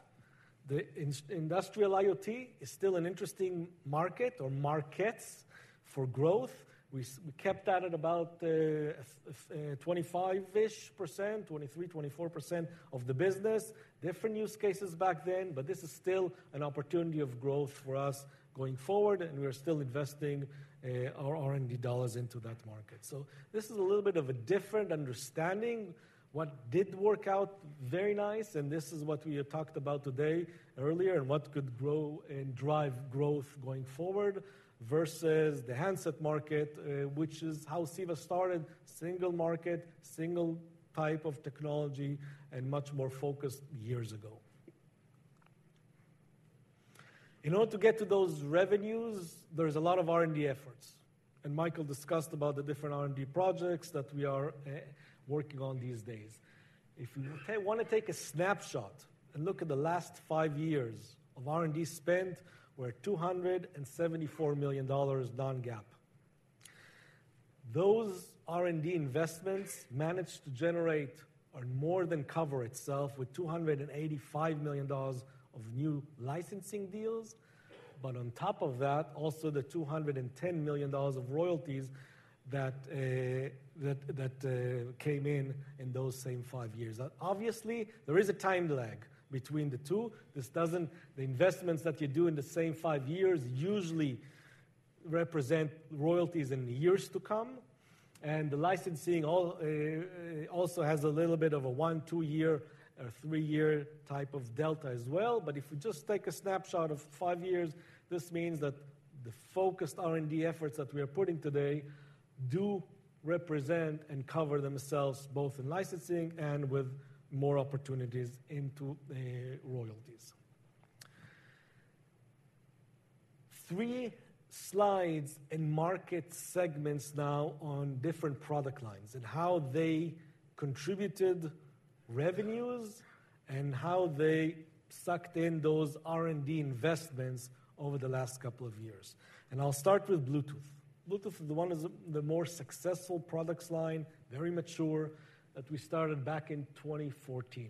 the industrial IoT is still an interesting market or markets for growth. We kept that at about 25%-ish, 23-24% of the business. Different use cases back then, but this is still an opportunity of growth for us going forward, and we are still investing our R&D dollars into that market. So this is a little bit of a different understanding. What did work out very nice, and this is what we have talked about today earlier and what could grow and drive growth going forward versus the handset market, which is how Ceva started: single market, single type of technology, and much more focused years ago. In order to get to those revenues, there's a lot of R&D efforts, and Michael discussed about the different R&D projects that we are working on these days. If you want to take a snapshot and look at the last five years of R&D spend, we're at $274 million non-GAAP. Those R&D investments managed to generate or more than cover itself with $285 million of new licensing deals. But on top of that, also the $210 million of royalties that came in in those same five years. Obviously, there is a time lag between the two. This doesn't... The investments that you do in the same five years usually represent royalties in the years to come, and the licensing also has a little bit of a one, two-year, or three-year type of delta as well. But if we just take a snapshot of five years, this means that the focused R&D efforts that we are putting today do represent and cover themselves both in licensing and with more opportunities into royalties. Three slides in market segments now on different product lines, and how they contributed revenues, and how they sucked in those R&D investments over the last couple of years. I'll start with Bluetooth. Bluetooth is one of the more successful product lines, very mature, that we started back in 2014.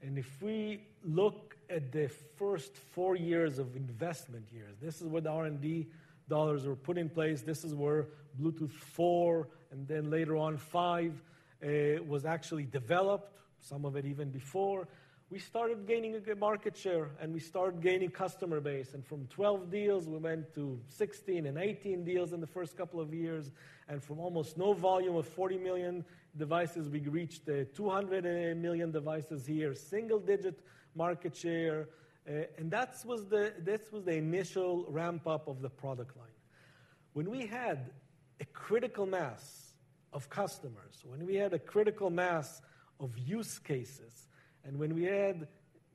If we look at the first four years of investment years, this is where the R&D dollars were put in place, this is where Bluetooth 4, and then later on 5, was actually developed, some of it even before. We started gaining a good market share, and we started gaining customer base, and from 12 deals, we went to 16 and 18 deals in the first couple of years, and from almost no volume of 40 million devices, we reached 200 million devices a year, single digit market share. And that was the—this was the initial ramp-up of the product line. When we had a critical mass of customers, when we had a critical mass of use cases, and when we had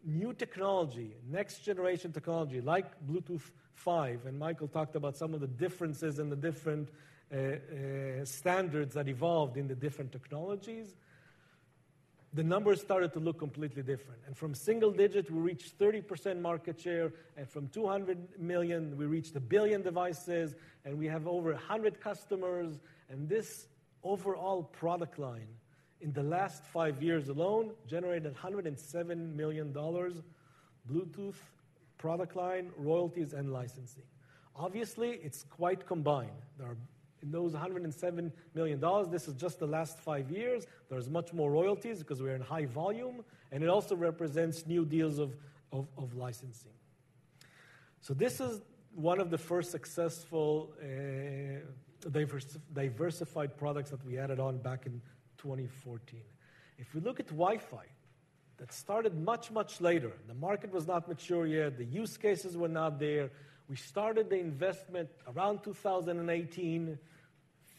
new technology, next generation technology, like Bluetooth 5, and Michael talked about some of the differences and the different standards that evolved in the different technologies, the numbers started to look completely different. From single digit, we reached 30% market share, and from 200 million, we reached one billion devices, and we have over 100 customers. This overall product line, in the last five years alone, generated $107 million, Bluetooth product line, royalties and licensing. Obviously, it's quite combined. There are in those $107 million, this is just the last five years. There's much more royalties because we're in high volume, and it also represents new deals of licensing. So this is one of the first successful, diversified products that we added on back in 2014. If we look at Wi-Fi, that started much, much later. The market was not mature yet. The use cases were not there. We started the investment around 2018.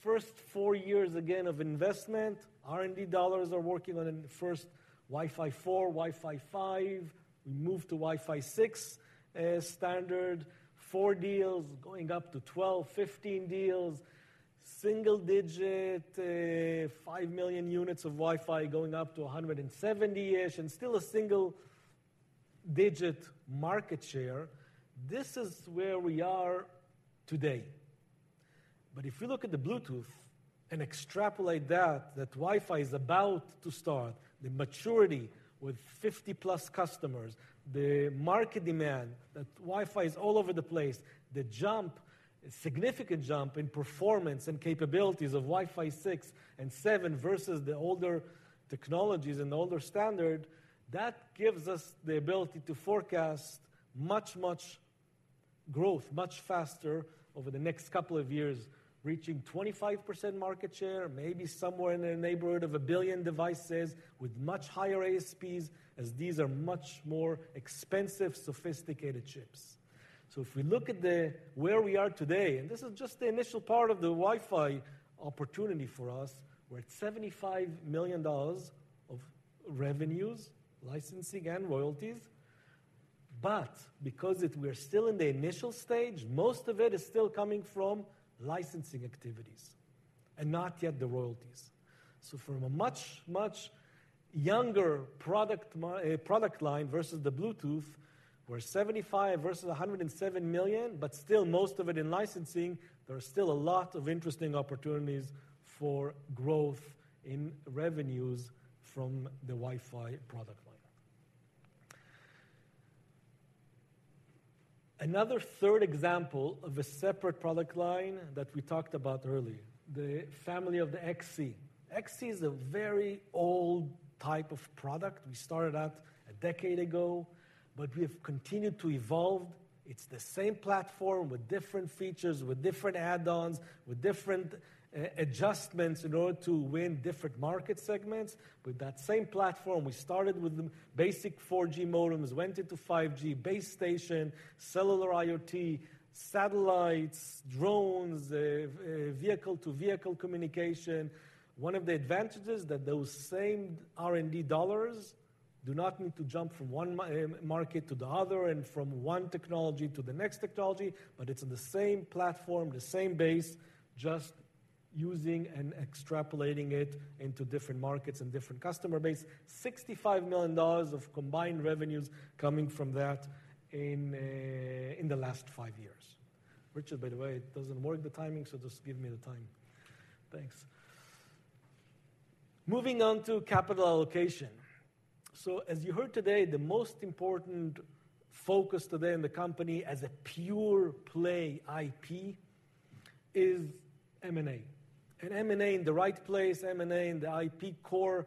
First four years, again, of investment, R&D dollars are working on the first Wi-Fi 4, Wi-Fi 5. We moved to Wi-Fi 6 standard, 4 deals, going up to 12-15 deals, single digit, five million units of Wi-Fi going up to 170-ish, and still a single digit market share. This is where we are today. But if you look at the Bluetooth and extrapolate that, that Wi-Fi is about to start, the maturity with 50+ customers, the market demand, that Wi-Fi is all over the place, the jump, a significant jump in performance and capabilities of Wi-Fi 6 and 7 versus the older technologies and the older standard, that gives us the ability to forecast much, much growth, much faster over the next couple of years, reaching 25% market share, maybe somewhere in the neighborhood of 1 billion devices with much higher ASPs, as these are much more expensive, sophisticated chips. So if we look at the, where we are today, and this is just the initial part of the Wi-Fi opportunity for us, we're at $75 million of revenues, licensing and royalties. But because we're still in the initial stage, most of it is still coming from licensing activities and not yet the royalties. So from a much, much younger product line versus the Bluetooth, we're $75 million versus $107 million, but still most of it in licensing, there are still a lot of interesting opportunities for growth in revenues from the Wi-Fi product line. Another third example of a separate product line that we talked about earlier, the family of the XC. XC is a very old type of product. We started out a decade ago, but we have continued to evolve. It's the same platform with different features, with different add-ons, with different adjustments in order to win different market segments. With that same platform, we started with the basic 4G modems, went into 5G, base station, cellular IoT, satellites, drones, vehicle-to-vehicle communication. One of the advantages that those same R&D dollars do not need to jump from one market to the other and from one technology to the next technology, but it's in the same platform, the same base, just using and extrapolating it into different markets and different customer base. $65 million of combined revenues coming from that in the last five years. Richard, by the way, it doesn't work the timing, so just give me the time. Thanks. Moving on to capital allocation. So as you heard today, the most important focus today in the company as a pure play IP is M&A. And M&A in the right place, M&A in the IP core,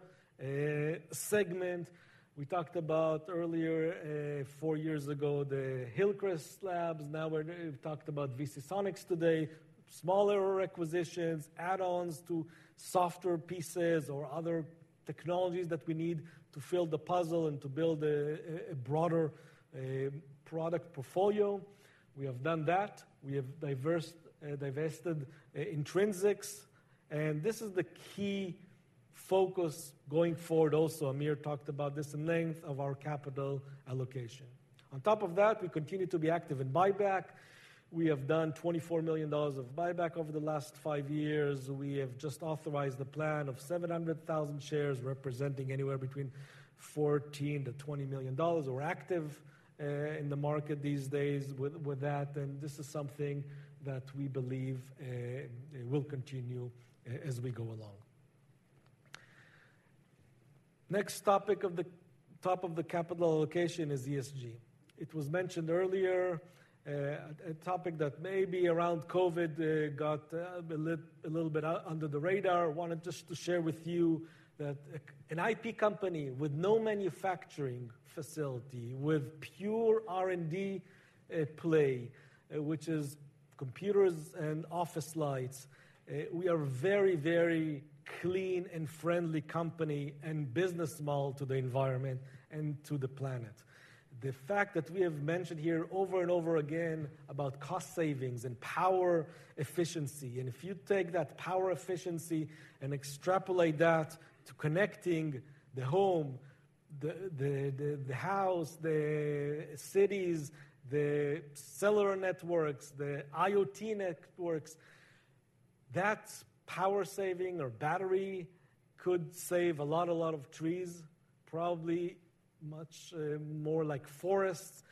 segment. We talked about earlier, four years ago, the Hillcrest Labs. Now, we're, we talked about VisiSonics today, smaller acquisitions, add-ons to software pieces or other technologies that we need to fill the puzzle and to build a broader, product portfolio. We have done that. We have divested Intrinsix, and this is the key focus going forward. Also, Amir talked about this at length of our capital allocation. On top of that, we continue to be active in buyback. We have done $24 million of buyback over the last five years. We have just authorized the plan of 700,000 shares, representing anywhere between $14 million-$20 million. We're active, in the market these days with, with that, and this is something that we believe, it will continue as we go along. Next topic of the top of the capital allocation is ESG. It was mentioned earlier, a topic that maybe around COVID, got, a little bit out under the radar. Wanted just to share with you that, an IP company with no manufacturing facility, with pure R&D, play, which is computers and office lights, we are very, very clean and friendly company and business model to the environment and to the planet. The fact that we have mentioned here over and over again about cost savings and power efficiency, and if you take that power efficiency and extrapolate that to connecting the home, the house, the cities, the cellular networks, the IoT networks, that power saving or battery could save a lot, a lot of trees, probably much, more like forests.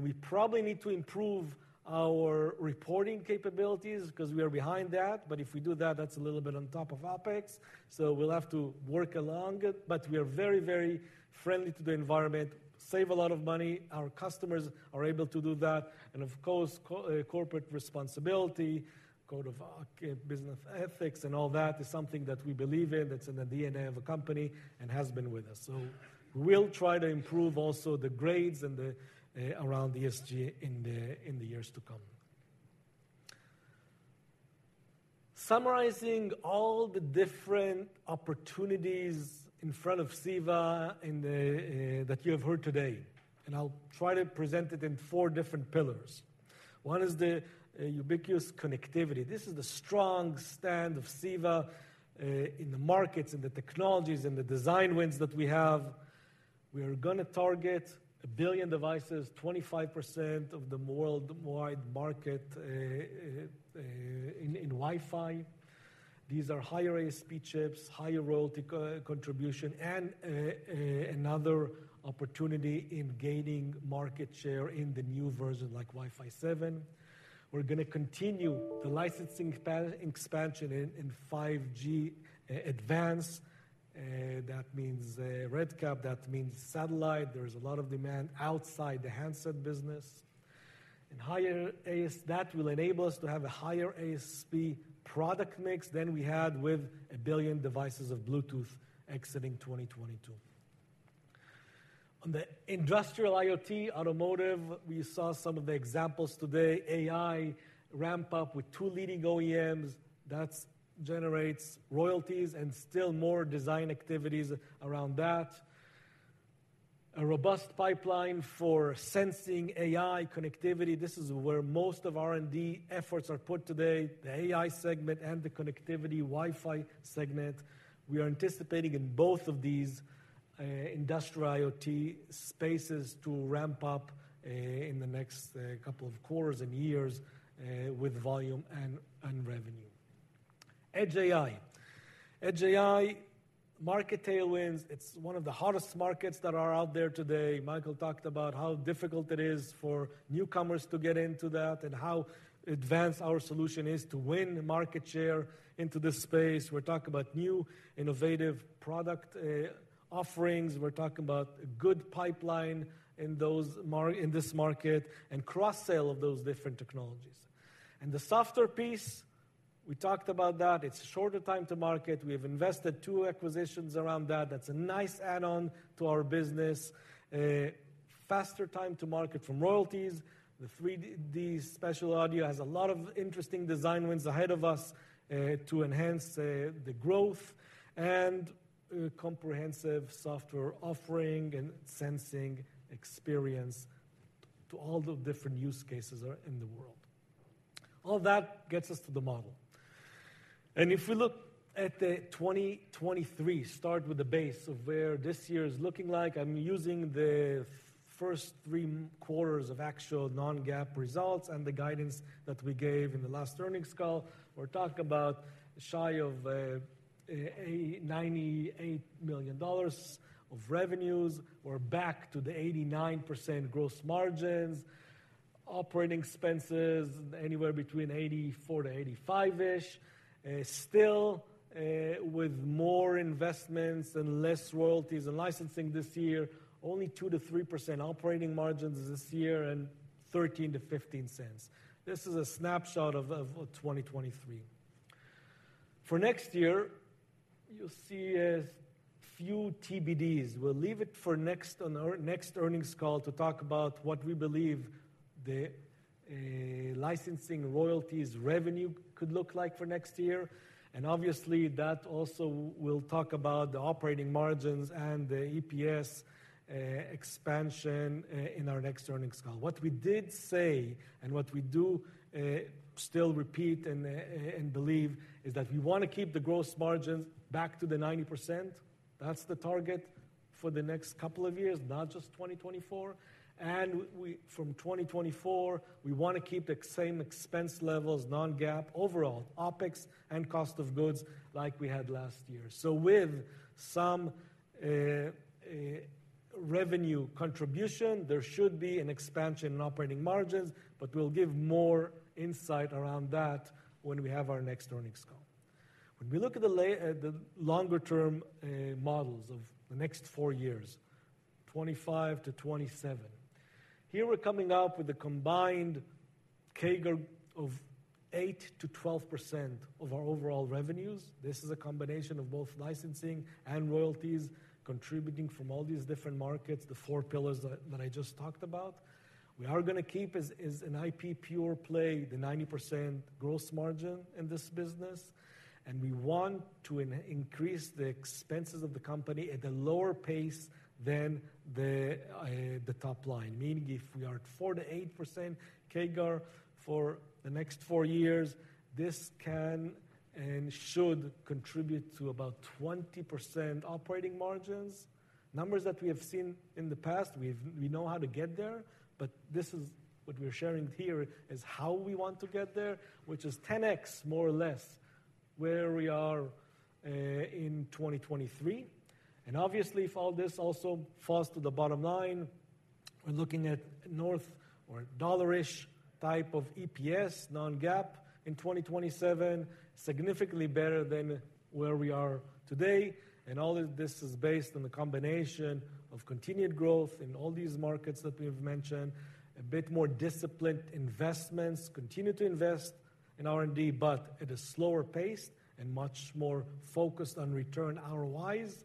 We probably need to improve our reporting capabilities because we are behind that. But if we do that, that's a little bit on top of our picks, so we'll have to work along it. But we are very, very friendly to the environment, save a lot of money. Our customers are able to do that, and of course, corporate responsibility, code of business ethics and all that, is something that we believe in. That's in the DNA of a company and has been with us. So we'll try to improve also the grades and the around ESG in the years to come. Summarizing all the different opportunities in front of CEVA in the that you have heard today, and I'll try to present it in four different pillars. One is the ubiquitous connectivity. This is the strong stand of Ceva in the markets and the technologies and the design wins that we have. We are gonna target one billion devices, 25% of the worldwide market, in Wi-Fi. These are higher ASP chips, higher royalty contribution, and another opportunity in gaining market share in the new version, like Wi-Fi 7. We're gonna continue the licensing expansion in 5G Advanced, that means RedCap, that means satellite. There is a lot of demand outside the handset business. And higher ASP. That will enable us to have a higher ASP product mix than we had with one billion devices of Bluetooth exiting 2022. On the industrial IoT automotive, we saw some of the examples today. AI ramp up with two leading OEMs, that generates royalties and still more design activities around that. A robust pipeline for sensing AI connectivity. This is where most of R&D efforts are put today, the AI segment and the connectivity Wi-Fi segment. We are anticipating in both of these industrial IoT spaces to ramp up in the next couple of quarters and years with volume and revenue. Edge AI. Edge AI market tailwinds. It's one of the hottest markets that are out there today. Michael talked about how difficult it is for newcomers to get into that, and how advanced our solution is to win market share into this space. We're talking about new, innovative product offerings. We're talking about a good pipeline in those in this market and cross-sale of those different technologies. And the software piece, we talked about that. It's shorter time to market. We have invested two acquisitions around that. That's a nice add-on to our business. Faster time to market from royalties. The 3D spatial audio has a lot of interesting design wins ahead of us, to enhance the growth and comprehensive software offering and sensing experience to all the different use cases are in the world. All that gets us to the model. If we look at the 2023, start with the base of where this year is looking like. I'm using the first three quarters of actual non-GAAP results and the guidance that we gave in the last earnings call. We'll talk about shy of ninety-eight million dollars of revenues. We're back to the 89% gross margins, operating expenses anywhere between $84 million-$85 million-ish. Still, with more investments and less royalties and licensing this year, only 2%-3% operating margins this year and $0.13-$0.15. This is a snapshot of 2023. For next year, you'll see a few TBDs. We'll leave it for next on our next earnings call to talk about what we believe the licensing royalties revenue could look like for next year. And obviously, that also will talk about the operating margins and the EPS expansion in our next earnings call. What we did say, and what we do still repeat and believe, is that we wanna keep the gross margins back to the 90%. That's the target... for the next couple of years, not just 2024. We, from 2024, we want to keep the same expense levels, non-GAAP, overall, OpEx and cost of goods like we had last year. So with some revenue contribution, there should be an expansion in operating margins, but we'll give more insight around that when we have our next earnings call. When we look at the longer-term models of the next four years, 2025-2027, here we're coming up with a combined CAGR of 8%-12% of our overall revenues. This is a combination of both licensing and royalties, contributing from all these different markets, the four pillars that I just talked about. We are going to keep as an IP pure play, the 90% gross margin in this business, and we want to increase the expenses of the company at a lower pace than the top line. Meaning, if we are at 4%-8% CAGR for the next four years, this can and should contribute to about 20% operating margins. Numbers that we have seen in the past, we know how to get there, but this is what we're sharing here is how we want to get there, which is 10x, more or less, where we are in 2023. And obviously, if all this also falls to the bottom line, we're looking at north of $1-ish type of EPS, non-GAAP, in 2027, significantly better than where we are today. And all of this is based on the combination of continued growth in all these markets that we've mentioned, a bit more disciplined investments, continue to invest in R&D, but at a slower pace and much more focused on return ROIs.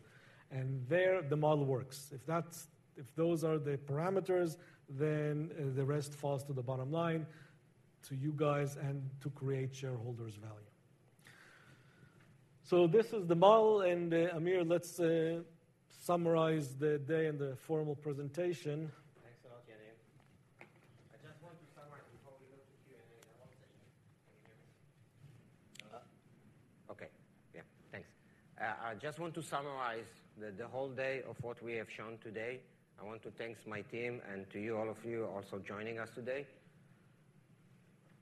And there, the model works. If that's, if those are the parameters, then, the rest falls to the bottom line, to you guys, and to create shareholder value. So this is the model, and, Amir, let's summarize the day and the formal presentation. Thanks a lot, Yaniv. I just want to summarize before we go to Q&A. I want to thank you. Can you hear me? Hello? Okay. Yeah, thanks. I just want to summarize the whole day of what we have shown today. I want to thanks my team and to you, all of you, also joining us today.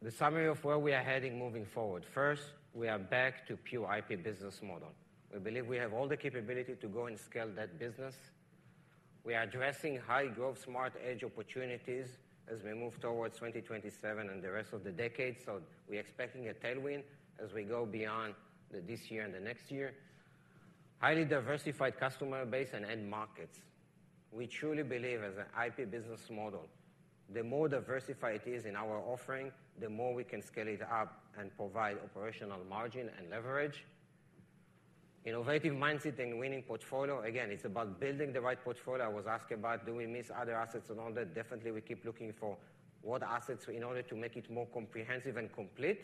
The summary of where we are heading moving forward: First, we are back to pure IP business model. We believe we have all the capability to go and scale that business. We are addressing high-growth Smart Edge opportunities as we move towards 2027 and the rest of the decade, so we're expecting a tailwind as we go beyond this year and the next year. Highly diversified customer base and end markets. We truly believe as an IP business model, the more diversified it is in our offering, the more we can scale it up and provide operational margin and leverage. Innovative mindset and winning portfolio. Again, it's about building the right portfolio. I was asked about, do we miss other assets and all that? Definitely, we keep looking for what assets, in order to make it more comprehensive and complete,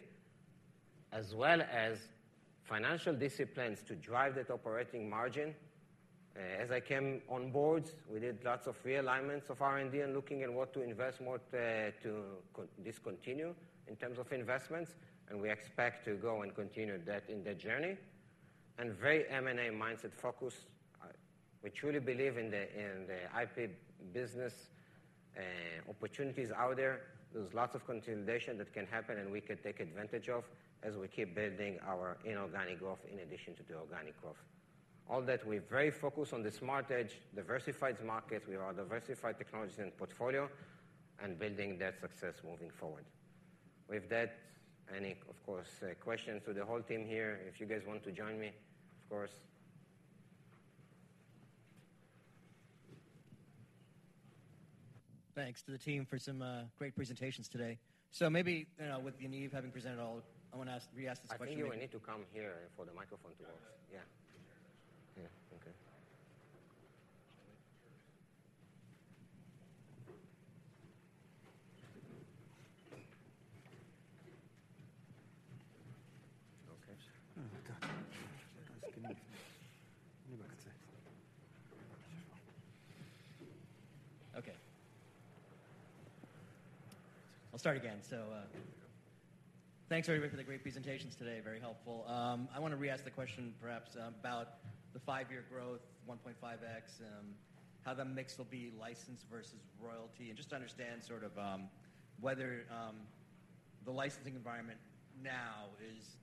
as well as financial disciplines to drive that operating margin. As I came on board, we did lots of realignments of R&D and looking at what to invest, what to discontinue in terms of investments, and we expect to go and continue that in the journey. And very M&A mindset focus. We truly believe in the IP business, opportunities out there. There's lots of consolidation that can happen, and we can take advantage of as we keep building our inorganic growth in addition to the organic growth. All that, we're very focused on the Smart Edge, diversified markets. We are diversified technologies and portfolio and building that success moving forward. With that, any, of course, questions to the whole team here, if you guys want to join me, of course. Thanks to the team for some great presentations today. So maybe, you know, with Yaniv having presented all, I want to ask, re-ask this question- I think you may need to come here for the microphone to work. Yeah. Yeah. Okay. Okay. Okay. I'll start again. So, thanks, everybody, for the great presentations today. Very helpful. I want to re-ask the question perhaps, about the five-year growth, 1.5x, how that mix will be licensed versus royalty, and just to understand sort of, whether the licensing environment now is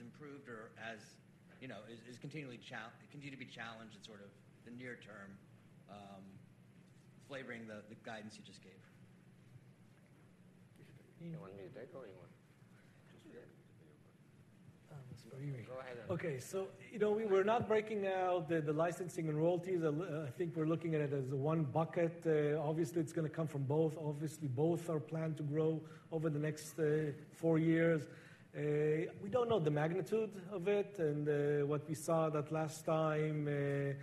improved or, you know, is continually continue to be challenged in sort of the near term, flavoring the guidance you just gave. You want me to take or you want? Just yeah. Go ahead then. Okay. So, you know, we're not breaking out the licensing and royalties. I think we're looking at it as one bucket. Obviously, it's going to come from both. Obviously, both are planned to grow over the next four years. We don't know the magnitude of it and what we saw that last time,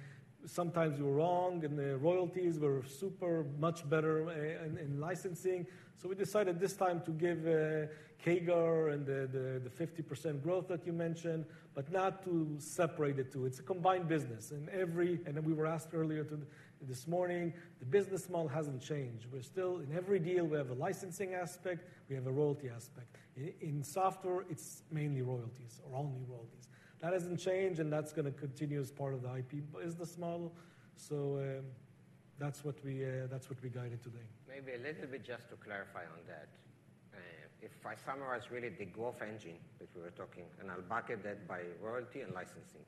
sometimes we were wrong, and the royalties were super much better in licensing. So we decided this time to give CAGR and the 50% growth that you mentioned, but not to separate the two. It's a combined business, and every... And then we were asked earlier to this morning, the business model hasn't changed. We're still, in every deal, we have a licensing aspect, we have a royalty aspect. In software, it's mainly royalties or only royalties. That hasn't changed, and that's going to continue as part of the IP business model. So, that's what we, that's what we guided today. Maybe a little bit just to clarify on that. If I summarize really the growth engine that we were talking, and I'll bucket that by royalty and licensing.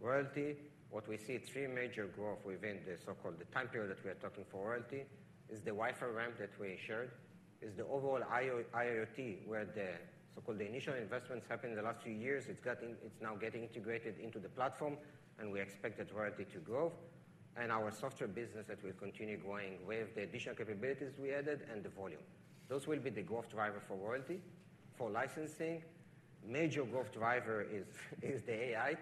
Royalty, what we see three major growth within the so-called time period that we are talking for royalty, is the Wi-Fi ramp that we assured, is the overall IoT, where the so-called the initial investments happened in the last few years. It's now getting integrated into the platform, and we expect that royalty to grow. And our software business that will continue growing with the additional capabilities we added and the volume. Those will be the growth driver for royalty. For licensing, major growth driver is the AI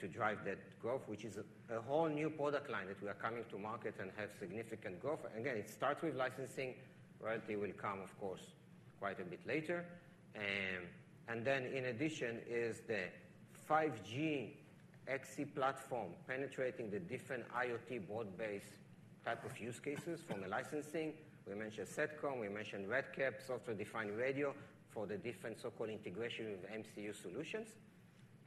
to drive that growth, which is a whole new product line that we are coming to market and have significant growth. Again, it starts with licensing. Royalty will come, of course, quite a bit later. And then in addition, is the 5G XC platform penetrating the different IoT board-based type of use cases from the licensing. We mentioned Satcom, we mentioned RedCap, software-defined radio for the different so-called integration of MCU solutions.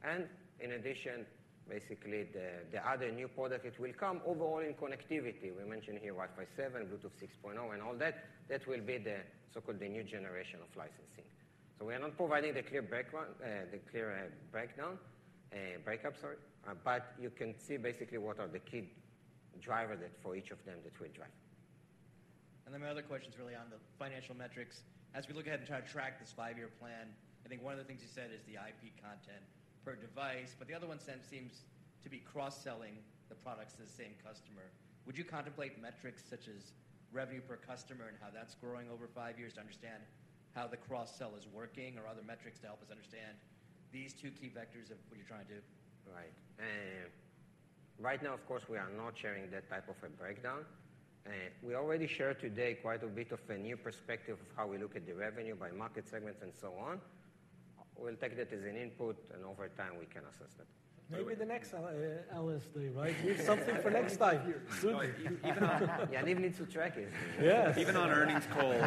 And in addition, basically, the, the other new product, it will come overall in connectivity. We mentioned here Wi-Fi 7, Bluetooth 6.0 and all that. That will be the, so-called, the new generation of licensing. So we are not providing the clear breakone, the clear, breakdown, breakup, sorry. But you can see basically what are the key driver that for each of them that we drive. Then my other question is really on the financial metrics. As we look ahead and try to track this five-year plan, I think one of the things you said is the IP content per device, but the other one seems to be cross-selling the products to the same customer. Would you contemplate metrics such as revenue per customer and how that's growing over five years, to understand how the cross-sell is working, or other metrics to help us understand these two key vectors of what you're trying to do? Right. Right now, of course, we are not sharing that type of a breakdown. We already shared today quite a bit of a new perspective of how we look at the revenue by market segments and so on. We'll take that as an input, and over time, we can assess that. Maybe the next, LSD, right? Leave something for next time. Yeah, even need to track it. Yes. Even on earnings calls,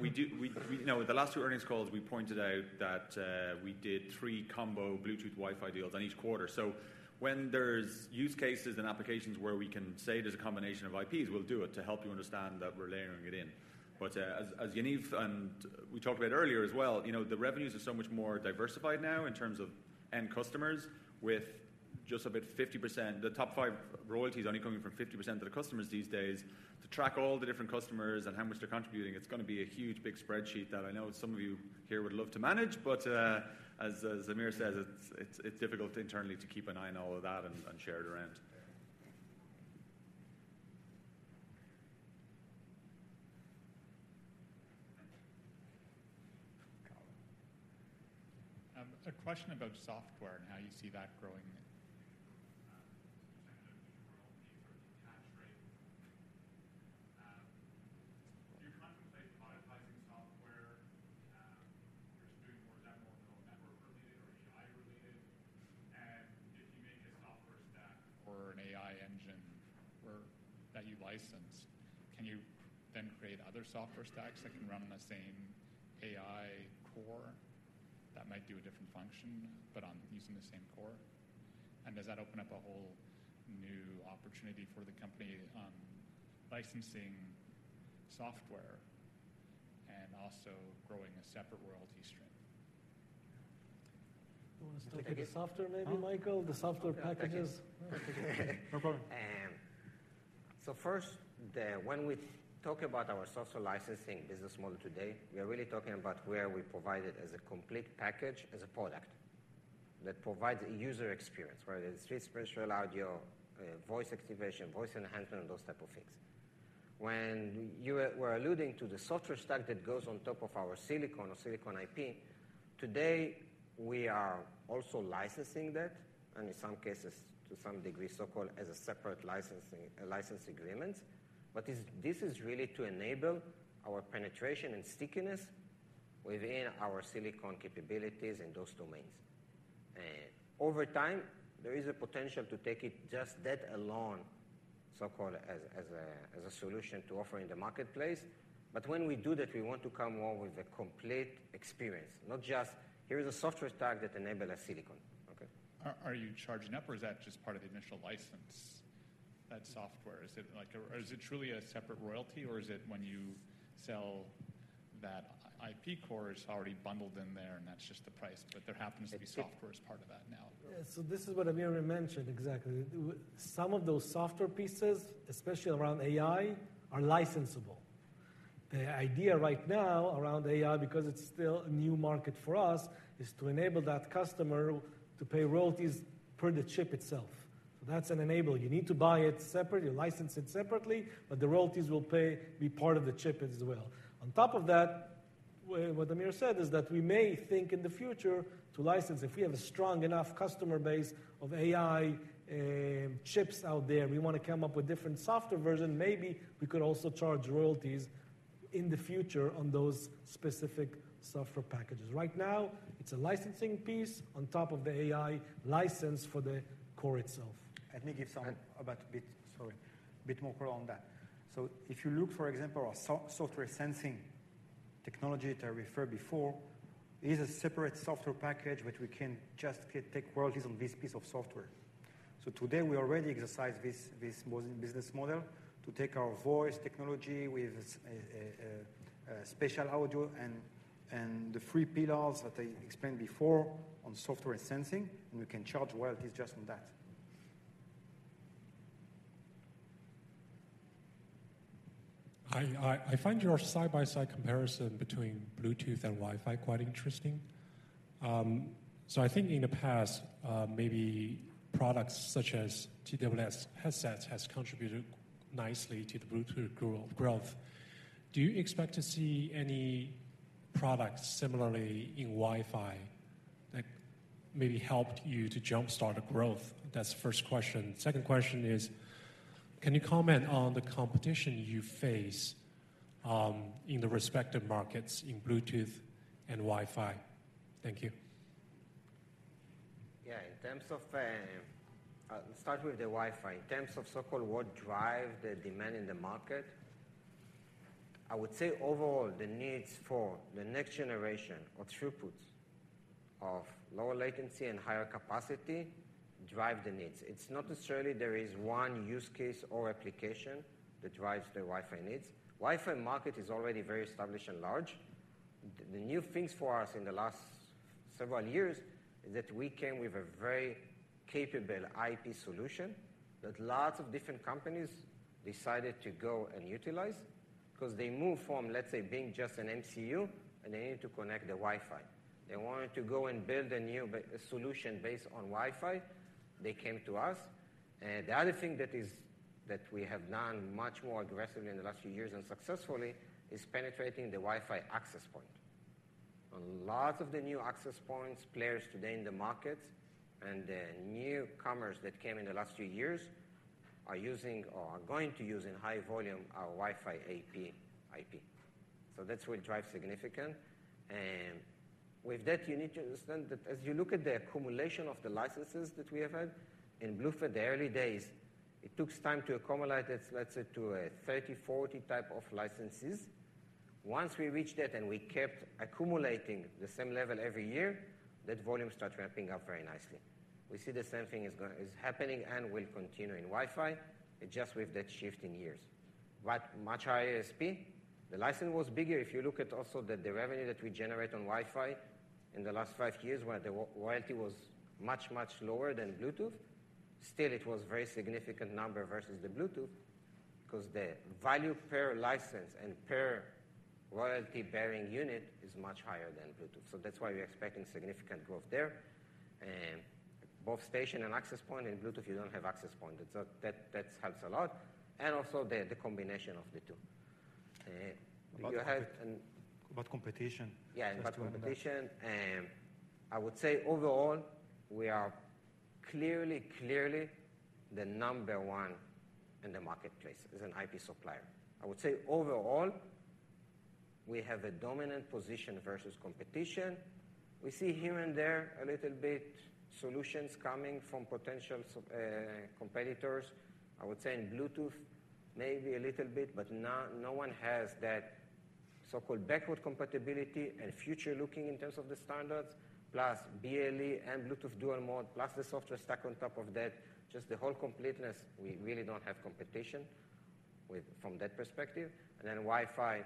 we do. You know, the last two earnings calls, we pointed out that we did three combo Bluetooth, Wi-Fi deals on each quarter. So when there's use cases and applications where we can say there's a combination of IPs, we'll do it to help you understand that we're layering it in. But as Yaniv and we talked about earlier as well, you know, the revenues are so much more diversified now in terms of end customers, with just about 50%. The top five royalties only coming from 50% of the customers these days. To track all the different customers and how much they're contributing, it's gonna be a huge, big spreadsheet that I know some of you here would love to manage, but, as Amir says, it's difficult internally to keep an eye on all of that and share it around. A question about software and how you see that growing. Do you contemplate monetizing software, or just doing more network related or AI related? And if you make a software stack or an AI engine or that you license, can you then create other software stacks that can run on the same AI core that might do a different function, but on using the same core? And does that open up a whole new opportunity for the company on licensing software and also growing a separate royalty stream? You want to take the software, maybe Michael, the software packages? No problem. So first, when we talk about our software licensing business model today, we are really talking about where we provide it as a complete package, as a product that provides a user experience, whether it's 3D spatial audio, voice activation, voice enhancement, and those type of things. When you were alluding to the software stack that goes on top of our silicon or silicon IP, today, we are also licensing that, and in some cases, to some degree, so-called, as a separate licensing license agreements. But this, this is really to enable our penetration and stickiness within our silicon capabilities in those domains. Over time, there is a potential to take it just that alone, so-called, as a solution to offer in the marketplace. When we do that, we want to come up with a complete experience, not just here is a software stack that enable a silicon. Okay? Are you charging up or is that just part of the initial license, that software? Is it like or is it truly a separate royalty, or is it when you sell that IP core, it's already bundled in there and that's just the price, but there happens to be software as part of that now? Yeah. So this is what Amir mentioned exactly. Some of those software pieces, especially around AI, are licensable. The idea right now around AI, because it's still a new market for us, is to enable that customer to pay royalties per the chip itself. So that's an enabler. You need to buy it separately, you license it separately, but the royalties will pay be part of the chip as well. On top of that, what Amir said, is that we may think in the future to license, if we have a strong enough customer base of AI, chips out there, we wanna come up with different software version. Maybe we could also charge royalties in the future on those specific software packages. Right now, it's a licensing piece on top of the AI license for the core itself. Let me give some-about a bit, sorry, a bit more color on that. So if you look, for example, our software sensing technology that I referred before, is a separate software package, but we can just take royalties on this piece of software. So today, we already exercise this business model to take our voice technology with spatial audio and the three pillars that I explained before on software and sensing, and we can charge royalties just on that. I find your side-by-side comparison between Bluetooth and Wi-Fi quite interesting. So I think in the past, maybe products such as TWS headsets has contributed nicely to the Bluetooth growth. Do you expect to see any products similarly in Wi-Fi that maybe helped you to jumpstart the growth? That's the first question. Second question is: Can you comment on the competition you face, in the respective markets in Bluetooth and Wi-Fi? Thank you. Yeah, in terms of, I'll start with the Wi-Fi. In terms of so-called what drive the demand in the market, I would say overall, the needs for the next generation of throughputs of lower latency and higher capacity drive the needs. It's not necessarily there is one use case or application that drives the Wi-Fi needs. Wi-Fi market is already very established and large. The, the new things for us in the last several years is that we came with a very capable IP solution that lots of different companies decided to go and utilize. 'Cause they moved from, let's say, being just an MCU, and they needed to connect the Wi-Fi. They wanted to go and build a new b- solution based on Wi-Fi. They came to us. The other thing that we have done much more aggressively in the last few years and successfully is penetrating the Wi-Fi access point. A lot of the new access points players today in the market and the newcomers that came in the last few years are using or are going to use in high volume our Wi-Fi AP IP. So that's what drives significant. And with that, you need to understand that as you look at the accumulation of the licenses that we have had, in Bluetooth, the early days, it took time to accumulate, let's say, to 30, 40 type of licenses. Once we reached that, and we kept accumulating the same level every year, that volume start ramping up very nicely. We see the same thing is happening and will continue in Wi-Fi, just with that shift in years. But much higher ASP, the license was bigger. If you look at also the revenue that we generate on Wi-Fi in the last five years, where the royalty was much, much lower than Bluetooth, still it was very significant number versus the Bluetooth, 'cause the value per license and per royalty-bearing unit is much higher than Bluetooth. So that's why we're expecting significant growth there. And both station and access point, in Bluetooth, you don't have access point. It's that helps a lot, and also the combination of the two. If you had an- About competition. Yeah, about competition. I would say overall, we are clearly, clearly the number one in the marketplace as an IP supplier. I would say overall, we have a dominant position versus competition. We see here and there a little bit solutions coming from potential competitors. I would say in Bluetooth, maybe a little bit, but no one has that so-called backward compatibility and future-looking in terms of the standards, plus BLE and Bluetooth dual mode, plus the software stack on top of that, just the whole completeness, we really don't have competition with... from that perspective. And then Wi-Fi,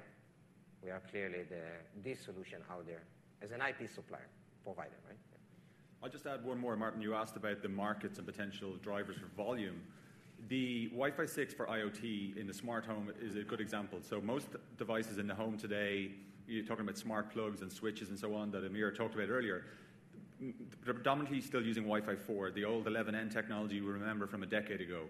we are clearly the solution out there as an IP supplier, provider, right? I'll just add one more. Martin, you asked about the markets and potential drivers for volume. The Wi-Fi 6 for IoT in the smart home is a good example. So most devices in the home today, you're talking about smart plugs and switches and so on, that Amir talked about earlier, they're predominantly still using Wi-Fi 4, the old 11n technology you remember from a decade ago.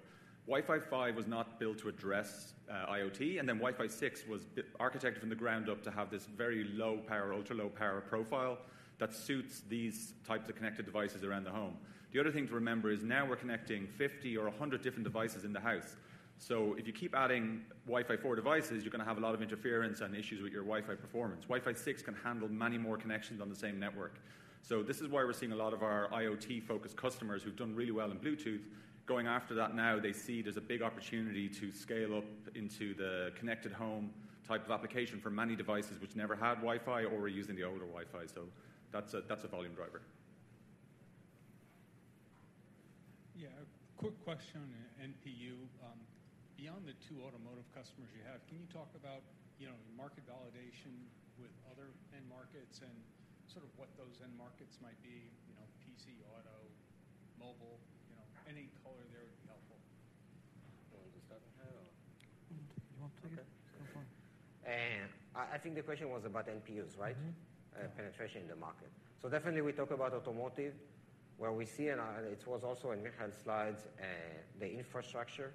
Wi-Fi 5 was not built to address IoT, and then Wi-Fi 6 was architected from the ground up to have this very low power, ultra-low power profile, that suits these types of connected devices around the home. The other thing to remember is now we're connecting 50 or 100 different devices in the house. So if you keep adding Wi-Fi 4 devices, you're gonna have a lot of interference and issues with your Wi-Fi performance. Wi-Fi 6 can handle many more connections on the same network. So this is why we're seeing a lot of our IoT-focused customers who've done really well in Bluetooth, going after that now. They see there's a big opportunity to scale up into the connected home type of application for many devices which never had Wi-Fi or were using the older Wi-Fi. So that's a volume driver. Yeah, a quick question on NPU. Beyond the two automotive customers you have, can you talk about, you know, market validation with other end markets and sort of what those end markets might be? You know, PC, auto, mobile, you know, any color there would be helpful. You want to start with that or? You want to? Okay. Go for it. I think the question was about NPUs, right? Mm-hmm. Penetration in the market. So definitely we talk about automotive, where we see, and it was also in Michael's slides, the infrastructure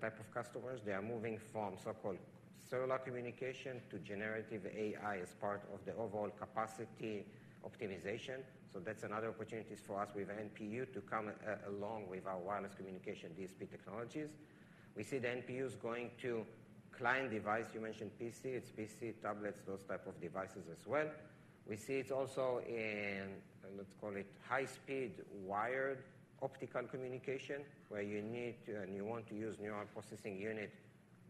type of customers. They are moving from so-called cellular communication to generative AI as part of the overall capacity optimization. So that's another opportunities for us with NPU to come along with our wireless communication DSP technologies. We see the NPUs going to client device. You mentioned PC, it's PC, tablets, those type of devices as well. We see it's also in, let's call it, high-speed wired optical communication, where you need to and you want to use neural processing unit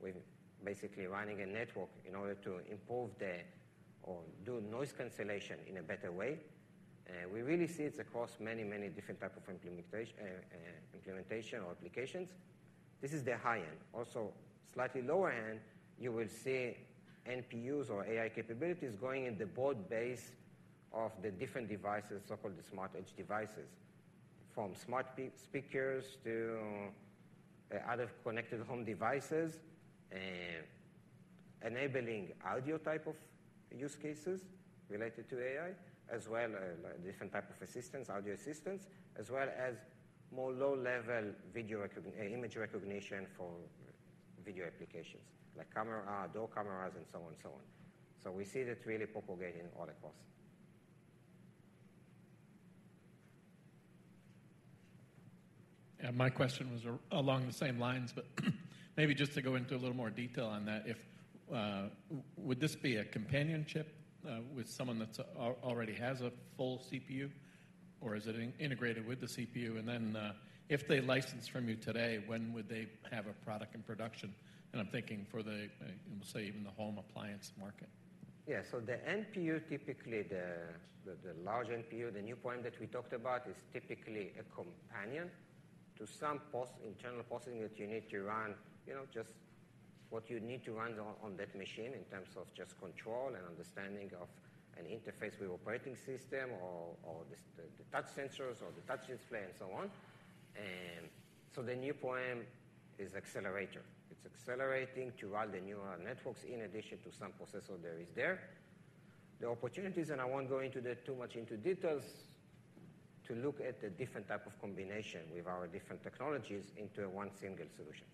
with basically running a network in order to improve the or do noise cancellation in a better way. And we really see it across many, many different type of implementation, implementation or applications. This is the high end. Also, slightly lower end, you will see NPUs or AI capabilities going in the broad base of the different devices, so-called the Smart Edge devices, from smart speakers to other connected home devices. Enabling audio type of use cases related to AI, as well, different type of assistants, audio assistants, as well as more low-level video recognition, image recognition for video applications, like camera door cameras and so on and so on. So we see that really propagating all across. My question was along the same lines, but maybe just to go into a little more detail on that. Would this be a companion chip with someone that's already has a full CPU, or is it integrated with the CPU? And then, if they license from you today, when would they have a product in production? And I'm thinking for the, say, even the home appliance market. Yeah. So the NPU, typically the, the, the large NPU, the NPU that we talked about, is typically a companion to some processor, internal processing that you need to run, you know, just what you need to run on, on that machine in terms of just control and understanding of an interface with operating system or, or the touch sensors or the touch display and so on. And so the NPU is accelerator. It's accelerating to run the neural networks in addition to some processor that is there. The opportunities, and I won't go into that too much into details, to look at the different type of combination with our different technologies into one single solution.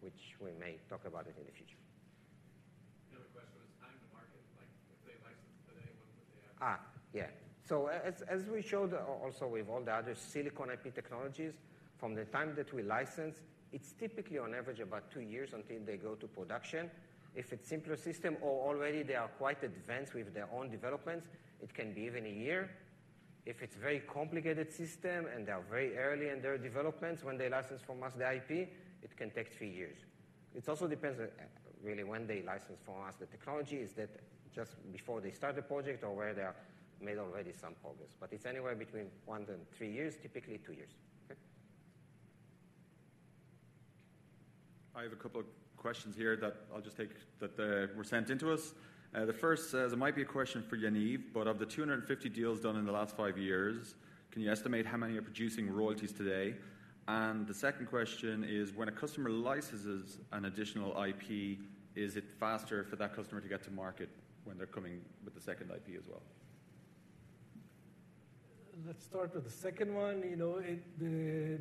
Which we may talk about it in the future. The other question was time to market, like, if they licensed today, when would they have it? Ah, yeah. So as, as we showed, also with all the other silicon IP technologies, from the time that we license, it's typically on average about two years until they go to production. If it's simpler system or already they are quite advanced with their own developments, it can be even a year. If it's very complicated system and they are very early in their developments, when they license from us the IP, it can take three years. It also depends on, really when they license from us the technology, is that just before they start the project or where they are made already some progress. But it's anywhere between one and three years, typically two years. Okay? I have a couple of questions here that I'll just take that were sent into us. The first says, it might be a question for Yaniv, but of the 250 deals done in the last five years, can you estimate how many are producing royalties today? And the second question is: When a customer licenses an additional IP, is it faster for that customer to get to market when they're coming with the second IP as well? Let's start with the second one. You know,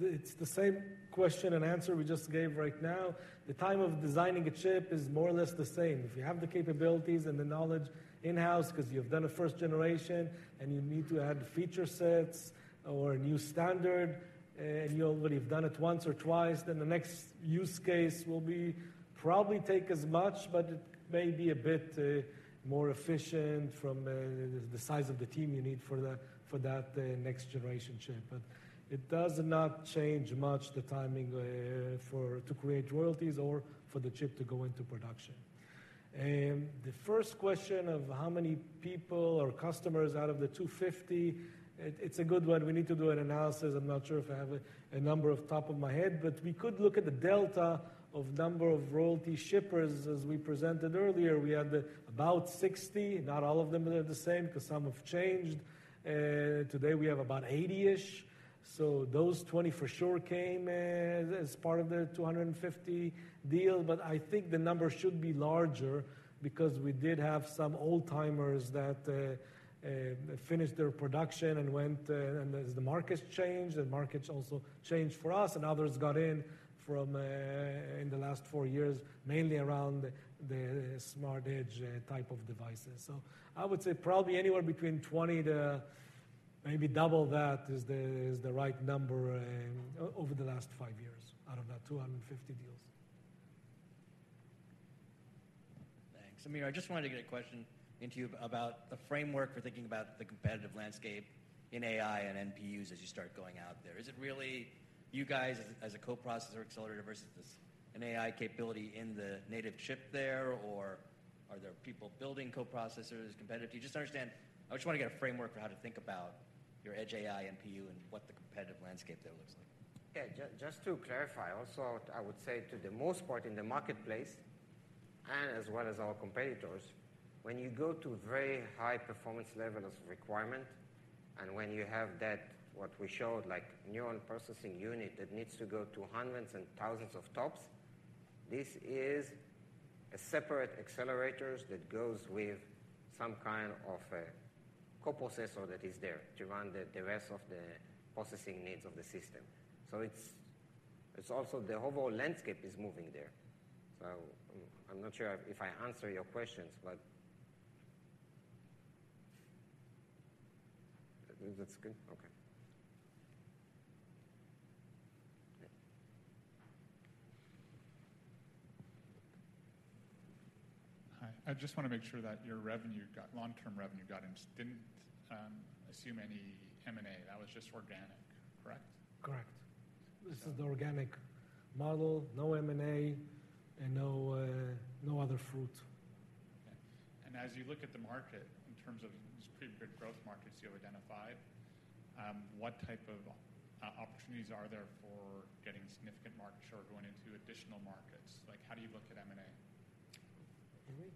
it's the same question and answer we just gave right now. The time of designing a chip is more or less the same. If you have the capabilities and the knowledge in-house because you've done a first generation and you need to add feature sets or a new standard, and you already have done it once or twice, then the next use case will probably take as much, but it may be a bit more efficient from the size of the team you need for that next generation chip. But it does not change much, the timing to create royalties or for the chip to go into production. And the first question of how many people or customers out of the 250, it's a good one. We need to do an analysis. I'm not sure if I have a number off the top of my head, but we could look at the delta of number of royalty shippers. As we presented earlier, we had about 60. Not all of them are the same, 'cause some have changed. Today we have about 80-ish. So those 20 for sure came as part of the 250 deal. But I think the number should be larger because we did have some old-timers that finished their production and went. And as the markets changed, the markets also changed for us, and others got in from in the last four years, mainly around the Smart Edge type of devices. So I would say probably anywhere between 20 to maybe double that is the right number over the last five years, out of that 250 deals. Thanks. Amir, I just wanted to get a question into you about the framework for thinking about the competitive landscape in AI and NPUs as you start going out there. Is it really you guys as, as a co-processor accelerator versus this, an AI capability in the native chip there, or are there people building co-processors, competitive? Just to understand. I just want to get a framework for how to think about your edge AI NPU and what the competitive landscape there looks like. Yeah, just to clarify, also, I would say to the most part in the marketplace, and as well as our competitors, when you go to very high performance level as a requirement, and when you have that, what we showed, like neural processing unit, that needs to go to hundreds and thousands of TOPS, this is a separate accelerators that goes with some kind of a co-processor that is there to run the rest of the processing needs of the system. So it's also the overall landscape is moving there. So I'm not sure if I answer your questions, but... I think that's good? Okay. Hi. I just want to make sure that your revenue-... long-term revenue guidance didn't assume any M&A. That was just organic, correct? Correct. This is the organic model, no M&A, and no, no other fruit. Okay. And as you look at the market, in terms of these pretty big growth markets you identified, what type of opportunities are there for getting significant market share or going into additional markets? Like, how do you look at M&A? Can we? Can you hear me?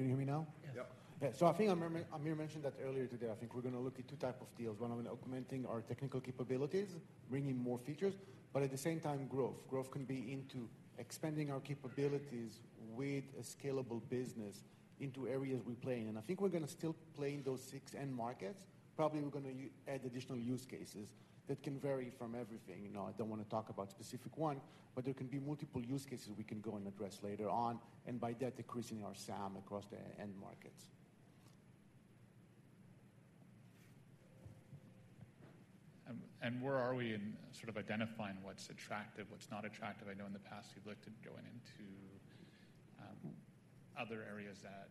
Can you hear me now? Yes. Yeah. So I think Amir, Amir mentioned that earlier today. I think we're gonna look at two type of deals. One on augmenting our technical capabilities, bringing more features, but at the same time, growth. Growth can be into expanding our capabilities with a scalable business into areas we play in. And I think we're gonna still play in those six end markets. Probably, we're gonna add additional use cases that can vary from everything. You know, I don't wanna talk about specific one, but there can be multiple use cases we can go and address later on, and by that, decreasing our SAM across the end markets. And where are we in sort of identifying what's attractive, what's not attractive? I know in the past you've looked at going into, other areas that-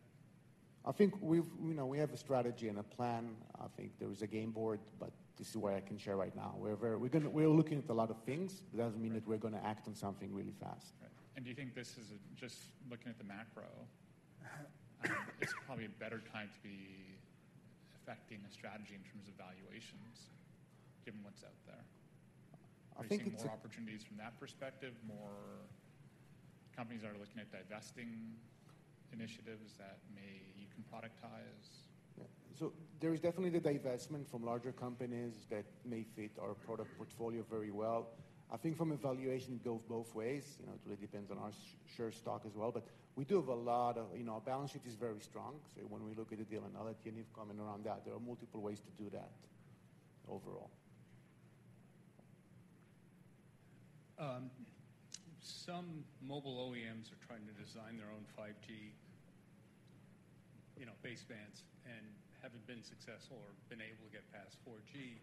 I think we've. You know, we have a strategy and a plan. I think there is a game board, but this is what I can share right now. We're looking at a lot of things. It doesn't mean that we're gonna act on something really fast. Right. And do you think this is a, just looking at the macro, it's probably a better time to be affecting a strategy in terms of valuations, given what's out there? I think it's. Are you seeing more opportunities from that perspective, more companies are looking at divesting initiatives that maybe you can productize? Yeah. So there is definitely the divestment from larger companies that may fit our product portfolio very well. I think from a valuation, it goes both ways. You know, it really depends on our share stock as well. But we do have a lot of, you know, our balance sheet is very strong. So when we look at a deal, and I'll let Yaniv comment around that, there are multiple ways to do that overall. Some mobile OEMs are trying to design their own 5G, you know, basebands and haven't been successful or been able to get past 4G.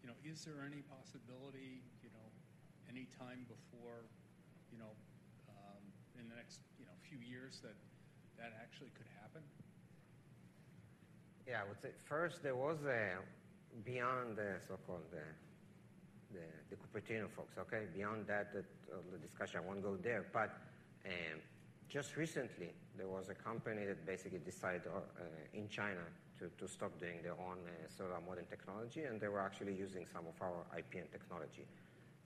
You know, is there any possibility, you know, any time before, you know, in the next, you know, few years that that actually could happen? Yeah, I would say first there was a beyond the so-called, the Cupertino folks, okay? Beyond that, the discussion, I won't go there. But just recently, there was a company that basically decided in China to stop doing their own SoC modem technology, and they were actually using some of our IP and technology.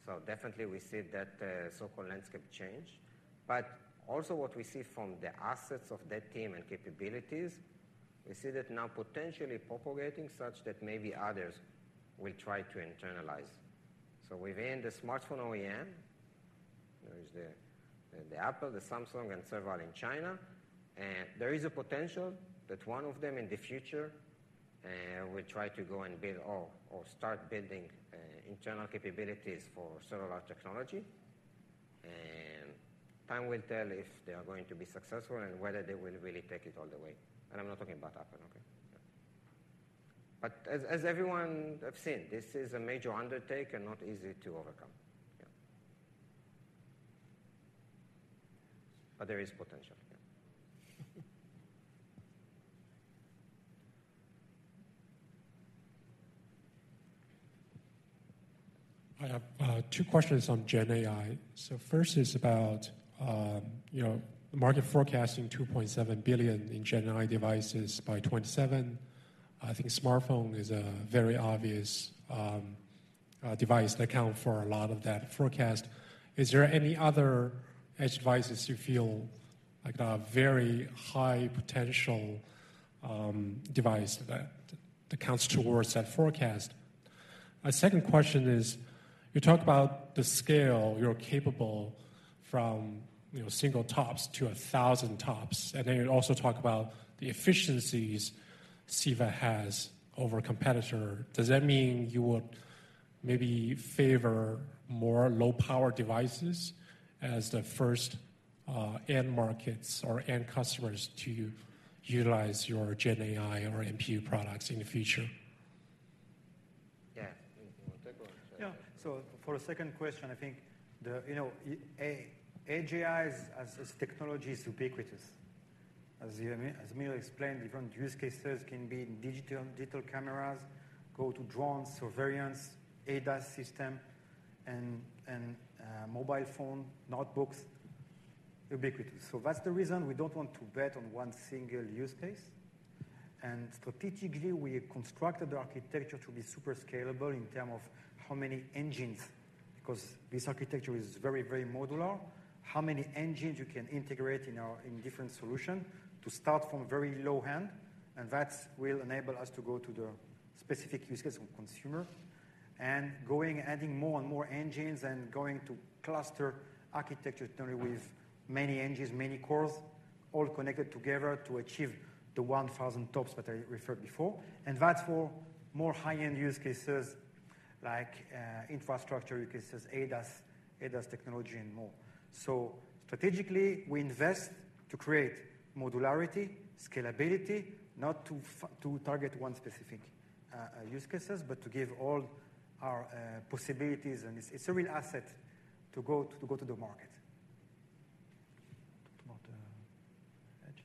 So definitely we see that so-called landscape change. But also what we see from the assets of that team and capabilities, we see that now potentially propagating such that maybe others will try to internalize. So within the smartphone OEM, there is the Apple, the Samsung, and several in China. There is a potential that one of them in the future will try to go and build or start building internal capabilities for cellular technology. Time will tell if they are going to be successful and whether they will really take it all the way. I'm not talking about Apple, okay? As, as everyone have seen, this is a major undertaking and not easy to overcome. Yeah. There is potential. I have two questions on Gen AI. So first is about, you know, market forecasting 2.7 billion in Gen AI devices by 2027. I think smartphone is a very obvious device that account for a lot of that forecast. Is there any other edge devices you feel like a very high potential device that counts towards that forecast? My second question is: you talked about the scale you're capable from, you know, single TOPS to 1,000 TOPS, and then you also talk about the efficiencies Ceva has over competitor. Does that mean you would maybe favor more low-power devices as the first end markets or end customers to utilize your Gen AI or NPU products in the future? Yeah. You want to take or should I? Yeah. So for the second question, I think, you know, AGI as technology is ubiquitous. As Yaniv, as Amir explained, different use cases can be in digital cameras, drones, surveillance, ADAS system and mobile phone, notebooks, ubiquitous. So that's the reason we don't want to bet on one single use case. Strategically, we constructed the architecture to be super scalable in terms of how many engines, because this architecture is very, very modular. How many engines you can integrate in our in different solution to start from a very low end, and that will enable us to go to the specific use case of consumer. Going, adding more and more engines and going to cluster architecture journey with many engines, many cores, all connected together to achieve the 1000 TOPS that I referred before. That's for more high-end use cases like infrastructure use cases, ADAS, ADAS technology, and more. So strategically, we invest to create modularity, scalability, not to target one specific use cases, but to give all our possibilities, and it's a real asset to go to the market. Talk about edge?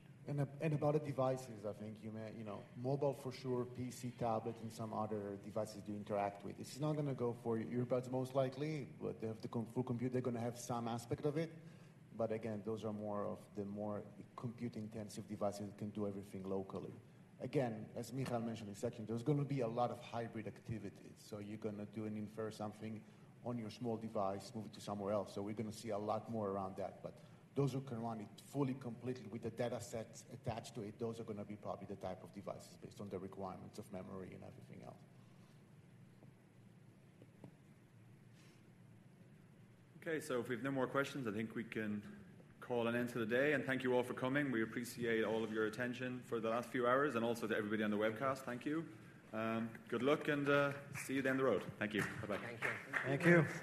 And about the devices, I think you may, you know, mobile for sure, PC, tablet, and some other devices you interact with. It's not gonna go for your earbuds, most likely, but they have the compute full compute; they're gonna have some aspect of it. But again, those are more of the more compute-intensive devices that can do everything locally. Again, as Michael mentioned in second, there's gonna be a lot of hybrid activity, so you're gonna do an infer something on your small device, move it to somewhere else. So we're gonna see a lot more around that. But those who can run it fully, completely with the data sets attached to it, those are gonna be probably the type of devices based on the requirements of memory and everything else. Okay, so if we've no more questions, I think we can call an end to the day, and thank you all for coming. We appreciate all of your attention for the last few hours and also to everybody on the webcast, thank you. Good luck and, see you down the road. Thank you. Bye-bye. Thank you. Thank you.